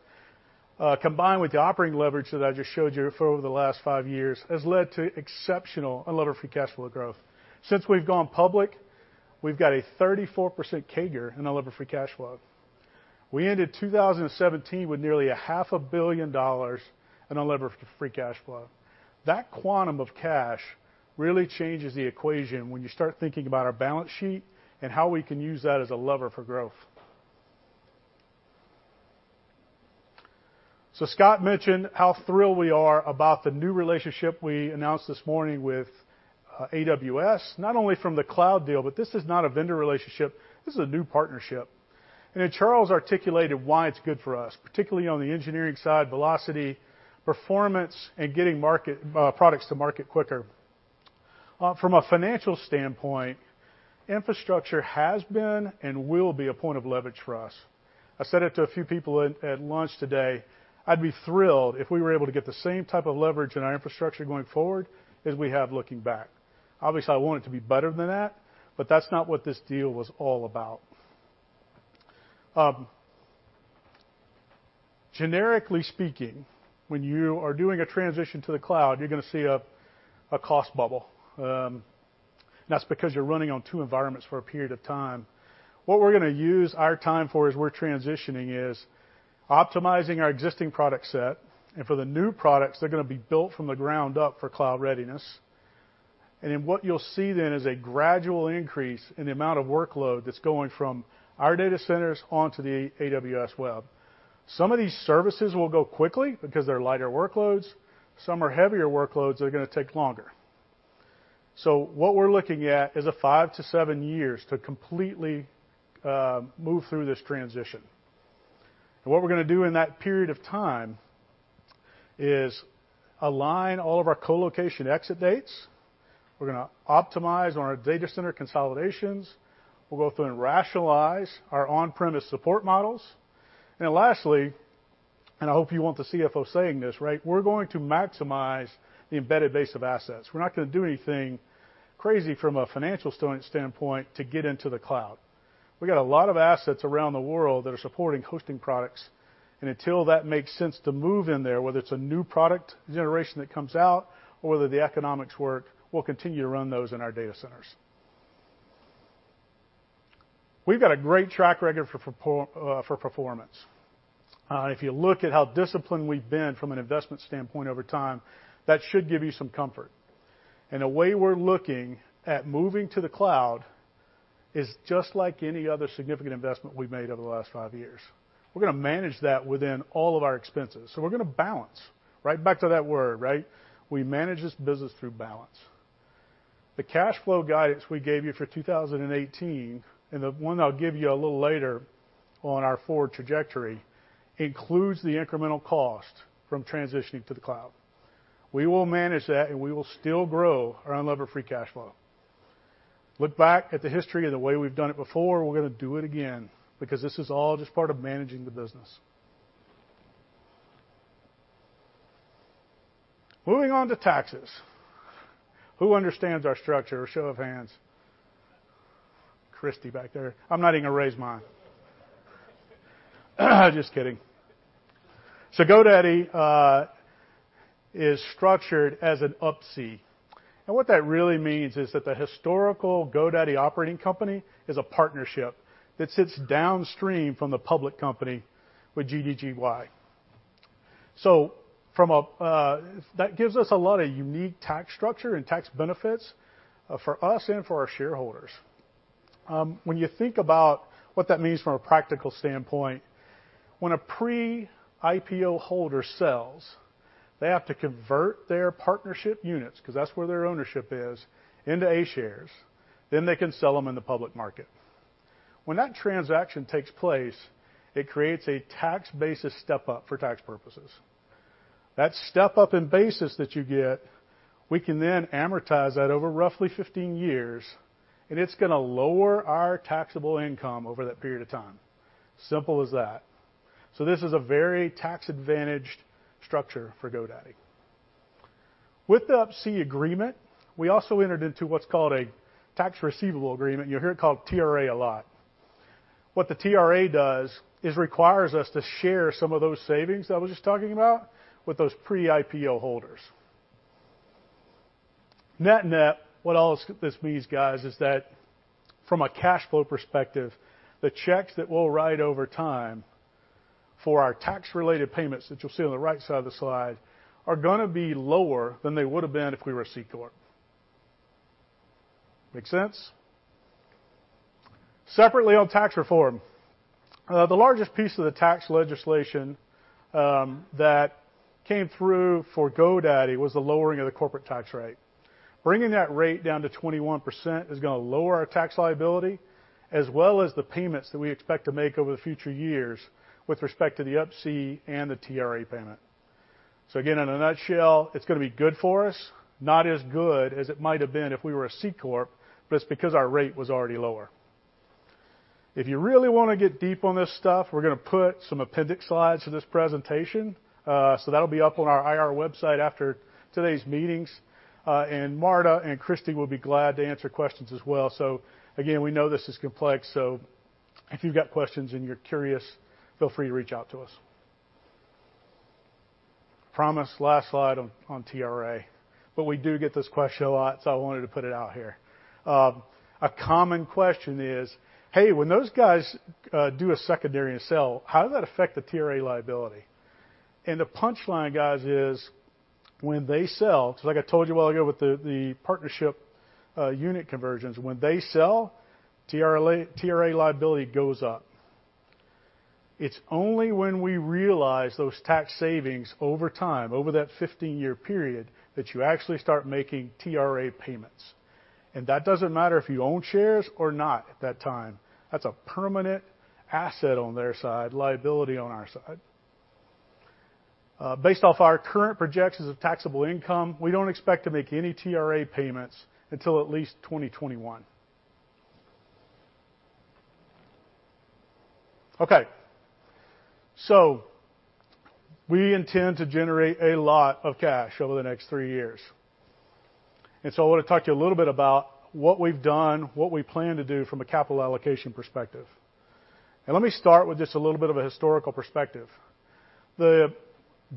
combined with the operating leverage that I just showed you for over the last five years, has led to exceptional unlevered free cash flow growth. Since we've gone public, we've got a 34% CAGR in unlevered free cash flow. We ended 2017 with nearly a half a billion dollars in unlevered free cash flow. That quantum of cash really changes the equation when you start thinking about our balance sheet and how we can use that as a lever for growth. Scott mentioned how thrilled we are about the new relationship we announced this morning with AWS, not only from the cloud deal, this is not a vendor relationship, this is a new partnership. Charles articulated why it's good for us, particularly on the engineering side, velocity, performance, and getting products to market quicker. From a financial standpoint, infrastructure has been and will be a point of leverage for us. I said it to a few people at lunch today, I'd be thrilled if we were able to get the same type of leverage in our infrastructure going forward as we have looking back. Obviously, I want it to be better than that's not what this deal was all about. Generically speaking, when you are doing a transition to the cloud, you're going to see a cost bubble. That's because you're running on two environments for a period of time. What we're going to use our time for as we're transitioning is optimizing our existing product set, for the new products, they're going to be built from the ground up for cloud readiness. What you'll see then is a gradual increase in the amount of workload that's going from our data centers onto the AWS web. Some of these services will go quickly because they're lighter workloads. Some are heavier workloads that are going to take longer. What we're looking at is a five to seven years to completely move through this transition. What we're going to do in that period of time is align all of our co-location exit dates, we're going to optimize on our data center consolidations, we'll go through and rationalize our on-premise support models, lastly, I hope you want the CFO saying this, we're going to maximize the embedded base of assets. We're not going to do anything crazy from a financial standpoint to get into the cloud. We've got a lot of assets around the world that are supporting hosting products, until that makes sense to move in there, whether it's a new product generation that comes out or whether the economics work, we'll continue to run those in our data centers. We've got a great track record for performance. If you look at how disciplined we've been from an investment standpoint over time, that should give you some comfort. The way we're looking at moving to the cloud is just like any other significant investment we've made over the last five years. We're going to manage that within all of our expenses. We're going to balance. Right back to that word. We manage this business through balance. The cash flow guidance we gave you for 2018, and the one that I'll give you a little later on our forward trajectory, includes the incremental cost from transitioning to the cloud. We will manage that, and we will still grow our unlevered free cash flow. Look back at the history of the way we've done it before, and we're going to do it again because this is all just part of managing the business. Moving on to taxes. Who understands our structure? A show of hands. Christy back there. I'm not even going to raise mine. Just kidding. GoDaddy is structured as an Up-C. What that really means is that the historical GoDaddy operating company is a partnership that sits downstream from the public company with GDDY. That gives us a lot of unique tax structure and tax benefits for us and for our shareholders. When you think about what that means from a practical standpoint, when a pre-IPO holder sells, they have to convert their partnership units, because that's where their ownership is, into A shares, then they can sell them in the public market. When that transaction takes place, it creates a tax basis step-up for tax purposes. That step-up in basis that you get, we can then amortize that over roughly 15 years, and it's going to lower our taxable income over that period of time. Simple as that. This is a very tax-advantaged structure for GoDaddy. With the Up-C agreement, we also entered into what's called a tax receivable agreement. You'll hear it called TRA a lot. What the TRA does is requires us to share some of those savings that I was just talking about with those pre-IPO holders. Net-net, what all this means, guys, is that from a cash flow perspective, the checks that we'll write over time for our tax-related payments that you'll see on the right side of the slide are going to be lower than they would have been if we were a C Corp. Make sense? Separately, on tax reform, the largest piece of the tax legislation that came through for GoDaddy was the lowering of the corporate tax rate. Bringing that rate down to 21% is going to lower our tax liability, as well as the payments that we expect to make over the future years with respect to the Up-C and the TRA payment. Again, in a nutshell, it's going to be good for us, not as good as it might have been if we were a C Corp, but it's because our rate was already lower. If you really want to get deep on this stuff, we're going to put some appendix slides to this presentation. That'll be up on our IR website after today's meetings, and Marta and Christy will be glad to answer questions as well. Again, we know this is complex, if you've got questions and you're curious, feel free to reach out to us. Promise, last slide on TRA. We do get this question a lot. I wanted to put it out here. A common question is, "Hey, when those guys do a secondary and sell, how does that affect the TRA liability?" The punchline, guys, is when they sell, just like I told you a while ago with the partnership unit conversions, when they sell, TRA liability goes up. It's only when we realize those tax savings over time, over that 15-year period, that you actually start making TRA payments. That doesn't matter if you own shares or not at that time. That's a permanent asset on their side, liability on our side. Based off our current projections of taxable income, we don't expect to make any TRA payments until at least 2021. Okay. We intend to generate a lot of cash over the next three years. I want to talk to you a little bit about what we've done, what we plan to do from a capital allocation perspective. Let me start with just a little bit of a historical perspective. The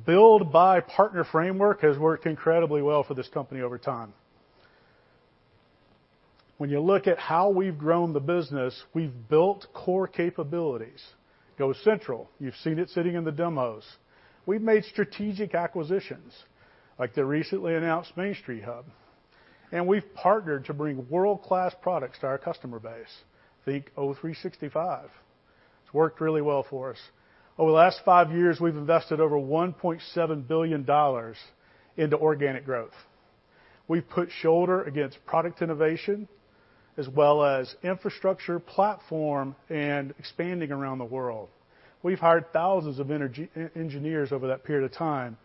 build-buy-partner framework has worked incredibly well for this company over time. When you look at how we've grown the business, we've built core capabilities. GoCentral, you've seen it sitting in the demos. We've made strategic acquisitions, like the recently announced Main Street Hub. We've partnered to bring world-class products to our customer base. Think O365. It's worked really well for us. Over the last five years, we've invested over $1.7 billion into organic growth. We've put shoulder against product innovation as well as infrastructure, platform, and expanding around the world. We've hired thousands of engineers over that period of time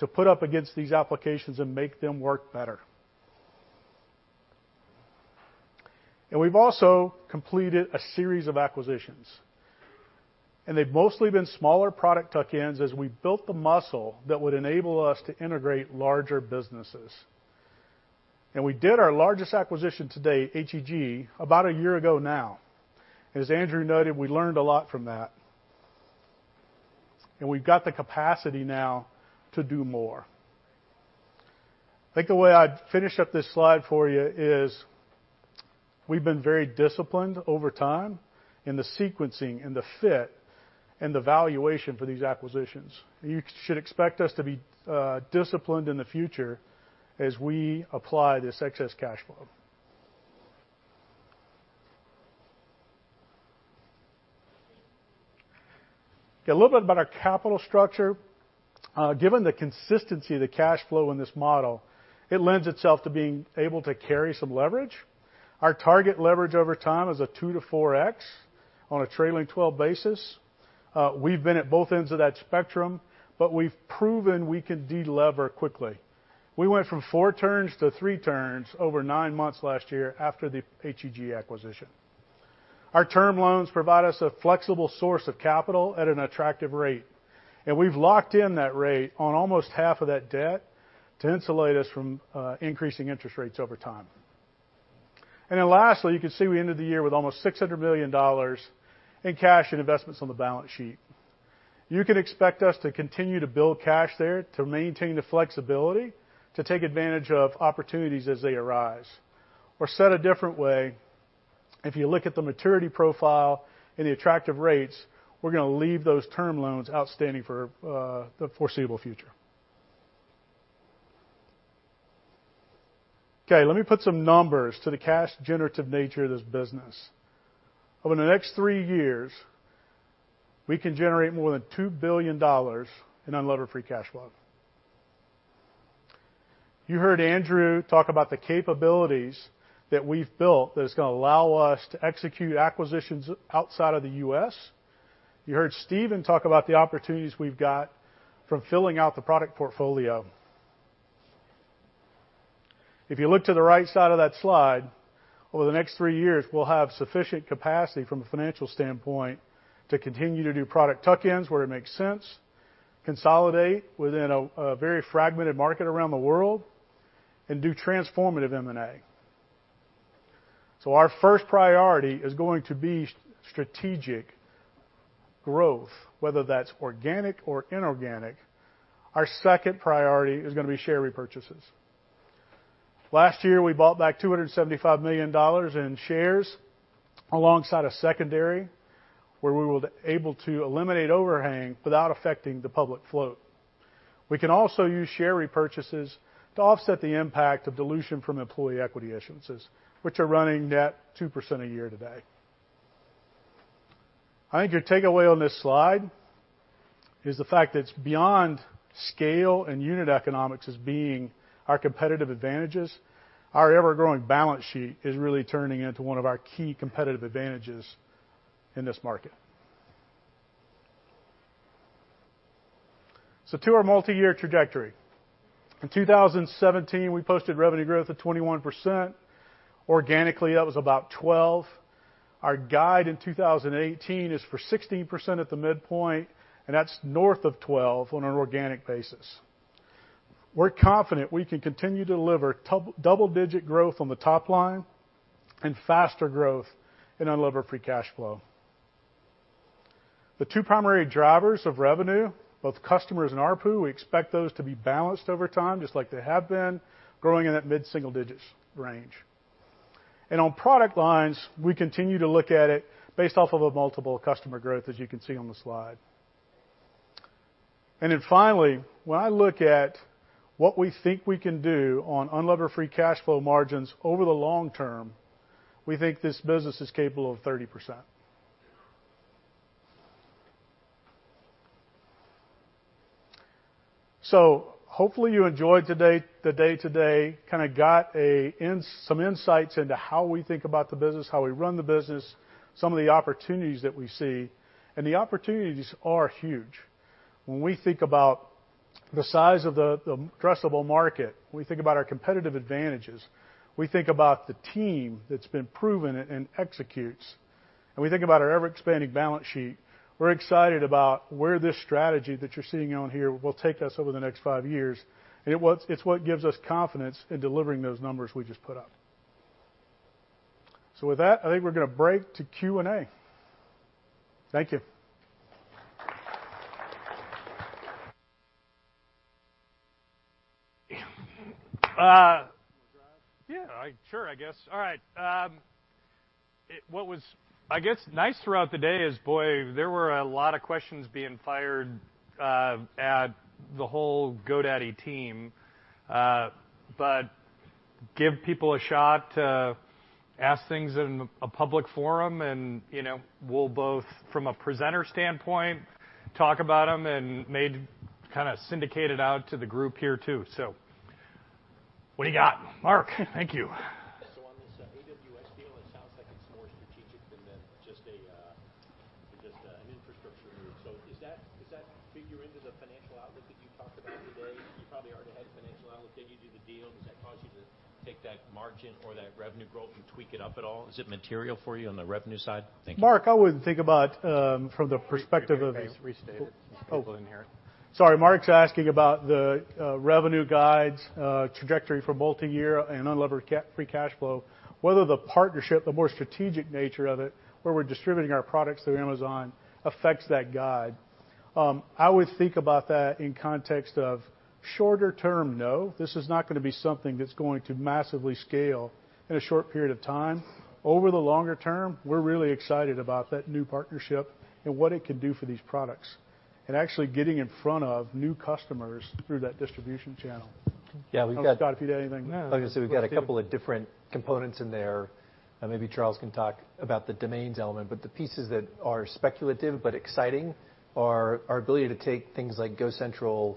to put up against these applications and make them work better. We've also completed a series of acquisitions. They've mostly been smaller product tuck-ins as we built the muscle that would enable us to integrate larger businesses. We did our largest acquisition to date, HEG, about a year ago now. As Andrew noted, we learned a lot from that. We've got the capacity now to do more. I think the way I'd finish up this slide for you is we've been very disciplined over time in the sequencing and the fit and the valuation for these acquisitions. You should expect us to be disciplined in the future as we apply this excess cash flow. A little bit about our capital structure. Given the consistency of the cash flow in this model, it lends itself to being able to carry some leverage. Our target leverage over time is a 2 to 4x on a trailing 12 basis. We've been at both ends of that spectrum. We've proven we can de-lever quickly. We went from four turns to three turns over nine months last year after the HEG acquisition. Our term loans provide us a flexible source of capital at an attractive rate. We've locked in that rate on almost half of that debt to insulate us from increasing interest rates over time. Lastly, you can see we ended the year with almost $600 million in cash and investments on the balance sheet. You can expect us to continue to build cash there to maintain the flexibility to take advantage of opportunities as they arise. Said a different way, if you look at the maturity profile and the attractive rates, we're going to leave those term loans outstanding for the foreseeable future. Let me put some numbers to the cash generative nature of this business. Over the next 3 years, we can generate more than $2 billion in unlevered free cash flow. You heard Andrew talk about the capabilities that we've built that is going to allow us to execute acquisitions outside of the U.S. You heard Steven talk about the opportunities we've got from filling out the product portfolio. If you look to the right side of that slide, over the next 3 years, we'll have sufficient capacity from a financial standpoint to continue to do product tuck-ins where it makes sense, consolidate within a very fragmented market around the world, and do transformative M&A. Our first priority is going to be strategic growth, whether that's organic or inorganic. Our second priority is going to be share repurchases. Last year, we bought back $275 million in shares alongside a secondary, where we were able to eliminate overhang without affecting the public float. We can also use share repurchases to offset the impact of dilution from employee equity issuances, which are running net 2% a year today. I think your takeaway on this slide is the fact that it's beyond scale and unit economics as being our competitive advantages. Our ever-growing balance sheet is really turning into one of our key competitive advantages in this market. To our multi-year trajectory. In 2017, we posted revenue growth of 21%. Organically, that was about 12. Our guide in 2018 is for 16% at the midpoint, and that's north of 12 on an organic basis. We're confident we can continue to deliver double-digit growth on the top line and faster growth in unlevered free cash flow. The two primary drivers of revenue, both customers and ARPU, we expect those to be balanced over time just like they have been, growing in that mid-single digits range. On product lines, we continue to look at it based off of a multiple customer growth, as you can see on the slide. Finally, when I look at what we think we can do on unlevered free cash flow margins over the long term, we think this business is capable of 30%. Hopefully, you enjoyed the day today, kind of got some insights into how we think about the business, how we run the business, some of the opportunities that we see, and the opportunities are huge. When we think about the size of the addressable market, we think about our competitive advantages, we think about the team that's been proven and executes, and we think about our ever-expanding balance sheet, we're excited about where this strategy that you're seeing on here will take us over the next 5 years. It's what gives us confidence in delivering those numbers we just put up. With that, I think we're going to break to Q&A. Thank you. You want to drive? Yeah. Sure, I guess. All right. What was, I guess, nice throughout the day is, boy, there were a lot of questions being fired at the whole GoDaddy team. Give people a shot to ask things in a public forum, and we'll both, from a presenter standpoint, talk about them and made kind of syndicated out to the group here, too. What do you got? Mark. Thank you. On this AWS deal, it sounds like it's more strategic than just an infrastructure move. Does that figure into the financial outlook that you talked about today? You probably already had a financial outlook when you did the deal. Does that cause you to take that margin or that revenue growth and tweak it up at all? Is it material for you on the revenue side? Thank you. Mark, I would think about from the perspective of Restate it since people in here. Sorry, Mark's asking about the revenue guides trajectory for multi-year and unlevered free cash flow, whether the partnership, the more strategic nature of it, where we're distributing our products through Amazon, affects that guide. I would think about that in context of shorter term, no. This is not going to be something that's going to massively scale in a short period of time. Over the longer term, we're really excited about that new partnership and what it can do for these products, and actually getting in front of new customers through that distribution channel. Yeah, we've got. I don't know, Scott, if you had anything. No. I was going to say, we've got a couple of different components in there. Maybe Charles can talk about the domains element, but the pieces that are speculative but exciting are our ability to take things like GoCentral,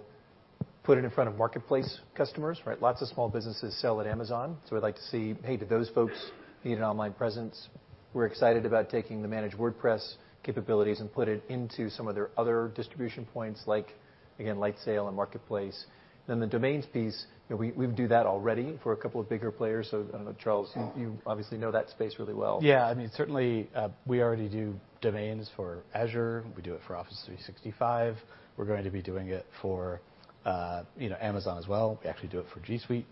put it in front of Marketplace customers, right? Lots of small businesses sell at Amazon, so we'd like to see, "Hey, do those folks need an online presence?" We're excited about taking the managed WordPress capabilities and put it into some of their other distribution points like, again, Lightsail and Marketplace. The domains piece, we do that already for a couple of bigger players. I don't know, Charles, you obviously know that space really well. Yeah. I mean, certainly, we already do domains for Azure. We do it for Office 365. We're going to be doing it for Amazon as well. We actually do it for G Suite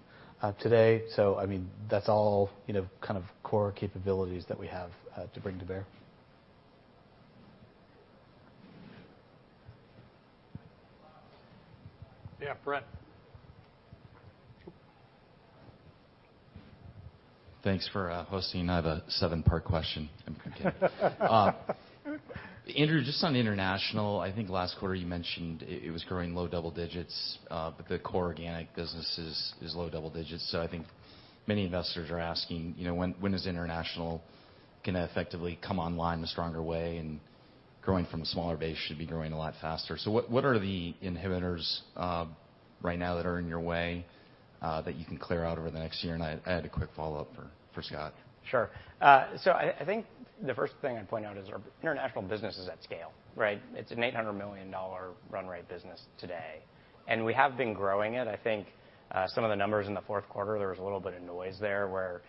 today. I mean, that's all kind of core capabilities that we have to bring to bear. Yeah, Brent. Thanks for hosting. I have a seven-part question. I'm kidding. Andrew, just on international, I think last quarter you mentioned it was growing low double digits, but the core organic business is low double digits. I think many investors are asking, when is international going to effectively come online in a stronger way and Growing from a smaller base should be growing a lot faster. What are the inhibitors right now that are in your way that you can clear out over the next year? And I had a quick follow-up for Scott. Sure. I think the first thing I'd point out is our international business is at scale, right? It's an $800 million run rate business today, and we have been growing it. I think some of the numbers in the fourth quarter, there was a little bit of noise there where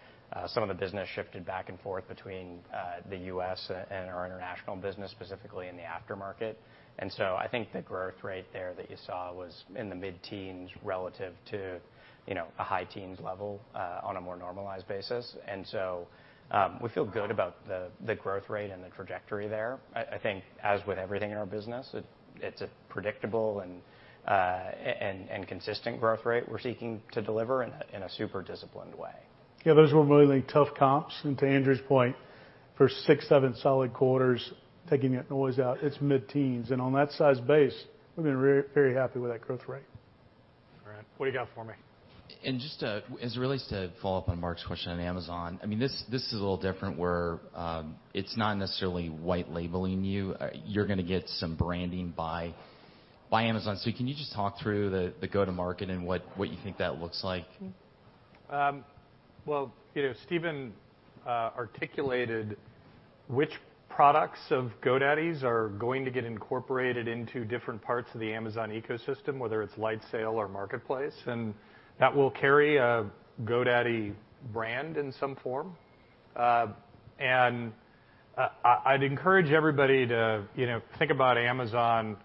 some of the business shifted back and forth between the U.S. and our international business, specifically in the aftermarket. I think the growth rate there that you saw was in the mid-teens relative to a high teens level on a more normalized basis. We feel good about the growth rate and the trajectory there. I think as with everything in our business, it's a predictable and consistent growth rate we're seeking to deliver in a super disciplined way. Yeah, those were really tough comps. To Andrew's point, for six, seven solid quarters, taking that noise out, it's mid-teens. On that size base, we've been very happy with that growth rate. All right. What do you got for me? Just as it relates to follow up on Mark's question on Amazon, this is a little different where it's not necessarily white labeling you. You're going to get some branding by Amazon. Can you just talk through the go-to-market and what you think that looks like? Well, Steven Aldrich articulated which products of GoDaddy's are going to get incorporated into different parts of the Amazon ecosystem, whether it's Lightsail or Marketplace, and that will carry a GoDaddy brand in some form. I'd encourage everybody to think about Amazon.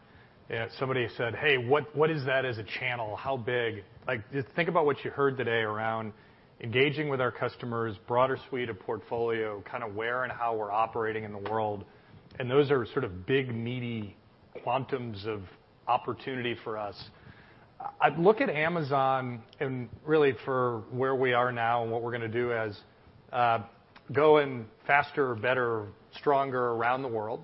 Somebody said, "Hey, what is that as a channel? How big?" Think about what you heard today around engaging with our customers, broader suite of portfolio, kind of where and how we're operating in the world, and those are sort of big, meaty quantums of opportunity for us. I look at Amazon and really for where we are now and what we're going to do as, going faster, better, stronger around the world,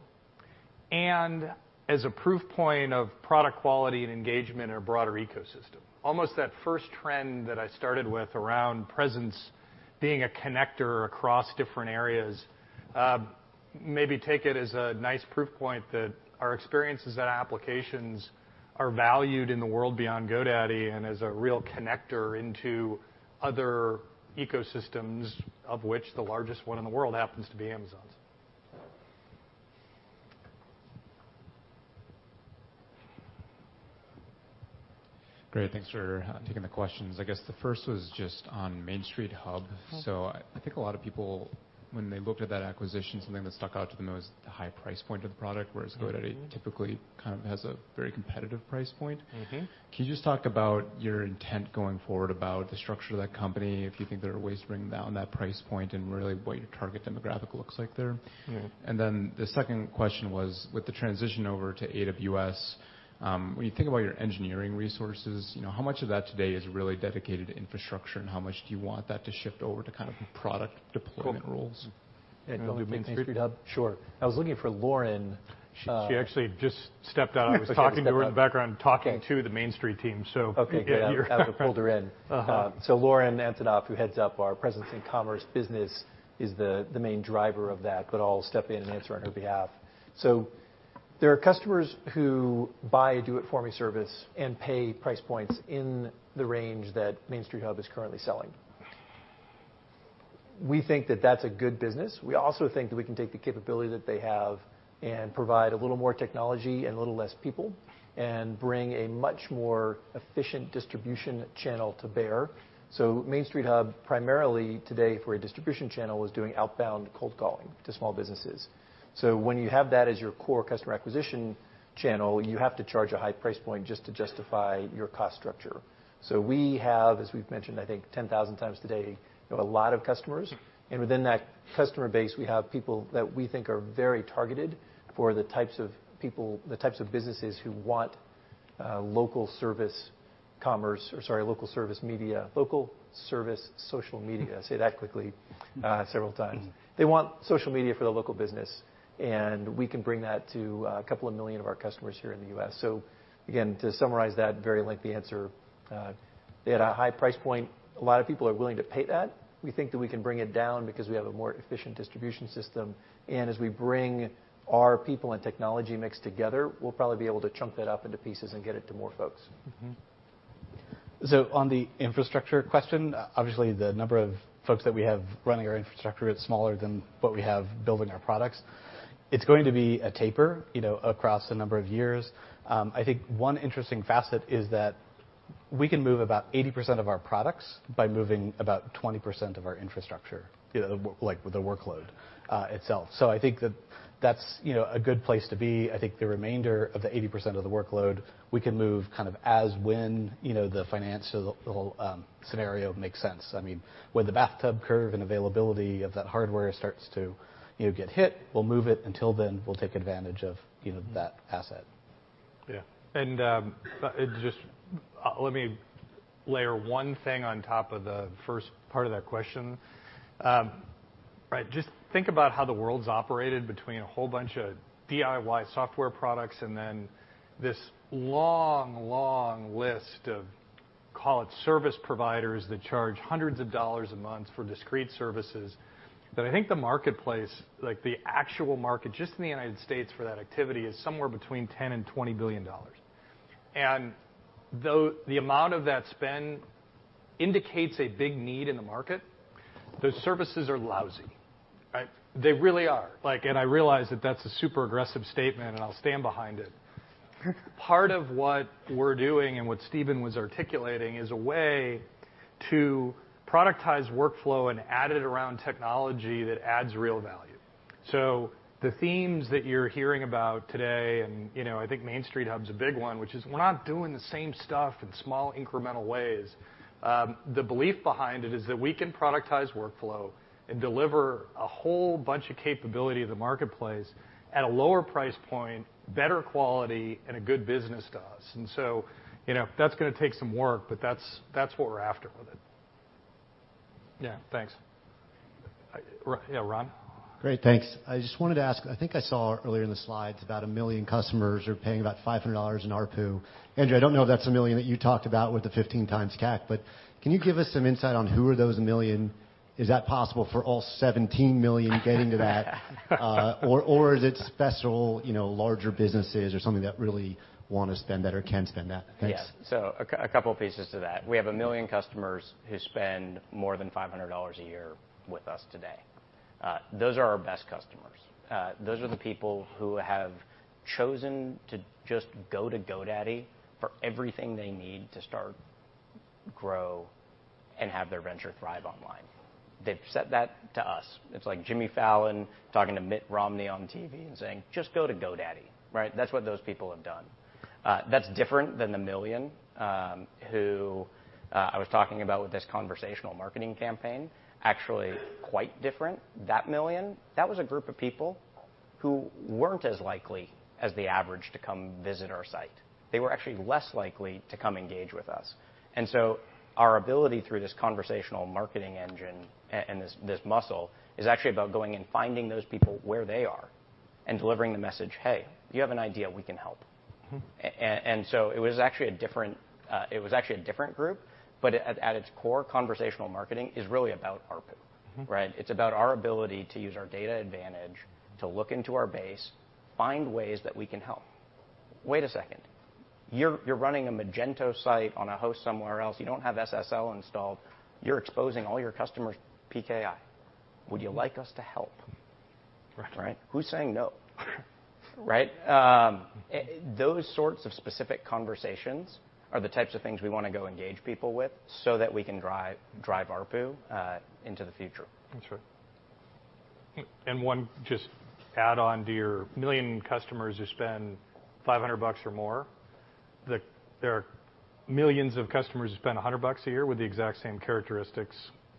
and as a proof point of product quality and engagement in our broader ecosystem. Almost that first trend that I started with around presence being a connector across different areas, maybe take it as a nice proof point that our experiences and applications are valued in the world beyond GoDaddy and as a real connector into other ecosystems, of which the largest one in the world happens to be Amazon's. Great. Thanks for taking the questions. I guess the first was just on Main Street Hub. I think a lot of people, when they looked at that acquisition, something that stuck out to them was the high price point of the product, whereas GoDaddy typically kind of has a very competitive price point. Can you just talk about your intent going forward about the structure of that company, if you think there are ways to bring down that price point and really what your target demographic looks like there? Yeah. The second question was, with the transition over to AWS, when you think about your engineering resources, how much of that today is really dedicated to infrastructure, and how much do you want that to shift over to kind of product deployment roles? You want me to take Main Street Hub? Sure. I was looking for Lauren. She actually just stepped out. She actually stepped out. I was talking to her in the background, talking to the Main Street team, yeah, you're- Okay, good. I would have pulled her in. Lauren Antonoff, who heads up our presence in commerce business, is the main driver of that, but I'll step in and answer on her behalf. There are customers who buy a do-it-for-me service and pay price points in the range that Main Street Hub is currently selling. We think that that's a good business. We also think that we can take the capability that they have and provide a little more technology and a little less people and bring a much more efficient distribution channel to bear. Main Street Hub, primarily today for a distribution channel, is doing outbound cold calling to small businesses. When you have that as your core customer acquisition channel, you have to charge a high price point just to justify your cost structure. We have, as we've mentioned, I think 10,000 times today, a lot of customers, and within that customer base, we have people that we think are very targeted for the types of businesses who want local service commerce, or, sorry, local service media. Local service social media. Say that quickly several times. They want social media for their local business, and we can bring that to a couple of million of our customers here in the U.S. Again, to summarize that very lengthy answer, they had a high price point. A lot of people are willing to pay that. We think that we can bring it down because we have a more efficient distribution system, and as we bring our people and technology mix together, we'll probably be able to chunk that up into pieces and get it to more folks. On the infrastructure question, obviously, the number of folks that we have running our infrastructure, it's smaller than what we have building our products. It's going to be a taper across a number of years. I think one interesting facet is that we can move about 80% of our products by moving about 20% of our infrastructure, like the workload itself. I think that that's a good place to be. I think the remainder of the 80% of the workload, we can move kind of as when the financial scenario makes sense. When the bathtub curve and availability of that hardware starts to get hit, we'll move it. Until then, we'll take advantage of that asset. Yeah. Just let me layer one thing on top of the first part of that question. Just think about how the world's operated between a whole bunch of DIY software products and then this long, long list of Call it service providers that charge hundreds of dollars a month for discrete services. I think the marketplace, the actual market, just in the U.S. for that activity is somewhere between $10 billion and $20 billion. The amount of that spend indicates a big need in the market. Those services are lousy. They really are. I realize that that's a super aggressive statement, and I'll stand behind it. Part of what we're doing, and what Steven was articulating, is a way to productize workflow and add it around technology that adds real value. The themes that you're hearing about today, and I think Main Street Hub's a big one, which is we're not doing the same stuff in small, incremental ways. The belief behind it is that we can productize workflow and deliver a whole bunch of capability to the marketplace at a lower price point, better quality, and at good business to us. That's going to take some work, but that's what we're after with it. Yeah, thanks. Yeah, Ron? Great, thanks. I just wanted to ask, I think I saw earlier in the slides about 1 million customers are paying about $500 in ARPU. Andrew, I don't know if that's the 1 million that you talked about with the 15x CAC, but can you give us some insight on who are those 1 million? Is that possible for all 17 million getting to that? Or is it special, larger businesses or something that really want to spend that or can spend that? Thanks. Yeah. A couple pieces to that. We have a million customers who spend more than $500 a year with us today. Those are our best customers. Those are the people who have chosen to just go to GoDaddy for everything they need to start, grow, and have their venture thrive online. They've said that to us. It's like Jimmy Fallon talking to Mitt Romney on TV and saying, "Just go to GoDaddy." Right? That's what those people have done. That's different than the million who I was talking about with this conversational marketing campaign, actually quite different. That million, that was a group of people who weren't as likely as the average to come visit our site. They were actually less likely to come engage with us. Our ability through this conversational marketing engine and this muscle is actually about going and finding those people where they are and delivering the message, "Hey, you have an idea, we can help." It was actually a different group, but at its core, conversational marketing is really about ARPU. Right? It's about our ability to use our data advantage to look into our base, find ways that we can help. "Wait a second, you're running a Magento site on a host somewhere else, you don't have SSL installed, you're exposing all your customers' PII. Would you like us to help?" Right. Right? Who's saying no? Right? Those sorts of specific conversations are the types of things we want to go engage people with so that we can drive ARPU into the future. That's right. One just add-on to your million customers who spend $500 or more, there are millions of customers who spend $100 a year with the exact same characteristics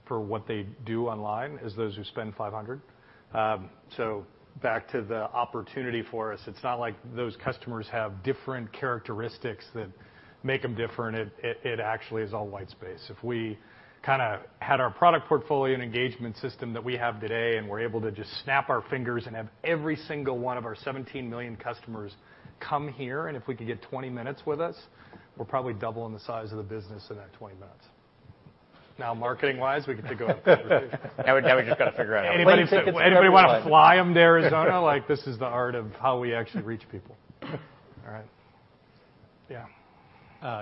for what they do online as those who spend $500. Back to the opportunity for us, it's not like those customers have different characteristics that make them different. It actually is all white space. If we had our product portfolio and engagement system that we have today and we're able to just snap our fingers and have every single one of our 17 million customers come here, and if we could get 20 minutes with us, we're probably doubling the size of the business in that 20 minutes. Now, marketing-wise, we could take a conversation. Now we've just got to figure out how to Anybody want to fly them to Arizona? This is the art of how we actually reach people. All right. Yeah.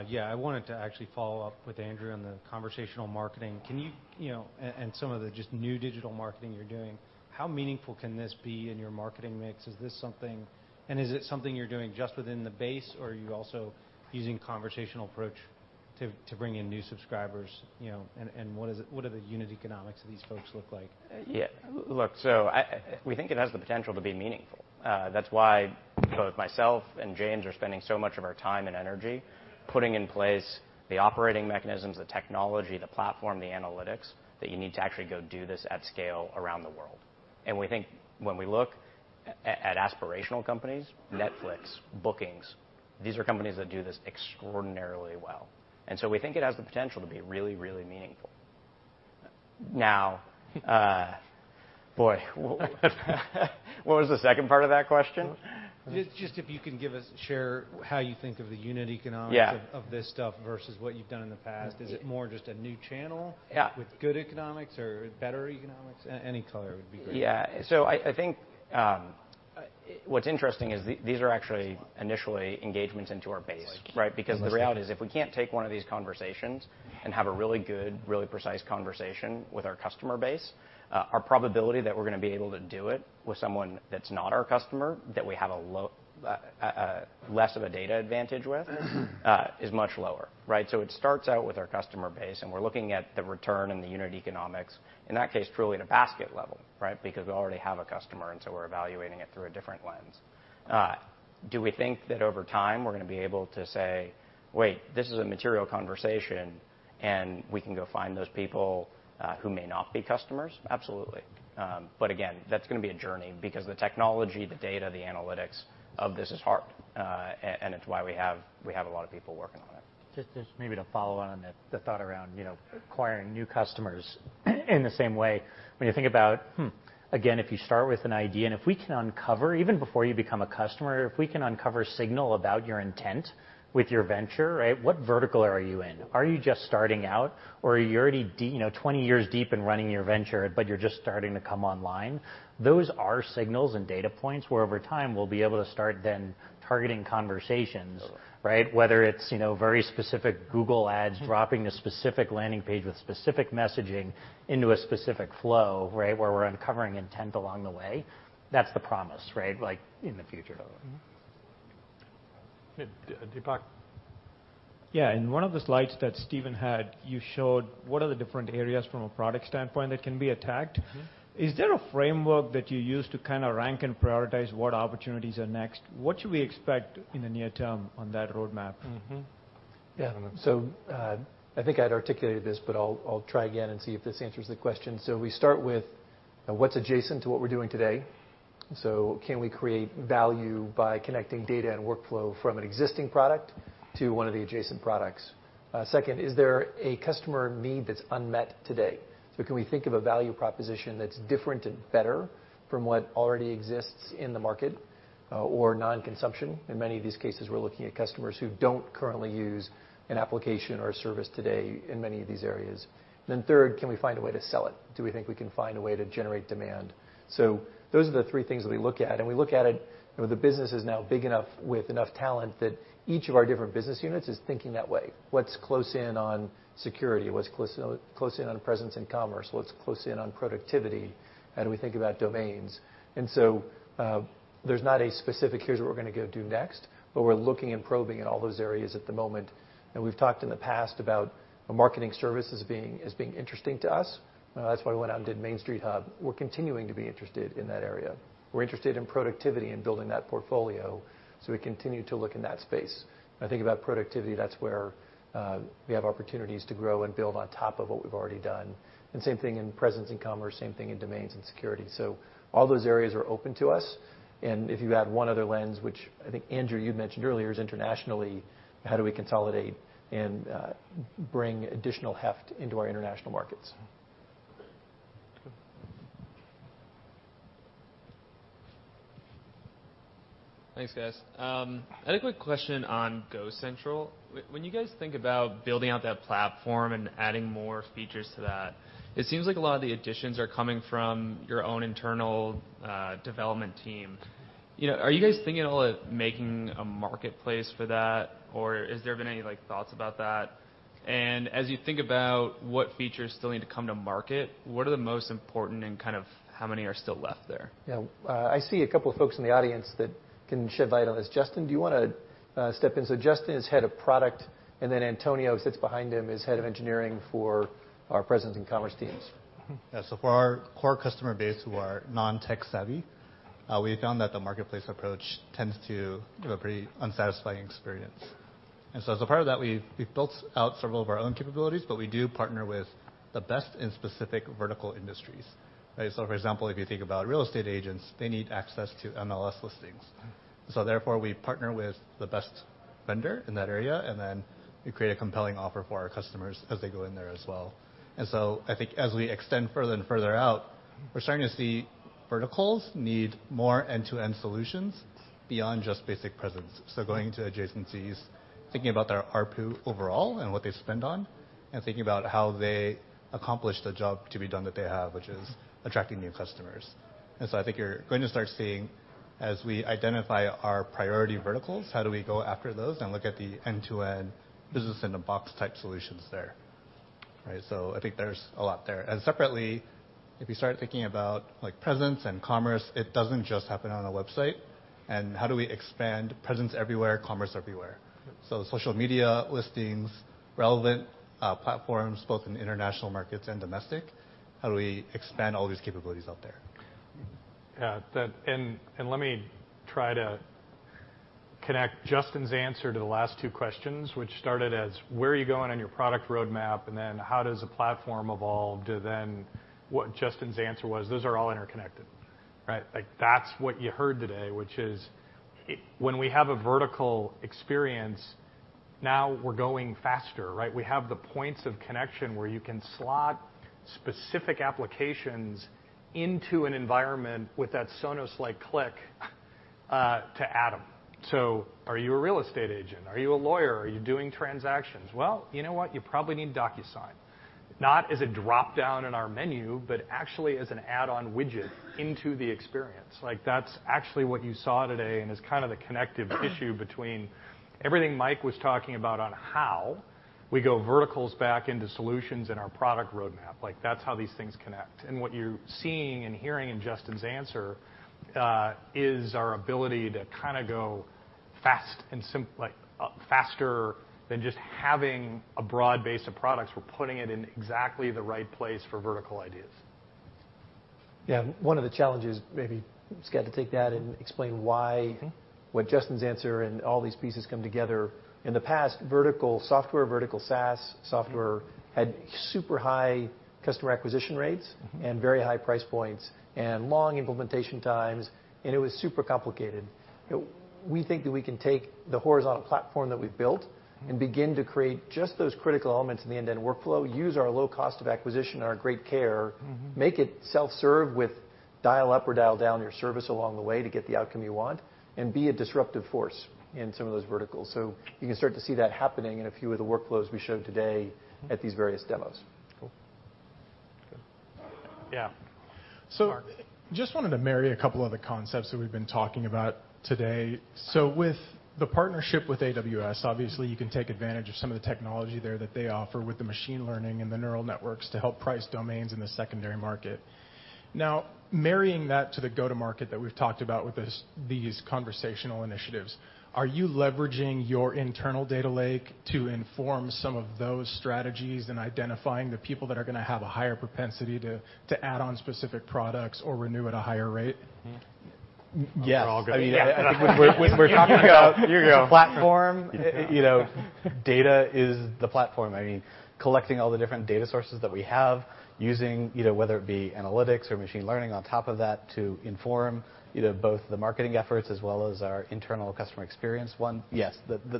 Yeah. I wanted to actually follow up with Andrew on the conversational marketing and some of the just new digital marketing you're doing. How meaningful can this be in your marketing mix? Is it something you're doing just within the base, or are you also using conversational approach to bring in new subscribers? What are the unit economics of these folks look like? Yeah. Look, we think it has the potential to be meaningful. That's why both myself and James are spending so much of our time and energy putting in place the operating mechanisms, the technology, the platform, the analytics that you need to actually go do this at scale around the world. We think when we look at aspirational companies, Netflix, Booking.com, these are companies that do this extraordinarily well. We think it has the potential to be really, really meaningful. Now, boy, what was the second part of that question? Just if you can share how you think of the unit economics- Yeah of this stuff versus what you've done in the past. Is it more just a new channel- Yeah with good economics or better economics? Any color would be great. Yeah. I think what's interesting is these are actually initially engagements into our base, right? The reality is, if we can't take one of these conversations and have a really good, really precise conversation with our customer base, our probability that we're going to be able to do it with someone that's not our customer, that we have less of a data advantage with, is much lower. Right? It starts out with our customer base, and we're looking at the return and the unit economics, in that case, truly at a basket level, right? We already have a customer, we're evaluating it through a different lens. Do we think that over time, we're going to be able to say, "Wait, this is a material conversation, and we can go find those people who may not be customers"? Absolutely. Again, that's going to be a journey because the technology, the data, the analytics of this is hard. It's why we have a lot of people working on it. Just maybe to follow on the thought around acquiring new customers in the same way. When you think about, again, if you start with an idea and if we can uncover, even before you become a customer, if we can uncover a signal about your intent with your venture, right? What vertical are you in? Are you just starting out or are you already 20 years deep in running your venture, but you're just starting to come online? Those are signals and data points where over time we'll be able to start then targeting conversations. Totally. Right? Whether it's very specific Google Ads, dropping a specific landing page with specific messaging into a specific flow, right? Where we're uncovering intent along the way. That's the promise, right? In the future. Totally. Deepak? Yeah. In one of the slides that Steven had, you showed what are the different areas from a product standpoint that can be attacked. Is there a framework that you use to kind of rank and prioritize what opportunities are next? What should we expect in the near term on that roadmap? Yeah. I think I'd articulated this, but I'll try again and see if this answers the question. We start with what's adjacent to what we're doing today. Can we create value by connecting data and workflow from an existing product to one of the adjacent products? Second, is there a customer need that's unmet today? Can we think of a value proposition that's different and better from what already exists in the market, or non-consumption? In many of these cases, we're looking at customers who don't currently use an application or a service today in many of these areas. Third, can we find a way to sell it? Do we think we can find a way to generate demand? Those are the three things that we look at, and we look at it, the business is now big enough with enough talent that each of our different business units is thinking that way. What's close in on security? What's close in on presence in commerce? What's close in on productivity? How do we think about domains? There's not a specific, here's what we're going to go do next, but we're looking and probing in all those areas at the moment. We've talked in the past about marketing services as being interesting to us. That's why we went out and did Main Street Hub. We're continuing to be interested in that area. We're interested in productivity and building that portfolio, so we continue to look in that space. When I think about productivity, that's where we have opportunities to grow and build on top of what we've already done. Same thing in presence in commerce, same thing in domains and security. All those areas are open to us. If you add one other lens, which I think Andrew, you'd mentioned earlier, is internationally, how do we consolidate and bring additional heft into our international markets? Okay. Thanks, guys. I had a quick question on GoCentral. When you guys think about building out that platform and adding more features to that, it seems like a lot of the additions are coming from your own internal development team. Are you guys thinking at all of making a marketplace for that, or has there been any thoughts about that? As you think about what features still need to come to market, what are the most important and kind of how many are still left there? Yeah. I see a couple of folks in the audience that can shed light on this. Justin, do you want to step in? Justin is head of product, and then Antonio sits behind him, is head of engineering for our presence in commerce teams. Yeah, so for our core customer base who are non-tech savvy, we have found that the marketplace approach tends to give a pretty unsatisfying experience. As a part of that, we've built out several of our own capabilities, but we do partner with the best in specific vertical industries, right. For example, if you think about real estate agents, they need access to MLS listings. Therefore, we partner with the best vendor in that area, and then we create a compelling offer for our customers as they go in there as well. I think as we extend further and further out, we're starting to see verticals need more end-to-end solutions beyond just basic presence. Going to adjacencies, thinking about their ARPU overall and what they spend on, and thinking about how they accomplish the job to be done that they have, which is attracting new customers. I think you're going to start seeing as we identify our priority verticals, how do we go after those and look at the end-to-end business in a box type solutions there, right. I think there's a lot there. Separately, if you start thinking about presence and commerce, it doesn't just happen on a website. How do we expand presence everywhere, commerce everywhere? Social media listings, relevant platforms, both in international markets and domestic, how do we expand all these capabilities out there? Yeah. Let me try to connect Justin's answer to the last two questions, which started as where are you going on your product roadmap, how does a platform evolve to then what Justin's answer was. Those are all interconnected, right. That's what you heard today, which is when we have a vertical experience, now we're going faster, right. We have the points of connection where you can slot specific applications into an environment with that Sonos-like click, to add them. Are you a real estate agent? Are you a lawyer? Are you doing transactions? Well, you know what? You probably need DocuSign. Not as a dropdown in our menu, but actually as an add-on widget into the experience. That's actually what you saw today, and is kind of the connective tissue between everything Mike was talking about on how we go verticals back into solutions in our product roadmap. That's how these things connect. What you're seeing and hearing in Justin's answer, is our ability to kind of go faster than just having a broad base of products. We're putting it in exactly the right place for vertical ideas. Yeah. One of the challenges, maybe, Scott, to take that and explain why, what Justin's answer and all these pieces come together. In the past, vertical software, vertical SaaS software had super high customer acquisition rates and very high price points and long implementation times, and it was super complicated We think that we can take the horizontal platform that we've built and begin to create just those critical elements in the end-to-end workflow, use our low cost of acquisition and our great care, make it self-serve with dial up or dial down your service along the way to get the outcome you want, be a disruptive force in some of those verticals. You can start to see that happening in a few of the workflows we showed today at these various demos. Cool. Okay. Yeah. Mark. Just wanted to marry a couple of the concepts that we've been talking about today. With the partnership with AWS, obviously, you can take advantage of some of the technology there that they offer with the machine learning and the neural networks to help price domains in the secondary market. Now, marrying that to the go-to-market that we've talked about with these conversational initiatives, are you leveraging your internal data lake to inform some of those strategies in identifying the people that are going to have a higher propensity to add on specific products or renew at a higher rate? Yes. We're all good. Yeah. When we're talking about- Here you go the platform, data is the platform. Collecting all the different data sources that we have, using, whether it be analytics or machine learning on top of that to inform both the marketing efforts as well as our internal customer experience one. Yes,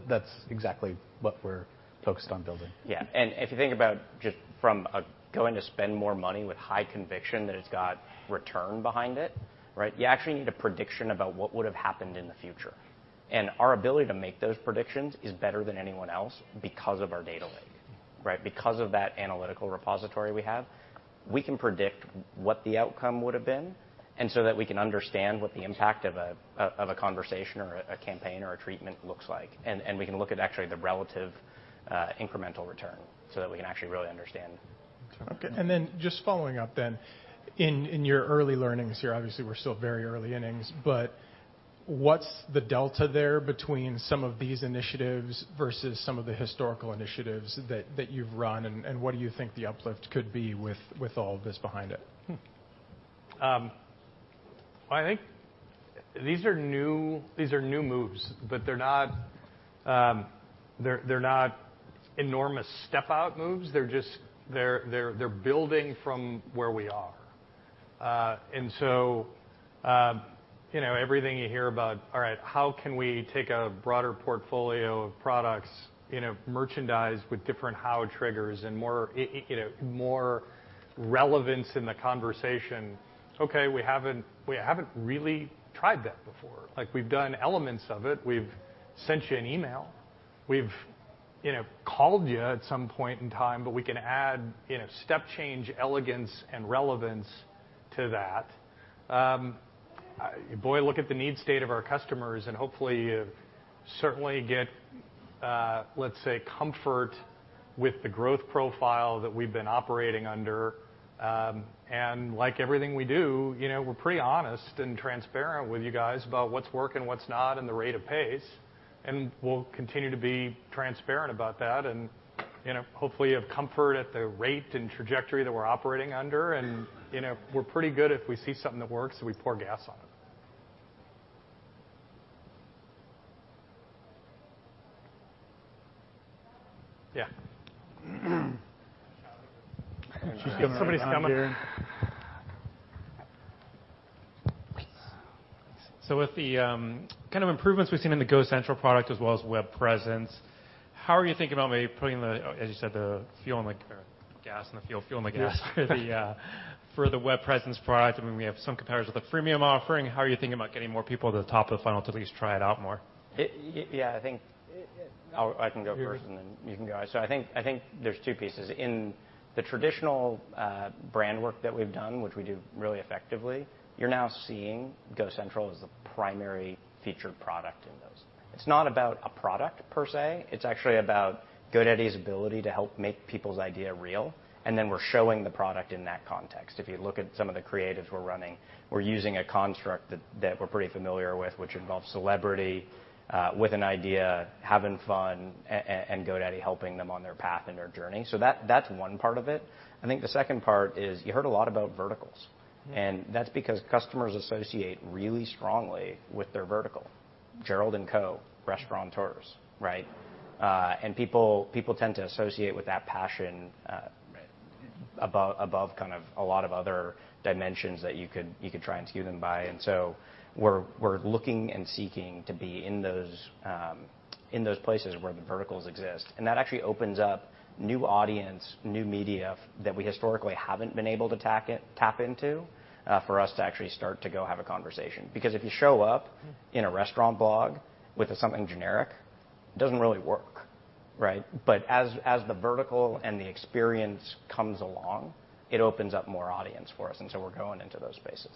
that's exactly what we're focused on building. Yeah. If you think about just from a going to spend more money with high conviction that it's got return behind it, you actually need a prediction about what would've happened in the future. Our ability to make those predictions is better than anyone else because of our data lake. Because of that analytical repository we have, we can predict what the outcome would've been, and so that we can understand what the impact of a conversation or a campaign or a treatment looks like. We can look at actually the relative, incremental return so that we can actually really understand. Okay. Just following up then, in your early learnings here, obviously, we're still very early innings, what's the delta there between some of these initiatives versus some of the historical initiatives that you've run, and what do you think the uplift could be with all of this behind it? I think these are new moves, they're not enormous step-out moves. They're building from where we are. Everything you hear about, all right, how can we take a broader portfolio of products, merchandise with different how triggers and more relevance in the conversation. Okay, we haven't really tried that before. We've done elements of it. We've sent you an email. We've called you at some point in time, we can add step change, elegance, and relevance to that. Boy, look at the need state of our customers and hopefully, certainly get, let's say, comfort with the growth profile that we've been operating under. Like everything we do, we're pretty honest and transparent with you guys about what's working, what's not, and the rate of pace. We'll continue to be transparent about that, and hopefully you have comfort at the rate and trajectory that we're operating under. We're pretty good if we see something that works, we pour gas on it. Yeah. She's coming around here. Somebody's coming. Please. With the kind of improvements we've seen in the GoCentral product as well as web presence, how are you thinking about maybe putting the, as you said, the gas and the fuel, feeling the gas for the web presence product? I mean, we have some competitors with a freemium offering. How are you thinking about getting more people to the top of the funnel to at least try it out more? I think I can go first, and then you can go. I think there's two pieces. In the traditional brand work that we've done, which we do really effectively, you're now seeing GoCentral as the primary featured product in those. It's not about a product per se, it's actually about GoDaddy's ability to help make people's idea real, and then we're showing the product in that context. If you look at some of the creatives we're running, we're using a construct that we're pretty familiar with, which involves celebrity, with an idea, having fun, and GoDaddy helping them on their path and their journey. That's one part of it. I think the second part is you heard a lot about verticals, and that's because customers associate really strongly with their vertical. Gerald and Co., restaurateurs, right? People tend to associate with that passion. Right above kind of a lot of other dimensions that you could try and cue them by. We're looking and seeking to be in those places where the verticals exist. That actually opens up new audience, new media that we historically haven't been able to tap into, for us to actually start to go have a conversation. Because if you show up in a restaurant blog with something generic, it doesn't really work, right? As the vertical and the experience comes along, it opens up more audience for us, and so we're going into those spaces.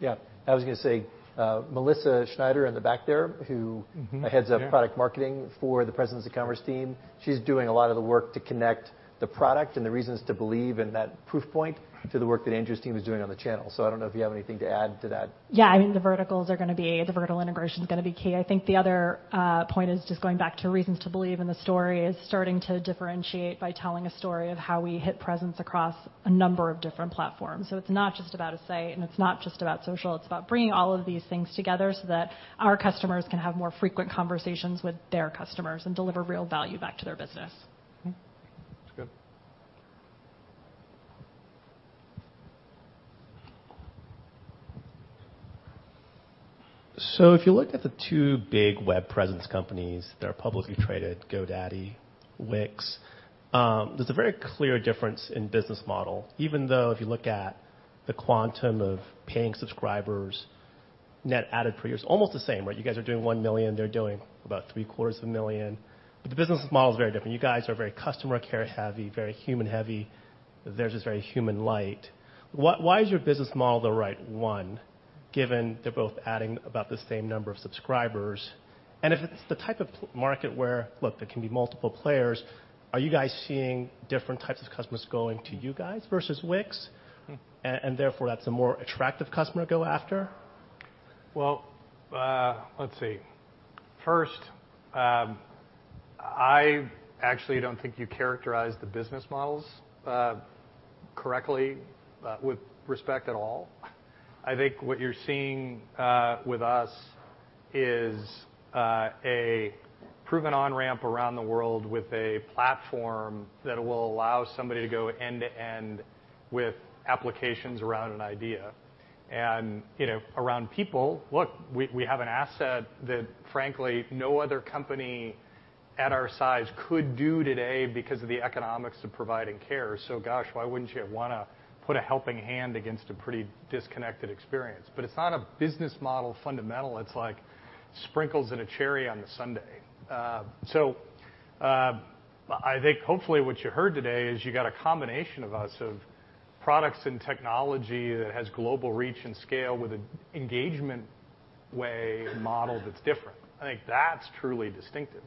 Yeah. I was going to say, Melissa Schneider in the back there, who heads up product marketing for the Presence and Commerce team, she's doing a lot of the work to connect the product and the reasons to believe in that proof point to the work that Andrew's team is doing on the channel. I don't know if you have anything to add to that. Yeah. I mean, the verticals are going to be, the vertical integration's going to be key. I think the other point is just going back to reasons to believe in the story is starting to differentiate by telling a story of how we hit presence across a number of different platforms. It's not just about a site, and it's not just about social, it's about bringing all of these things together so that our customers can have more frequent conversations with their customers and deliver real value back to their business. That's good. If you look at the two big web presence companies that are publicly traded, GoDaddy, Wix, there's a very clear difference in business model. Even though if you look at the quantum of paying subscribers, net added per year, it's almost the same, right? You guys are doing 1 million, they're doing about three-quarters of a million. The business model is very different. You guys are very customer care heavy, very human heavy. Theirs is very human light. Why is your business model the right one, given they're both adding about the same number of subscribers? If it's the type of market where, look, there can be multiple players, are you guys seeing different types of customers going to you guys versus Wix? Therefore, that's a more attractive customer to go after? Well, let's see. First, I actually don't think you characterized the business models correctly with respect at all. I think what you're seeing with us is a proven on-ramp around the world with a platform that will allow somebody to go end-to-end with applications around an idea. Around people, look, we have an asset that frankly, no other company at our size could do today because of the economics of providing care. Gosh, why wouldn't you want to put a helping hand against a pretty disconnected experience? It's not a business model fundamental. It's like sprinkles and a cherry on the sundae. I think hopefully what you heard today is you got a combination of us, of products and technology that has global reach and scale with an engagement way and model that's different. I think that's truly distinctive.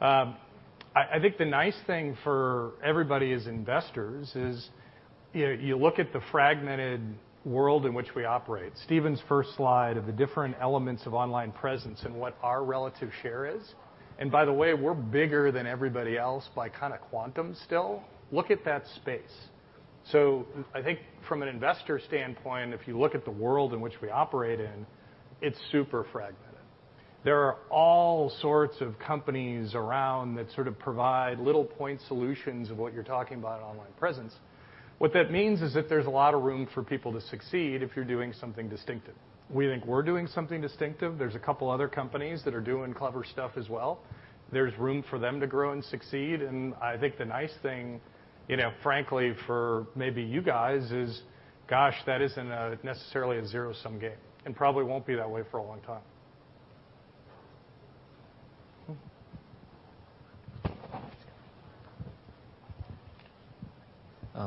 I think the nice thing for everybody as investors is, you look at the fragmented world in which we operate. Steven's first slide of the different elements of online presence and what our relative share is, and by the way, we're bigger than everybody else by kind of quantum still. Look at that space. I think from an investor standpoint, if you look at the world in which we operate in, it's super fragmented. There are all sorts of companies around that sort of provide little point solutions of what you're talking about in online presence. What that means is that there's a lot of room for people to succeed if you're doing something distinctive. We think we're doing something distinctive. There's a couple other companies that are doing clever stuff as well. There's room for them to grow and succeed. I think the nice thing, frankly, for maybe you guys is, gosh, that isn't necessarily a zero-sum game, and probably won't be that way for a long time.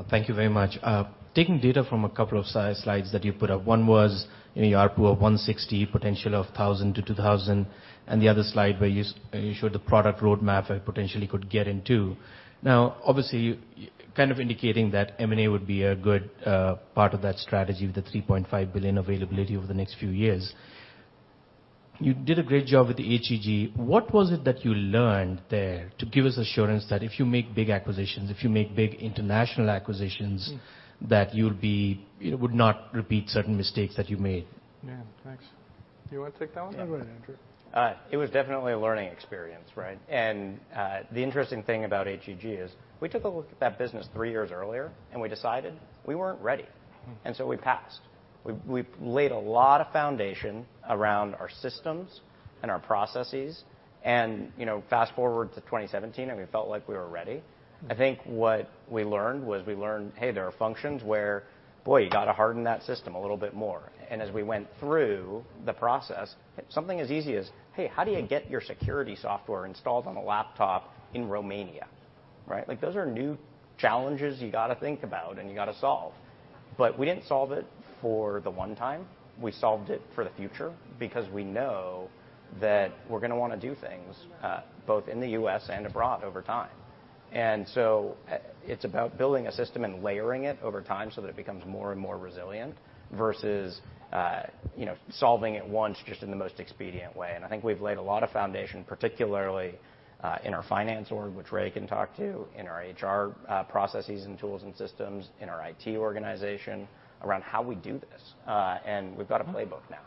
Thank you very much. Taking data from a couple of slides that you put up, one was your ARPU of $160, potential of $1,000 to $2,000, and the other slide where you showed the product roadmap it potentially could get into. Obviously, kind of indicating that M&A would be a good part of that strategy with the $3.5 billion availability over the next few years. You did a great job with the HEG. What was it that you learned there to give us assurance that if you make big acquisitions, if you make big international acquisitions, that you would not repeat certain mistakes that you made? Man, thanks. You want to take that one? Yeah. You want Andrew? It was definitely a learning experience, right? The interesting thing about HEG is we took a look at that business three years earlier, and we decided we weren't ready. We passed. We've laid a lot of foundation around our systems and our processes and fast-forward to 2017, and we felt like we were ready. I think what we learned was, we learned, hey, there are functions where, boy, you got to harden that system a little bit more. As we went through the process, something as easy as, hey, how do you get your security software installed on a laptop in Romania, right? Those are new challenges you got to think about and you got to solve. We didn't solve it for the one time. We solved it for the future because we know that we're going to want to do things both in the U.S. and abroad over time. It's about building a system and layering it over time so that it becomes more and more resilient versus solving it once just in the most expedient way. I think we've laid a lot of foundation, particularly in our finance org, which Ray can talk to, in our HR processes and tools and systems, in our IT organization around how we do this. We've got a playbook now.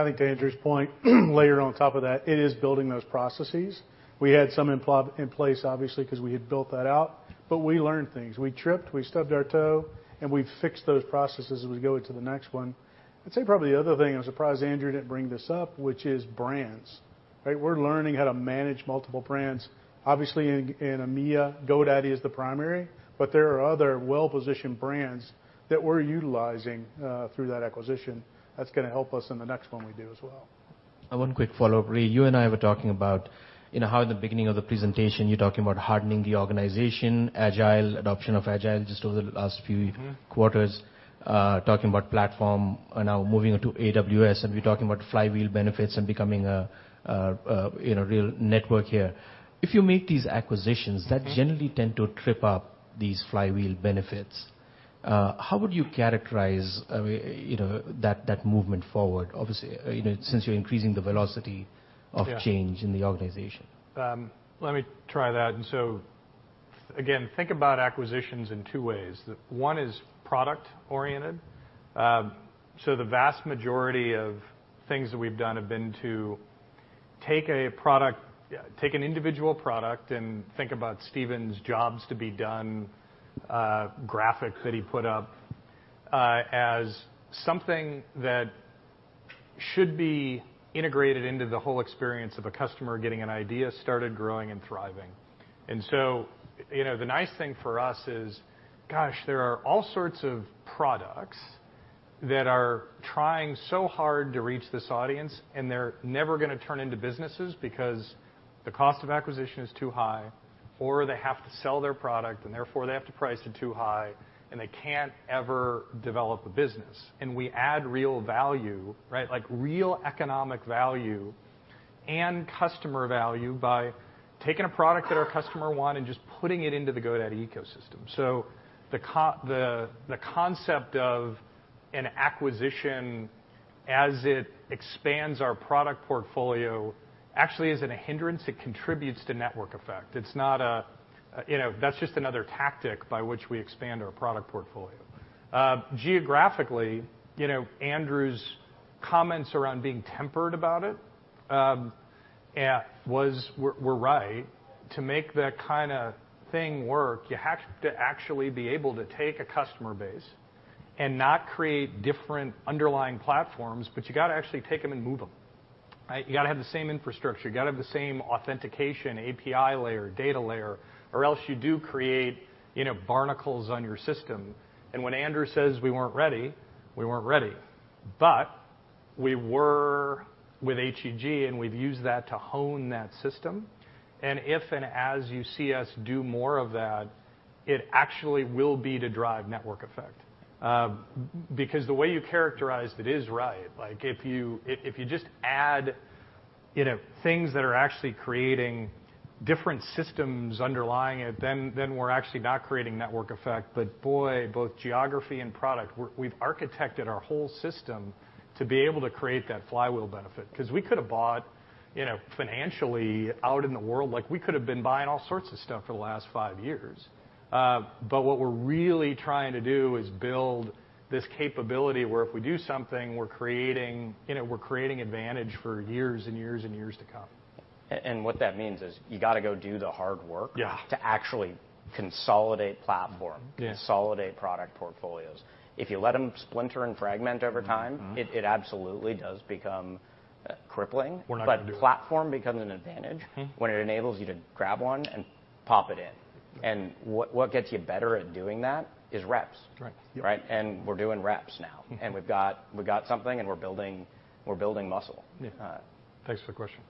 I think to Andrew's point, layer on top of that, it is building those processes. We had some in place, obviously, because we had built that out, but we learned things. We tripped, we stubbed our toe, and we fixed those processes as we go into the next one. I'd say probably the other thing, I'm surprised Andrew didn't bring this up, which is brands, right? We're learning how to manage multiple brands. Obviously, in EMEA, GoDaddy is the primary, but there are other well-positioned brands that we're utilizing through that acquisition that's going to help us in the next one we do as well. One quick follow-up. Ray, you and I were talking about how in the beginning of the presentation, you're talking about hardening the organization, agile, adoption of agile just over the last few- quarters, talking about platform, now moving into AWS. We're talking about flywheel benefits and becoming a real network here. If you make these acquisitions- that generally tend to trip up these flywheel benefits, how would you characterize that movement forward? Obviously, since you're increasing the velocity of change- Yeah in the organization. Let me try that. Again, think about acquisitions in two ways. One is product oriented. The vast majority of things that we've done have been to take an individual product and think about Steven's jobs to be done, graphics that he put up, as something that should be integrated into the whole experience of a customer getting an idea started growing and thriving. The nice thing for us is, gosh, there are all sorts of products that are trying so hard to reach this audience, and they're never going to turn into businesses because the cost of acquisition is too high, or they have to sell their product, and therefore they have to price it too high, and they can't ever develop a business. We add real value, real economic value, and customer value by taking a product that our customer want and just putting it into the GoDaddy ecosystem. The concept of an acquisition as it expands our product portfolio actually isn't a hindrance. It contributes to network effect. That's just another tactic by which we expand our product portfolio. Geographically, Andrew's comments around being tempered about it were right. To make that kind of thing work, you have to actually be able to take a customer base and not create different underlying platforms, but you got to actually take them and move them. You got to have the same infrastructure, you got to have the same authentication, API layer, data layer, or else you do create barnacles on your system. When Andrew says we weren't ready, we weren't ready. We were with HEG, and we've used that to hone that system. If and as you see us do more of that, it actually will be to drive network effect. The way you characterized it is right. If you just add things that are actually creating different systems underlying it, then we're actually not creating network effect. Boy, both geography and product, we've architected our whole system to be able to create that flywheel benefit. We could have bought financially out in the world, we could have been buying all sorts of stuff for the last five years. What we're really trying to do is build this capability where if we do something, we're creating advantage for years and years and years to come. What that means is you got to go do the hard work- Yeah to actually consolidate platform- Yeah consolidate product portfolios. If you let them splinter and fragment over time it absolutely does become crippling. We're not going to do it. platform becomes an advantage When it enables you to grab one and pop it in. What gets you better at doing that is reps. Correct. Yep. Right? We're doing reps now. We've got something, and we're building muscle. Yeah. Thanks for the question.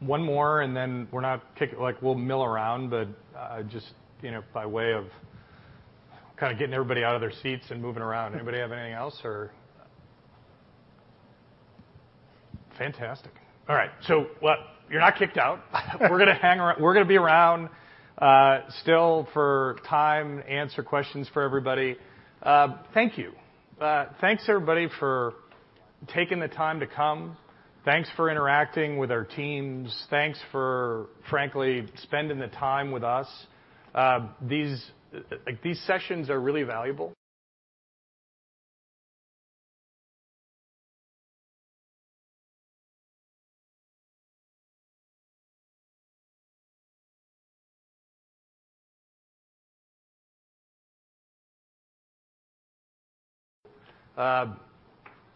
One more, and then we'll mill around, but just by way of kind of getting everybody out of their seats and moving around. Anybody have anything else? Fantastic. All right. You're not kicked out. We're going to be around still for time, answer questions for everybody. Thank you. Thanks everybody for taking the time to come. Thanks for interacting with our teams. Thanks for, frankly, spending the time with us. These sessions are really valuable.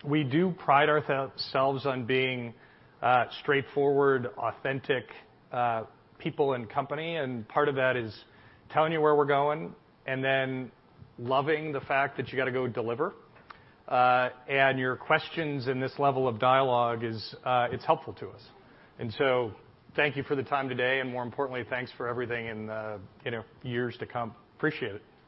We do pride ourselves on being a straightforward, authentic people and company, and part of that is telling you where we're going and then loving the fact that you got to go deliver. Your questions and this level of dialogue, it's helpful to us. Thank you for the time today, and more importantly, thanks for everything in the years to come. Appreciate it.